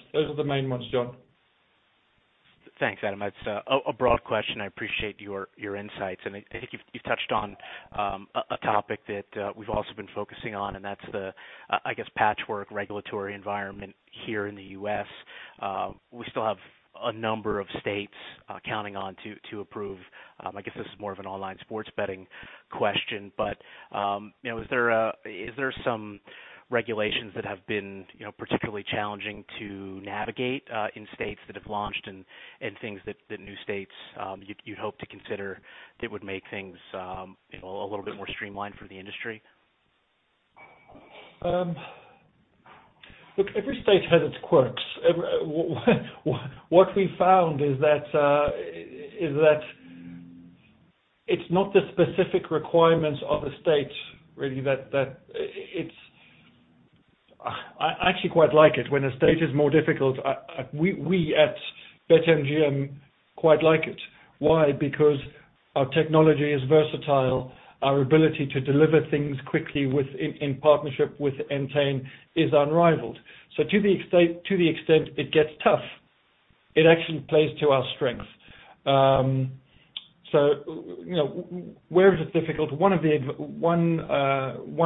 John. Thanks, Adam. It's a broad question. I appreciate your insights. I think you've touched on a topic that we've also been focusing on, and that's the, I guess, patchwork regulatory environment here in the U.S. We still have a number of states counting on to approve. I guess this is more of an online sports betting question, but is there some regulations that have been particularly challenging to navigate in states that have launched and things that new states you'd hope to consider that would make things a little bit more streamlined for the industry? Look, every state has its quirks. What we found is that it's not the specific requirements of a state, really. I actually quite like it when a state is more difficult. We at BetMGM quite like it. Why? Our technology is versatile. Our ability to deliver things quickly in partnership with Entain is unrivaled. To the extent it gets tough, it actually plays to our strength. Where is it difficult? One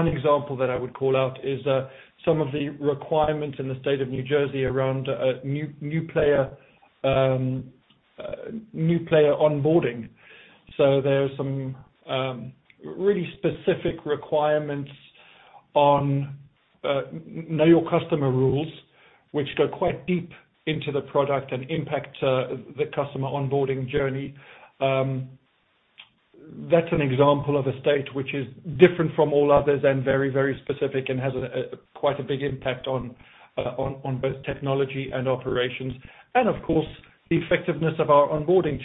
example that I would call out is some of the requirements in the state of New Jersey around new player onboarding. There are some really specific requirements on know your customer rules, which go quite deep into the product and impact the customer onboarding journey. That's an example of a state which is different from all others and very specific and has quite a big impact on both technology and operations. Of course, the effectiveness of our onboarding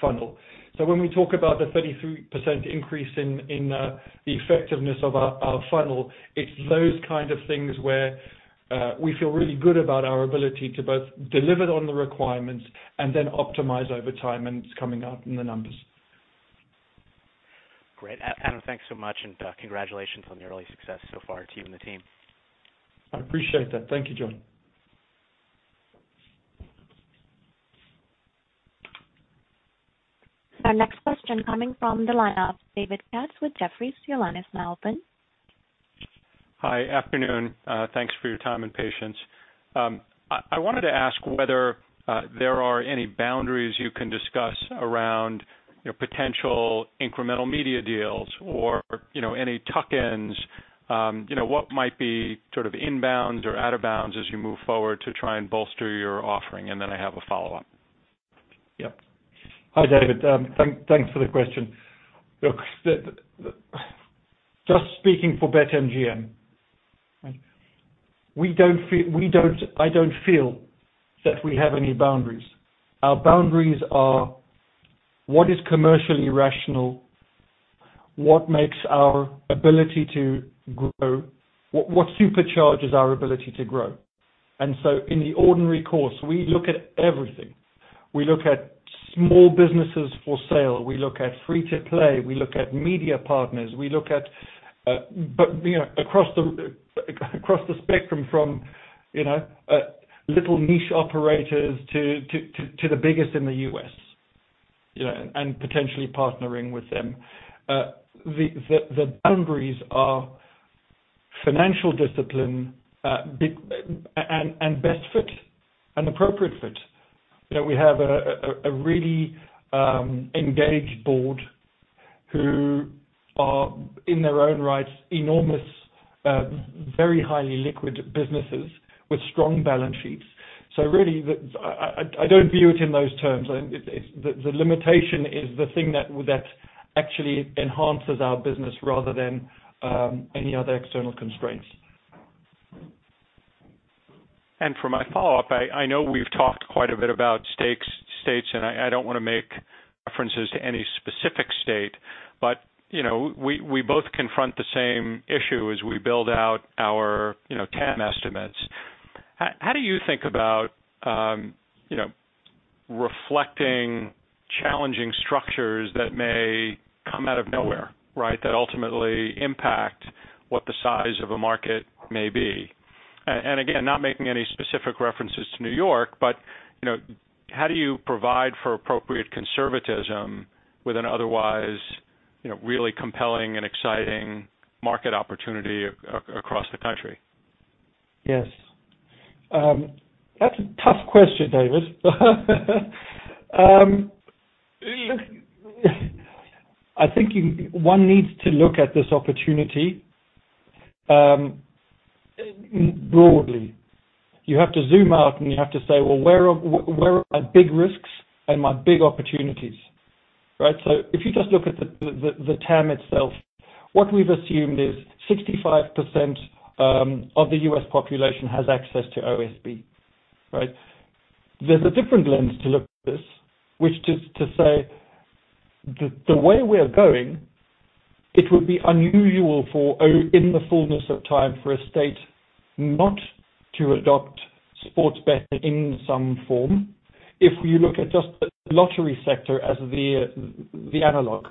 funnel. When we talk about the 33% increase in the effectiveness of our funnel, it's those kind of things where we feel really good about our ability to both deliver on the requirements and then optimize over time, and it's coming out in the numbers. Great. Adam, thanks so much. Congratulations on your early success so far to you and the team. I appreciate that. Thank you, John. Our next question coming from the line of David Katz with Jefferies. Your line is now open. Hi. Afternoon. Thanks for your time and patience. I wanted to ask whether there are any boundaries you can discuss around potential incremental media deals or any tuck-ins. What might be sort of in bounds or out of bounds as you move forward to try and bolster your offering? Then I have a follow-up. Yep. Hi, David. Thanks for the question. Look, just speaking for BetMGM, I don't feel that we have any boundaries. Our boundaries are what is commercially rational, what supercharges our ability to grow. In the ordinary course, we look at everything. We look at small businesses for sale. We look at free-to-play. We look at media partners. We look at across the spectrum from little niche operators to the biggest in the U.S., and potentially partnering with them. The boundaries are financial discipline and best fit and appropriate fit. We have a really engaged board who are, in their own rights, enormous, very highly liquid businesses with strong balance sheets. Really, I don't view it in those terms. The limitation is the thing that actually enhances our business rather than any other external constraints. For my follow-up, I know we've talked quite a bit about states, and I don't want to make references to any specific state, but we both confront the same issue as we build out our TAM estimates. How do you think about reflecting challenging structures that may come out of nowhere, that ultimately impact what the size of a market may be? Again, not making any specific references to New York, but how do you provide for appropriate conservatism with an otherwise really compelling and exciting market opportunity across the country? Yes. That's a tough question, David. I think one needs to look at this opportunity broadly. You have to zoom out and you have to say, "Well, where are my big risks and my big opportunities?" Right? If you just look at the TAM itself, what we've assumed is 65% of the U.S. population has access to OSB, right? There's a different lens to look at this, which is to say the way we are going, it would be unusual in the fullness of time for a state not to adopt sports betting in some form. If you look at just the lottery sector as the analog,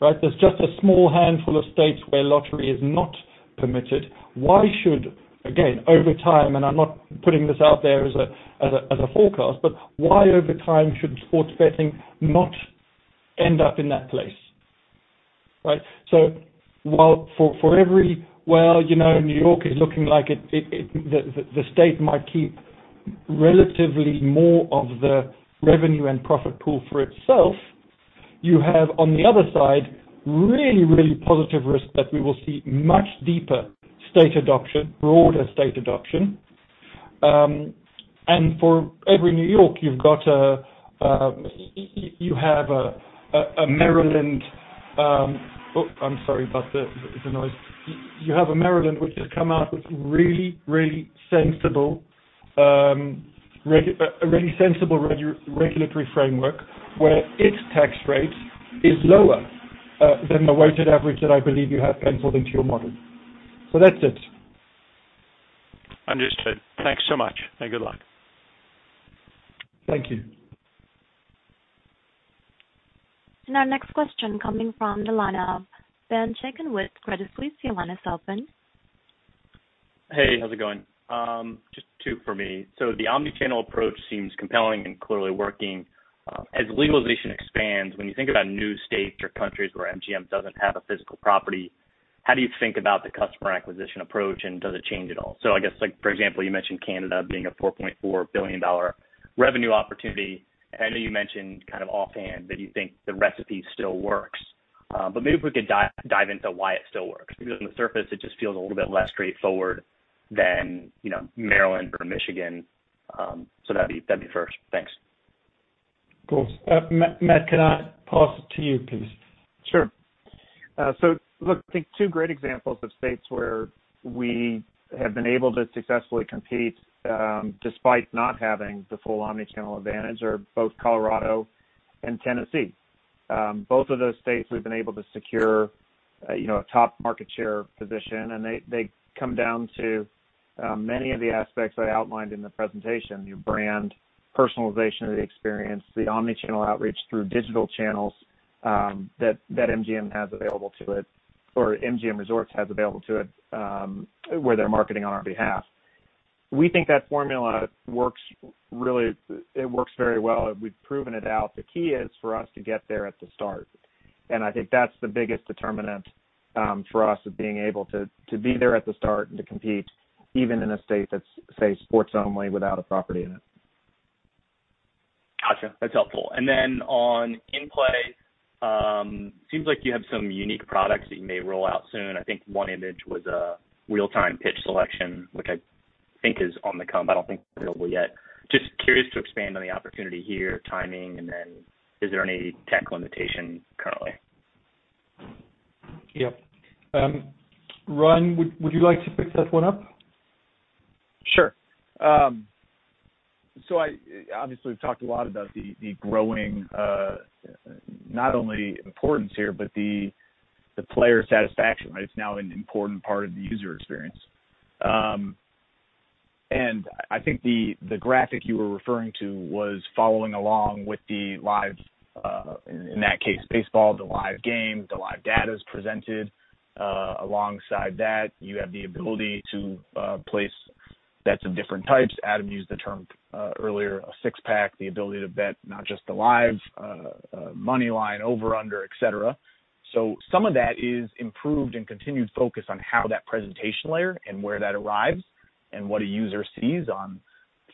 right? There's just a small handful of states where lottery is not permitted. Why should, again, over time, and I'm not putting this out there as a forecast, but why over time should sports betting not end up in that place? Right? While for every, New York is looking like the state might keep relatively more of the revenue and profit pool for itself, you have, on the other side, really positive risk that we will see much deeper state adoption, broader state adoption. For every New York you have a Maryland. Oh, I'm sorry about the noise. You have a Maryland which has come out with a really sensible regulatory framework where its tax rate is lower than the weighted average that I believe you have penciled into your model. That's it. Understood. Thanks so much and good luck. Thank you. Our next question coming from the line of Ben Chaiken with Credit Suisse. Your line is open. Hey, how's it going? Just two for me. The omnichannel approach seems compelling and clearly working. As legalization expands, when you think about new states or countries where MGM doesn't have a physical property, how do you think about the customer acquisition approach, and does it change at all? I guess, for example, you mentioned Canada being a $4.4 billion revenue opportunity. I know you mentioned kind of offhand that you think the recipe still works. Maybe if we could dive into why it still works, because on the surface it just feels a little bit less straightforward than Maryland or Michigan. That'd be first. Thanks. Of course. Matt, can I pass it to you, please? Sure. Look, I think two great examples of states where we have been able to successfully compete, despite not having the full omnichannel advantage, are both Colorado and Tennessee. Both of those states we've been able to secure a top market share position, and they come down to many of the aspects I outlined in the presentation, your brand, personalization of the experience, the omnichannel outreach through digital channels that MGM Resorts has available to it, where they're marketing on our behalf. We think that formula works very well, and we've proven it out. The key is for us to get there at the start. I think that's the biggest determinant for us of being able to be there at the start and to compete even in a state that's, say, sports-only without a property in it. Got you. That's helpful. Then on in-play, seems like you have some unique products that you may roll out soon. I think one image was a real-time pitch selection, which I think is on the come. I don't think it's available yet. Just curious to expand on the opportunity here, timing, and then is there any tech limitation currently? Yep. Ryan, would you like to pick that one up? Sure. Obviously we've talked a lot about the growing, not only importance here, but the player satisfaction, right? It's now an important part of the user experience. I think the graphic you were referring to was following along with the live, in that case, baseball, the live game, the live data is presented. Alongside that, you have the ability to place bets of different types. Adam used the term earlier, a six-pack, the ability to bet not just the live money line, over/under, et cetera. Some of that is improved and continued focus on how that presentation layer and where that arrives and what a user sees on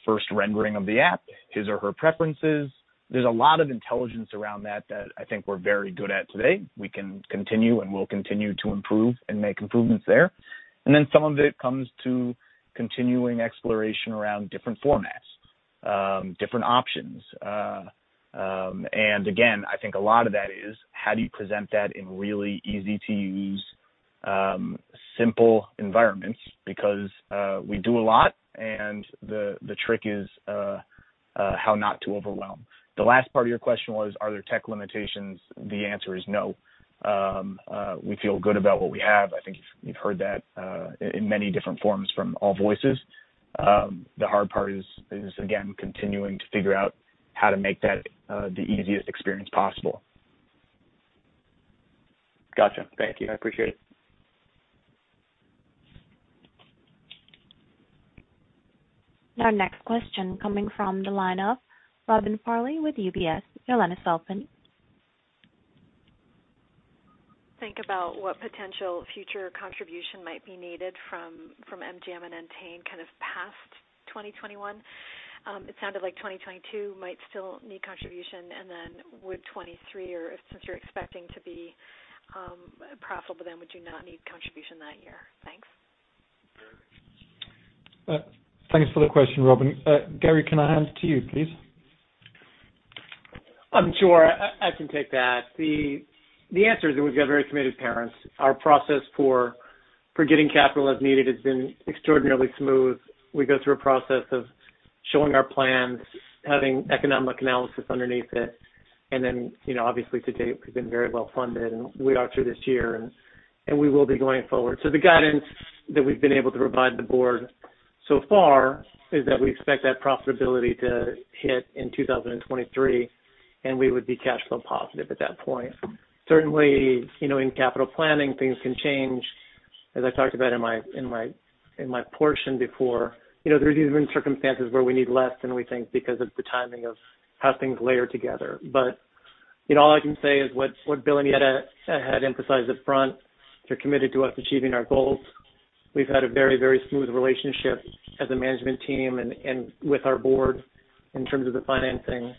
first rendering of the app, his or her preferences. There's a lot of intelligence around that I think we're very good at today. We can continue and will continue to improve and make improvements there. Some of it comes to continuing exploration around different formats, different options. Again, I think a lot of that is how do you present that in really easy-to-use, simple environments? Because we do a lot, and the trick is how not to overwhelm. The last part of your question was, are there tech limitations. The answer is no. We feel good about what we have. I think you've heard that in many different forms from all voices. The hard part is, again, continuing to figure out how to make that the easiest experience possible. Got you. Thank you. I appreciate it. Our next question coming from the line of Robin Farley with UBS. Your line is open. Think about what potential future contribution might be needed from MGM and Entain past 2021. It sounded like 2022 might still need contribution. Would 2023, or since you're expecting to be profitable then, would you not need contribution that year? Thanks. Thanks for the question, Robin. Gary, can I hand to you, please? Sure. I can take that. The answer is that we've got very committed parents. Our process for getting capital as needed has been extraordinarily smooth. We go through a process of showing our plans, having economic analysis underneath it, and then, obviously to date, we've been very well-funded, and we are through this year, and we will be going forward. The guidance that we've been able to provide the board so far is that we expect that profitability to hit in 2023, and we would be cash flow positive at that point. Certainly, in capital planning, things can change. As I talked about in my portion before, there's even circumstances where we need less than we think because of the timing of how things layer together. All I can say is what Bill and Jette had emphasized upfront, they're committed to us achieving our goals. We've had a very, very smooth relationship as a management team and with our board in terms of the financing.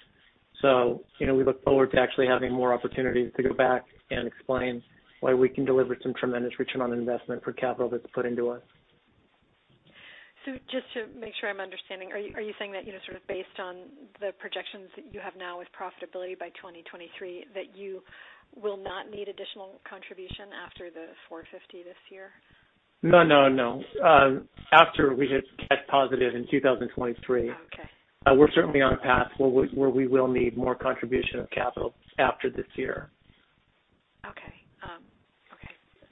We look forward to actually having more opportunities to go back and explain why we can deliver some tremendous return on investment for capital that's put into us. Just to make sure I'm understanding, are you saying that, sort of based on the projections that you have now with profitability by 2023, that you will not need additional contribution after the $450 this year? No, no. After we hit cash positive in 2023. Okay. We're certainly on a path where we will need more contribution of capital after this year. Okay.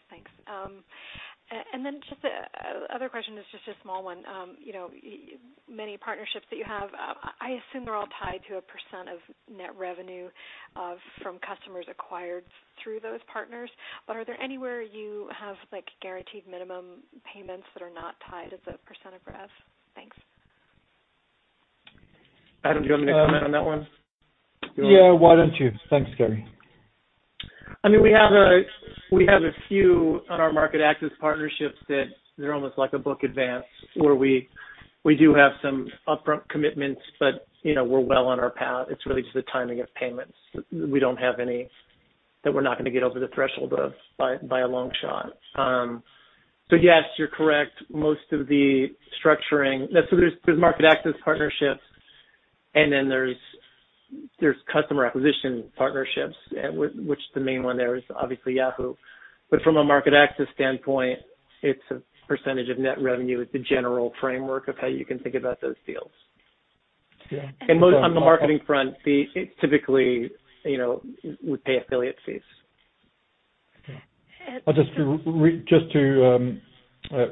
Thanks. Just other question is just a small one. Many partnerships that you have, I assume they're all tied to a % of net revenue from customers acquired through those partners. Are there anywhere you have guaranteed minimum payments that are not tied as a % of rev? Thanks. Adam, do you want me to comment on that one? Yeah, why don't you? Thanks, Gary. We have a few on our market access partnerships that they're almost like a book advance, where we do have some upfront commitments, but we're well on our path. It's really just the timing of payments. We don't have any that we're not going to get over the threshold of by a long shot. Yes, you're correct. There's market access partnerships and then there's customer acquisition partnerships, which the main one there is obviously Yahoo. From a market access standpoint, it's a percentage of net revenue is the general framework of how you can think about those deals. Yeah. On the marketing front, it typically would pay affiliate fees. And Just to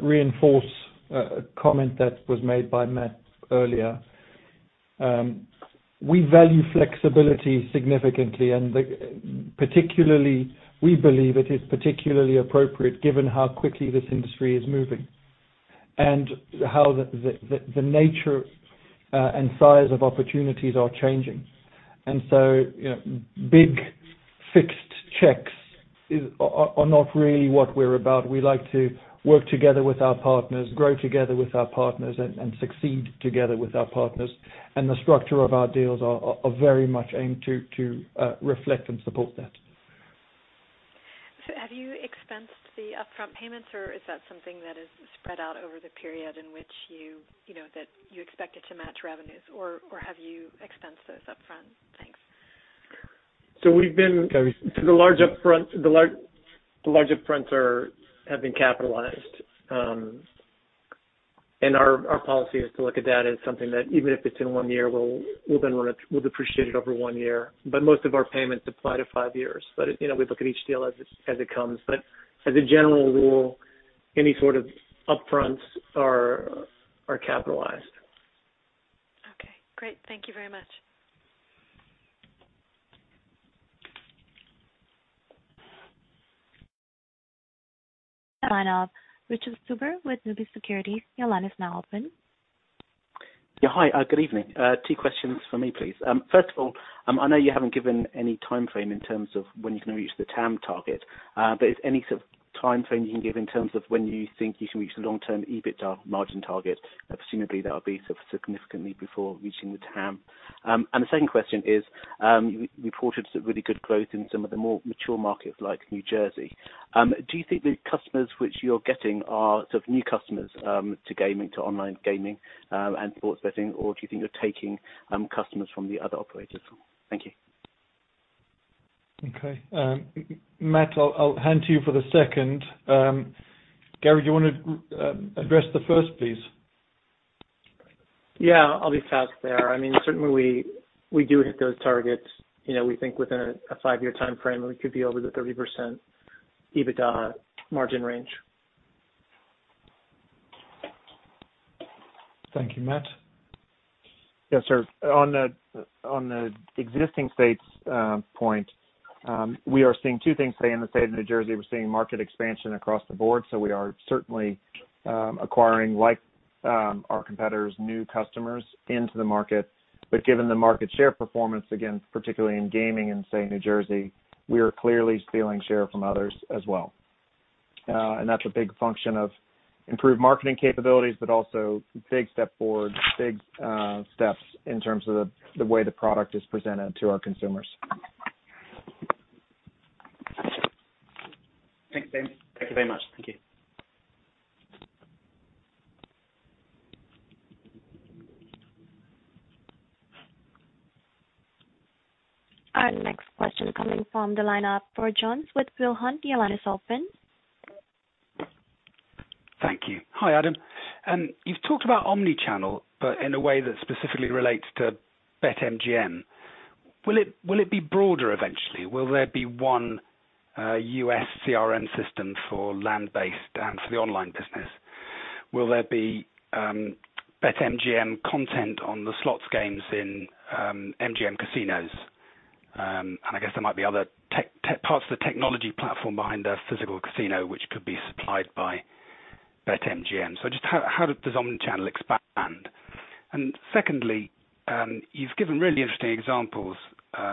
reinforce a comment that was made by Matt earlier. We value flexibility significantly, and we believe it is particularly appropriate given how quickly this industry is moving and how the nature and size of opportunities are changing. Big fixed checks are not really what we're about. We like to work together with our partners, grow together with our partners, and succeed together with our partners. The structure of our deals are very much aimed to reflect and support that. Have you expensed the upfront payments, or is that something that is spread out over the period in which you expect it to match revenues? Or have you expensed those upfront? Thanks. So we've been Gary. The large up fronts have been capitalized. Our policy is to look at data as something that even if it's in one year, we'll appreciate it over one year. Most of our payments apply to five years. We look at each deal as it comes. As a general rule, any sort of up fronts are capitalized. Okay, great. Thank you very much. Final, Richard Stuber with Numis Securities. Yeah. Hi, good evening. Two questions from me, please. First of all, I know you haven't given any timeframe in terms of when you're going to reach the TAM target. Is there any sort of timeframe you can give in terms of when you think you can reach the long-term EBITDA margin target? Presumably, that would be sort of significantly before reaching the TAM. The second question is, you reported some really good growth in some of the more mature markets like New Jersey. Do you think the customers which you're getting are sort of new customers to gaming, to online gaming, and sports betting, or do you think you're taking customers from the other operators? Thank you. Okay. Matt, I'll hand to you for the second. Gary, do you want to address the first, please? Yeah, I'll be fast there. I mean, certainly, we do hit those targets. We think within a five-year timeframe, we could be over the 30% EBITDA margin range. Thank you, Matt. Yes, sir. On the existing states point, we are seeing two things play in the state of New Jersey. We're seeing market expansion across the board. We are certainly acquiring like Our competitors' new customers into the market. Given the market share performance, again, particularly in gaming in, say, New Jersey, we are clearly stealing share from others as well. That's a big function of improved marketing capabilities, but also big steps in terms of the way the product is presented to our consumers. Thanks. Thank you very much. Thank you. Our next question coming from the line of Ivor Jones with Peel Hunt. Your line is open. Thank you. Hi, Adam. You've talked about omnichannel, but in a way that specifically relates to BetMGM. Will it be broader eventually? Will there be one U.S. CRM system for land-based and for the online business? Will there be BetMGM content on the slots games in MGM casinos? I guess there might be other parts of the technology platform behind a physical casino which could be supplied by BetMGM. Just how does omnichannel expand? Secondly, you've given really interesting examples,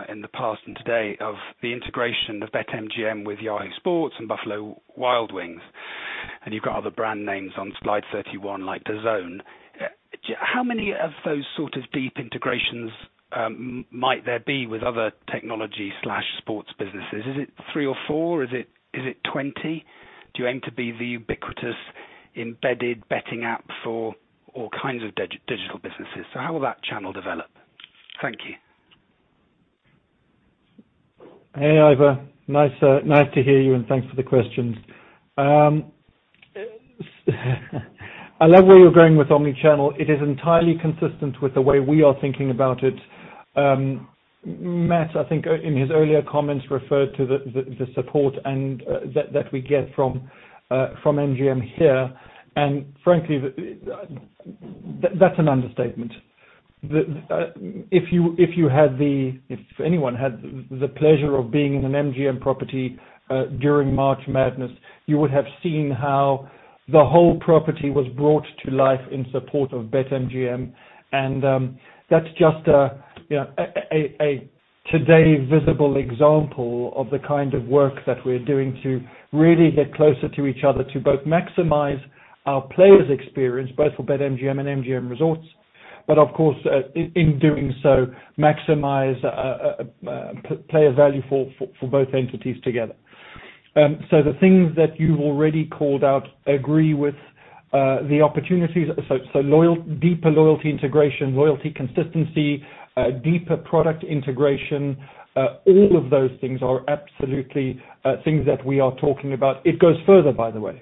in the past and today, of the integration of BetMGM with Yahoo! Sports and Buffalo Wild Wings, and you've got other brand names on slide 31, like DAZN. How many of those sort of deep integrations might there be with other technology/sports businesses? Is it three or four? Is it 20? Do you aim to be the ubiquitous, embedded betting app for all kinds of digital businesses? How will that channel develop? Thank you. Hey, Ivor. Nice to hear you, and thanks for the questions. I love where you're going with omnichannel. It is entirely consistent with the way we are thinking about it. Matt, I think, in his earlier comments, referred to the support that we get from MGM here. Frankly, that's an understatement. If anyone had the pleasure of being in an MGM property during March Madness, you would have seen how the whole property was brought to life in support of BetMGM. That's just a today visible example of the kind of work that we're doing to really get closer to each other to both maximize our players' experience, both for BetMGM and MGM Resorts. Of course, in doing so, maximize player value for both entities together. The things that you've already called out agree with the opportunities. Deeper loyalty integration, loyalty consistency, deeper product integration, all of those things are absolutely things that we are talking about. It goes further, by the way.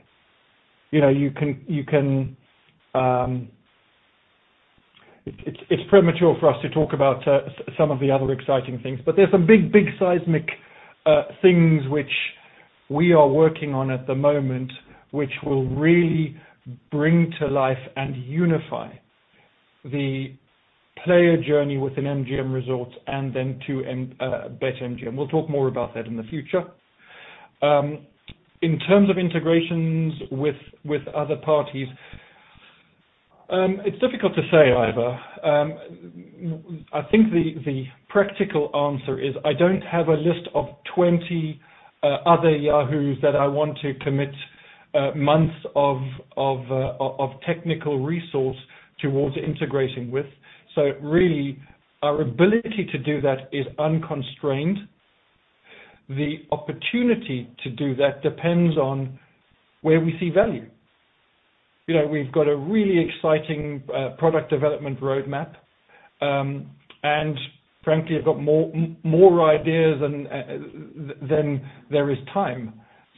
It's premature for us to talk about some of the other exciting things, but there's some big, big seismic things which we are working on at the moment, which will really bring to life and unify the player journey within MGM Resorts and then to BetMGM. We'll talk more about that in the future. In terms of integrations with other parties, it's difficult to say, Ivor. I think the practical answer is I don't have a list of 20 other Yahoos that I want to commit months of technical resource towards integrating with. Really, our ability to do that is unconstrained. The opportunity to do that depends on where we see value. We've got a really exciting product development roadmap. Frankly, I've got more ideas than there is time.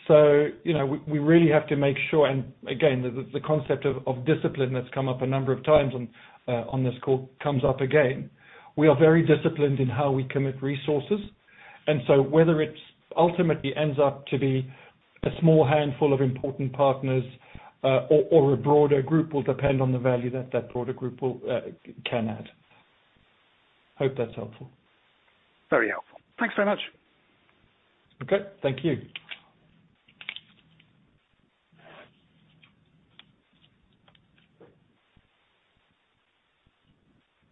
We really have to make sure, and again, the concept of discipline that's come up a number of times on this call comes up again. We are very disciplined in how we commit resources. Whether it ultimately ends up to be a small handful of important partners or a broader group will depend on the value that that broader group can add. Hope that's helpful. Very helpful. Thanks very much. Okay. Thank you.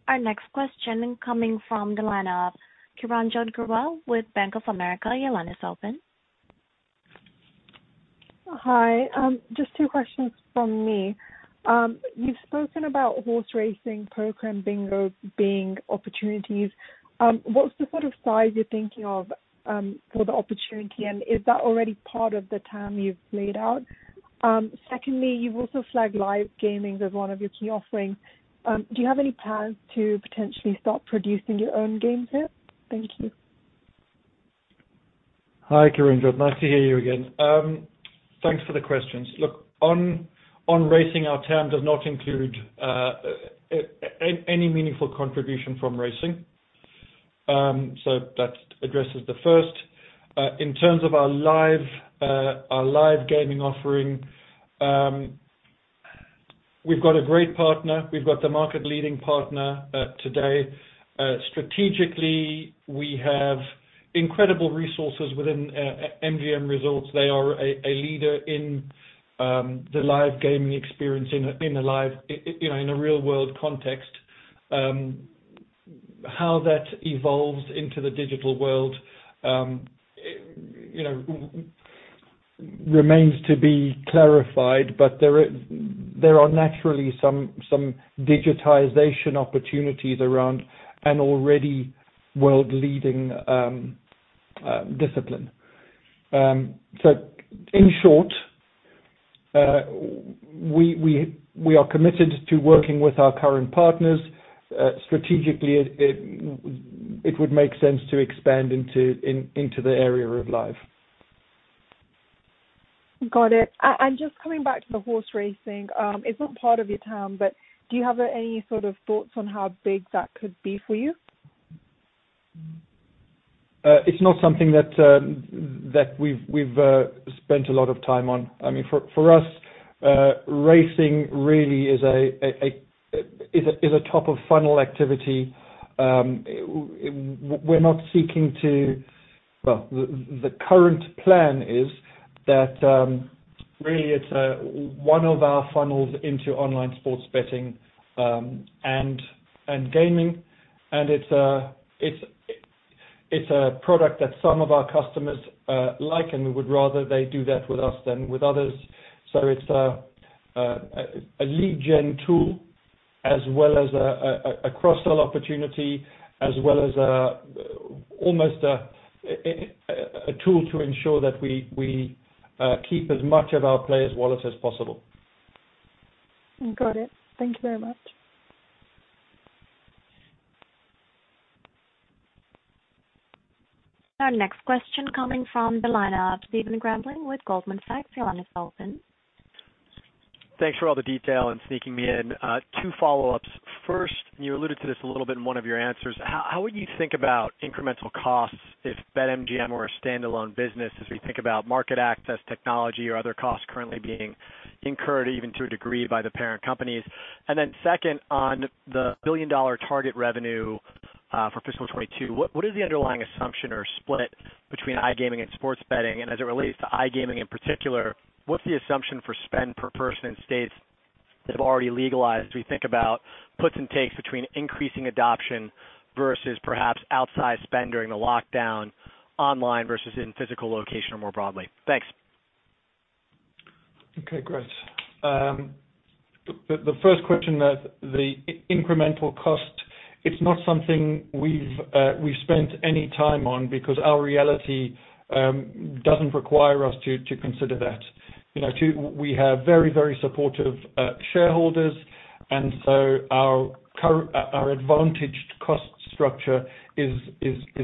Our next question coming from the line of Kiranjot Grewal with Bank of America. Your line is open. Hi. Just two questions from me. You've spoken about horse racing, poker, and bingo being opportunities. What's the sort of size you're thinking of for the opportunity, and is that already part of the TAM you've laid out? Secondly, you've also flagged live gaming as one of your key offerings. Do you have any plans to potentially start producing your own games here? Thank you. Hi, Kiranjot. Nice to hear you again. Thanks for the questions. On racing, our TAM does not include any meaningful contribution from racing. That addresses the first. In terms of our live gaming offering, we've got a great partner. We've got the market-leading partner today. Incredible resources within MGM Resorts. They are a leader in the live gaming experience in a real-world context. How that evolves into the digital world remains to be clarified, but there are naturally some digitization opportunities around an already world-leading discipline. In short, we are committed to working with our current partners. Strategically, it would make sense to expand into the area of live. Got it. Just coming back to the horse racing, it's not part of your TAM, do you have any sort of thoughts on how big that could be for you? It's not something that we've spent a lot of time on. For us, racing really is a top-of-funnel activity. The current plan is that really it's one of our funnels into online sports betting and gaming, and it's a product that some of our customers like, and we would rather they do that with us than with others. It's a lead gen tool as well as a cross-sell opportunity, as well as almost a tool to ensure that we keep as much of our players' wallets as possible. Got it. Thank you very much. Our next question coming from the line of Stephen Grambling with Goldman Sachs. Your line is open. Thanks for all the detail and sneaking me in. Two follow-ups. First, you alluded to this a little bit in one of your answers, how would you think about incremental costs if BetMGM were a standalone business, as we think about market access, technology or other costs currently being incurred even to a degree by the parent companies? Second, on the billion-dollar target revenue for fiscal 2022, what is the underlying assumption or split between iGaming and sports betting? As it relates to iGaming in particular, what's the assumption for spend per person in states that have already legalized as we think about puts and takes between increasing adoption versus perhaps outsized spend during the lockdown online versus in physical location or more broadly? Thanks. Okay, great. The first question, the incremental cost, it's not something we've spent any time on because our reality doesn't require us to consider that. We have very supportive shareholders, our advantaged cost structure is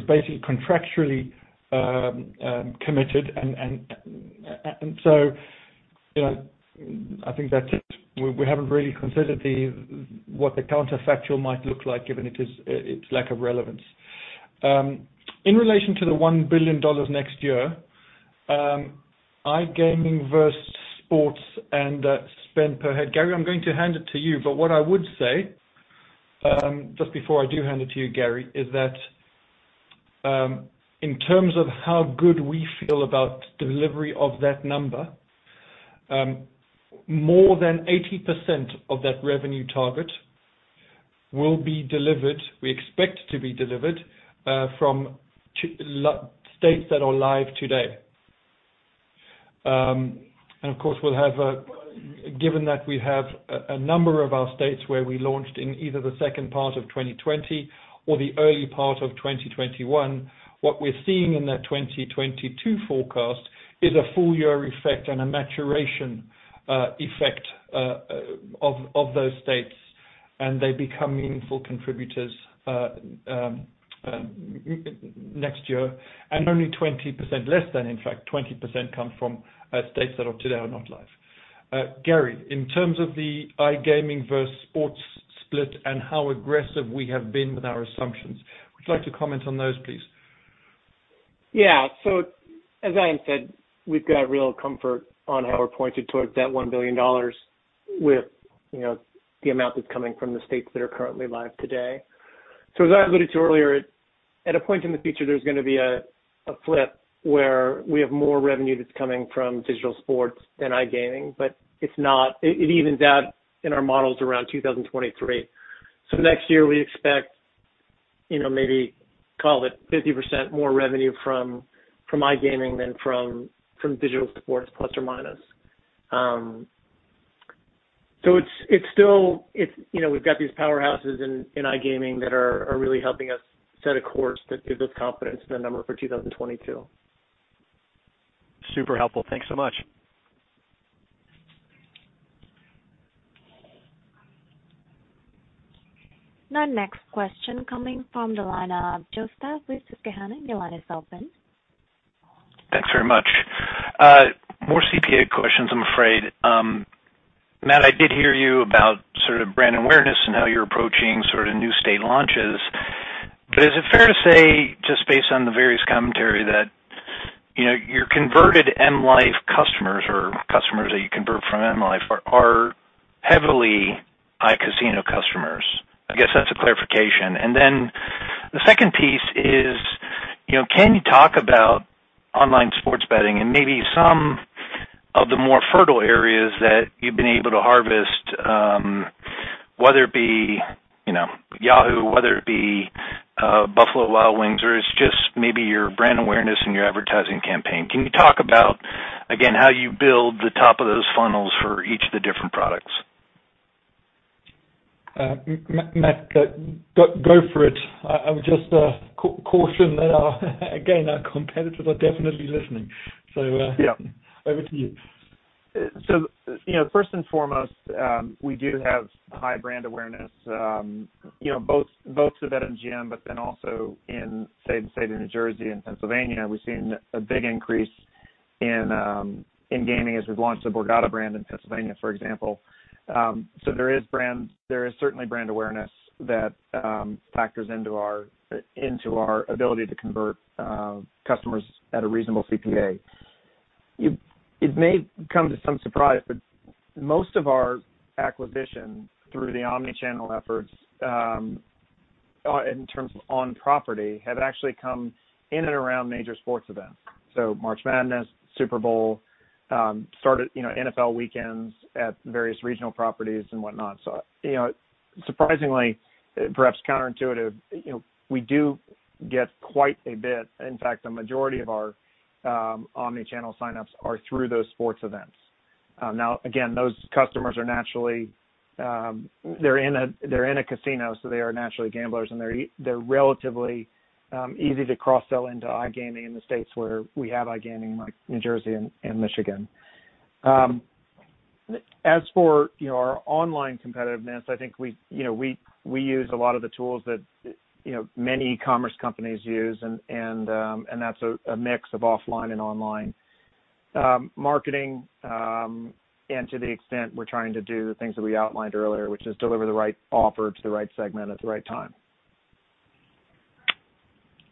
basically contractually committed. I think that's it. We haven't really considered what the counterfactual might look like given its lack of relevance. In relation to the $1 billion next year, iGaming versus sports and spend per head, Gary, I'm going to hand it to you, but what I would say, just before I do hand it to you, Gary, is that in terms of how good we feel about delivery of that number, more than 80% of that revenue target will be delivered, we expect to be delivered, from states that are live today. Of course, given that we have a number of our states where we launched in either the second part of 2020 or the early part of 2021, what we're seeing in that 2022 forecast is a full-year effect and a maturation effect of those states, and they become meaningful contributors next year. Only 20%, less than, in fact, 20% come from states that today are not live. Gary, in terms of the iGaming versus sports split and how aggressive we have been with our assumptions, would you like to comment on those, please? Yeah. As Adam said, we've got real comfort on how we're pointed towards that $1 billion with the amount that's coming from the states that are currently live today. As I alluded to earlier, at a point in the future, there's going to be a flip where we have more revenue that's coming from digital sports than iGaming, but it evens out in our models around 2023. Next year, we expect maybe call it 50% more revenue from iGaming than from digital sports, plus or minus. We've got these powerhouses in iGaming that are really helping us set a course that gives us confidence in the number for 2022. Super helpful. Thanks so much. Our next question coming from the line of Joseph Stauff with Susquehanna. Your line is open. Thanks very much. More CPA questions, I'm afraid. Matt, I did hear you about sort of brand awareness and how you're approaching sort of new state launches. Is it fair to say, just based on the various commentary, that your converted M life customers or customers that you convert from M life are heavily iCasino customers? I guess that's a clarification. The second piece is, can you talk about online sports betting and maybe some of the more fertile areas that you've been able to harvest, whether it be Yahoo!, whether it be Buffalo Wild Wings, or it's just maybe your brand awareness and your advertising campaign. Can you talk about, again, how you build the top of those funnels for each of the different products? Matt, go for it. I would just caution that our again, our competitors are definitely listening. Yeah Over to you. First and foremost, we do have high brand awareness both with MGM, but then also in say, the state of New Jersey and Pennsylvania, we've seen a big increase in gaming as we've launched the Borgata brand in Pennsylvania, for example. There is certainly brand awareness that factors into our ability to convert customers at a reasonable CPA. It may come to some surprise, but most of our acquisition through the omnichannel efforts, in terms of on property, have actually come in and around major sports events. March Madness, Super Bowl, NFL weekends at various regional properties and whatnot. Surprisingly, perhaps counterintuitive, we do get quite a bit. In fact, a majority of our omnichannel sign-ups are through those sports events. Again, those customers they're in a casino, so they are naturally gamblers and they're relatively easy to cross-sell into iGaming in the states where we have iGaming, like New Jersey and Michigan. As for our online competitiveness, I think we use a lot of the tools that many commerce companies use and that's a mix of offline and online marketing, and to the extent we're trying to do the things that we outlined earlier, which is deliver the right offer to the right segment at the right time.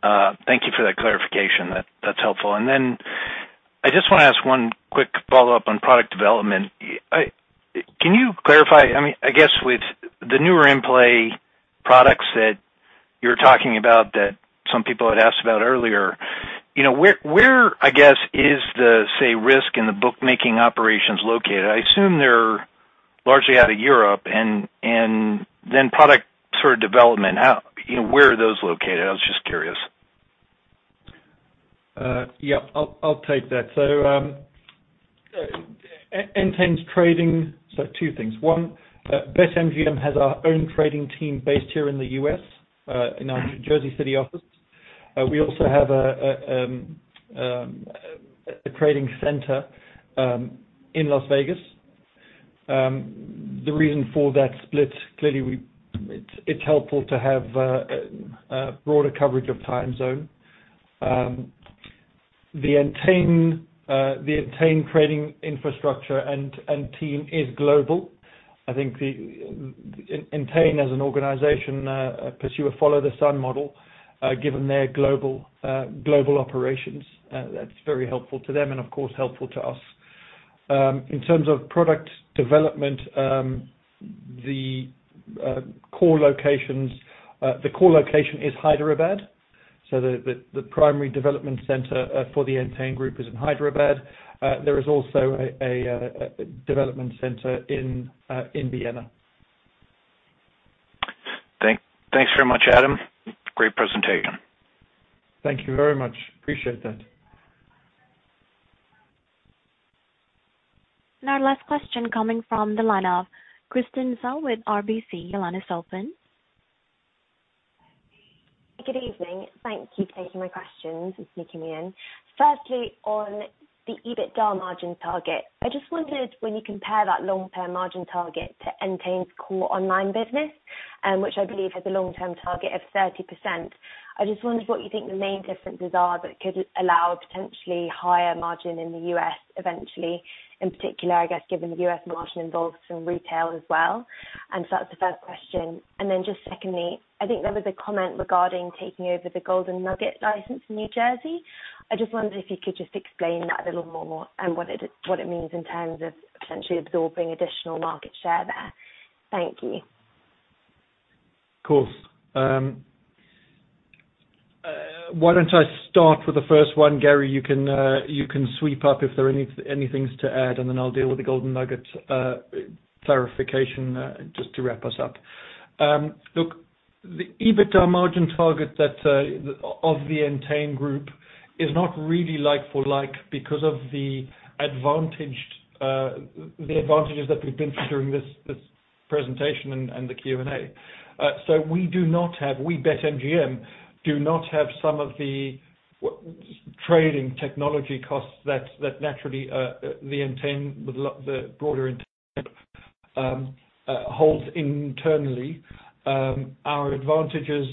Thank you for that clarification. That's helpful. I just want to ask one quick follow-up on product development. Can you clarify, I guess with the newer in-play products that you were talking about that some people had asked about earlier, where I guess is the, say, risk in the bookmaking operations located? I assume they're largely out of Europe and then product sort of development, where are those located? I was just curious. Yeah. I'll take that. Entain's trading. Two things. One, BetMGM has our own trading team based here in the U.S., in our New Jersey City office. We also have a trading center in Las Vegas. The reason for that split, clearly it's helpful to have a broader coverage of time zone. The Entain trading infrastructure and team is global. I think Entain as an organization pursue a follow the sun model, given their global operations. That's very helpful to them and of course, helpful to us. In terms of product development, the core location is Hyderabad. The primary development center for the Entain group is in Hyderabad. There is also a development center in Vienna. Thanks very much, Adam. Great presentation. Thank you very much. Appreciate that. Our last question coming from the line of Christine Zhou with RBC. Your line is open. Good evening. Thank you for taking my questions. It's me. <inaudible> Firstly, on the EBITDA margin target, I just wondered when you compare that long-term margin target to Entain's core online business, which I believe has a long-term target of 30%, I just wondered what you think the main differences are that could allow a potentially higher margin in the U.S. eventually, in particular, I guess, given the U.S. margin involves some retail as well. That's the first question. Just secondly, I think there was a comment regarding taking over the Golden Nugget license in New Jersey. I just wondered if you could just explain that a little more and what it means in terms of potentially absorbing additional market share there. Thank you. Why don't I start with the first one, Gary, you can sweep up if there are any things to add, and then I'll deal with the Golden Nugget clarification, just to wrap us up. The EBITDA margin target of the Entain Group is not really like for like, because of the advantages that we've been through during this presentation and the Q&A. We BetMGM, do not have some of the trading technology costs that naturally the broader Entain holds internally. Our advantages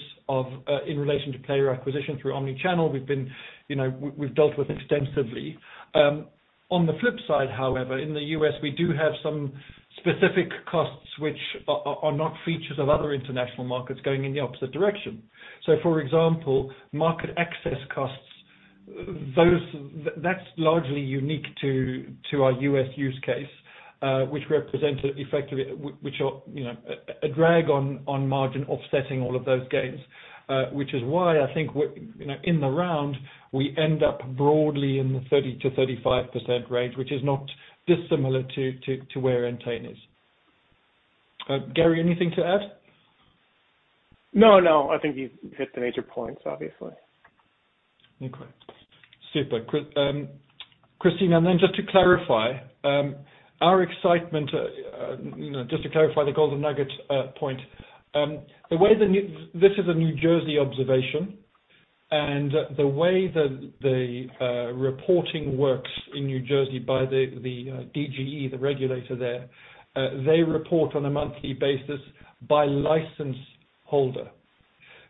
in relation to player acquisition through omnichannel, we've dealt with extensively. On the flip side, however, in the U.S., we do have some specific costs which are not features of other international markets going in the opposite direction. For example, market access costs. That's largely unique to our U.S. use case, which represented effectively, a drag on margin offsetting all of those gains. Which is why I think in the round, we end up broadly in the 30%-35% range, which is not dissimilar to where Entain is. Gary, anything to add? No, I think you've hit the major points, obviously. Okay. Super. Christine, then just to clarify the Golden Nugget point, this is a New Jersey observation, and the way the reporting works in New Jersey by the DGE, the regulator there, they report on a monthly basis by license holder.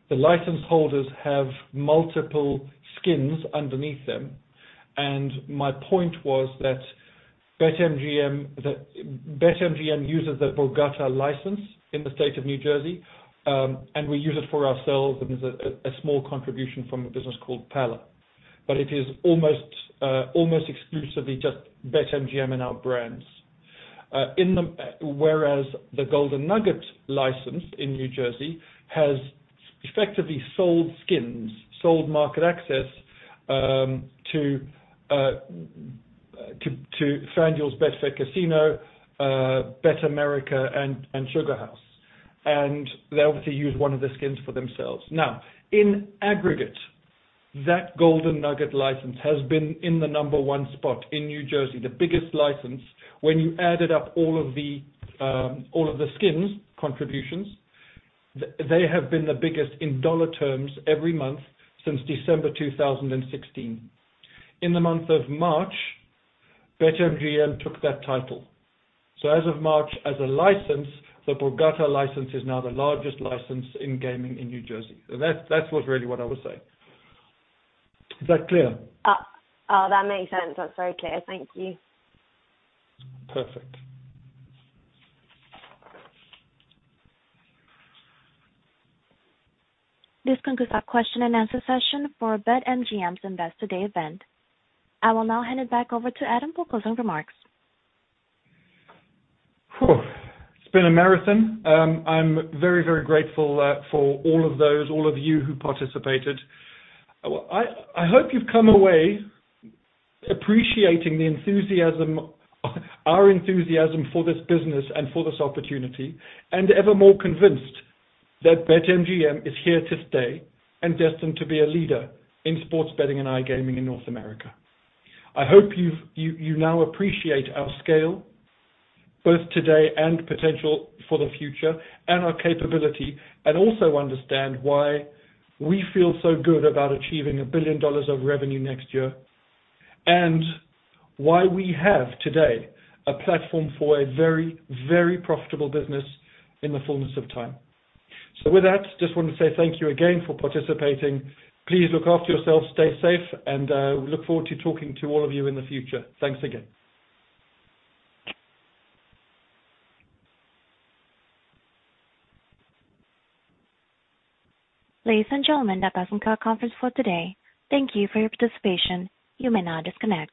The license holders have multiple skins underneath them. My point was that BetMGM uses the Borgata license in the state of New Jersey, and we use it for ourselves, and there's a small contribution from a business called Pala. It is almost exclusively just BetMGM and our brands. Whereas the Golden Nugget license in New Jersey has effectively sold skins, sold market access to FanDuel's Betfair Casino, BetAmerica, and SugarHouse. They obviously use one of the skins for themselves. In aggregate, that Golden Nugget license has been in the number one spot in New Jersey, the biggest license. When you added up all of the skins contributions, they have been the biggest in dollar terms every month since December 2016. In the month of March, BetMGM took that title. As of March, as a license, the Borgata license is now the largest license in gaming in New Jersey. That was really what I was saying. Is that clear? Oh, that makes sense. That's very clear. Thank you. Perfect. This concludes our question-and-answer session for BetMGM's Investor Day event. I will now hand it back over to Adam for closing remarks. It's been a marathon. I'm very, very grateful for all of those, all of you who participated. I hope you've come away appreciating our enthusiasm for this business and for this opportunity, and ever more convinced that BetMGM is here to stay and destined to be a leader in sports betting and iGaming in North America. I hope you now appreciate our scale, both today and potential for the future, and our capability, and also understand why we feel so good about achieving $1 billion of revenue next year, and why we have today a platform for a very, very profitable business in the fullness of time. With that, just want to say thank you again for participating. Please look after yourselves, stay safe, and we look forward to talking to all of you in the future. Thanks again. Ladies and gentlemen, that does end our conference for today. Thank you for your participation. You may now disconnect.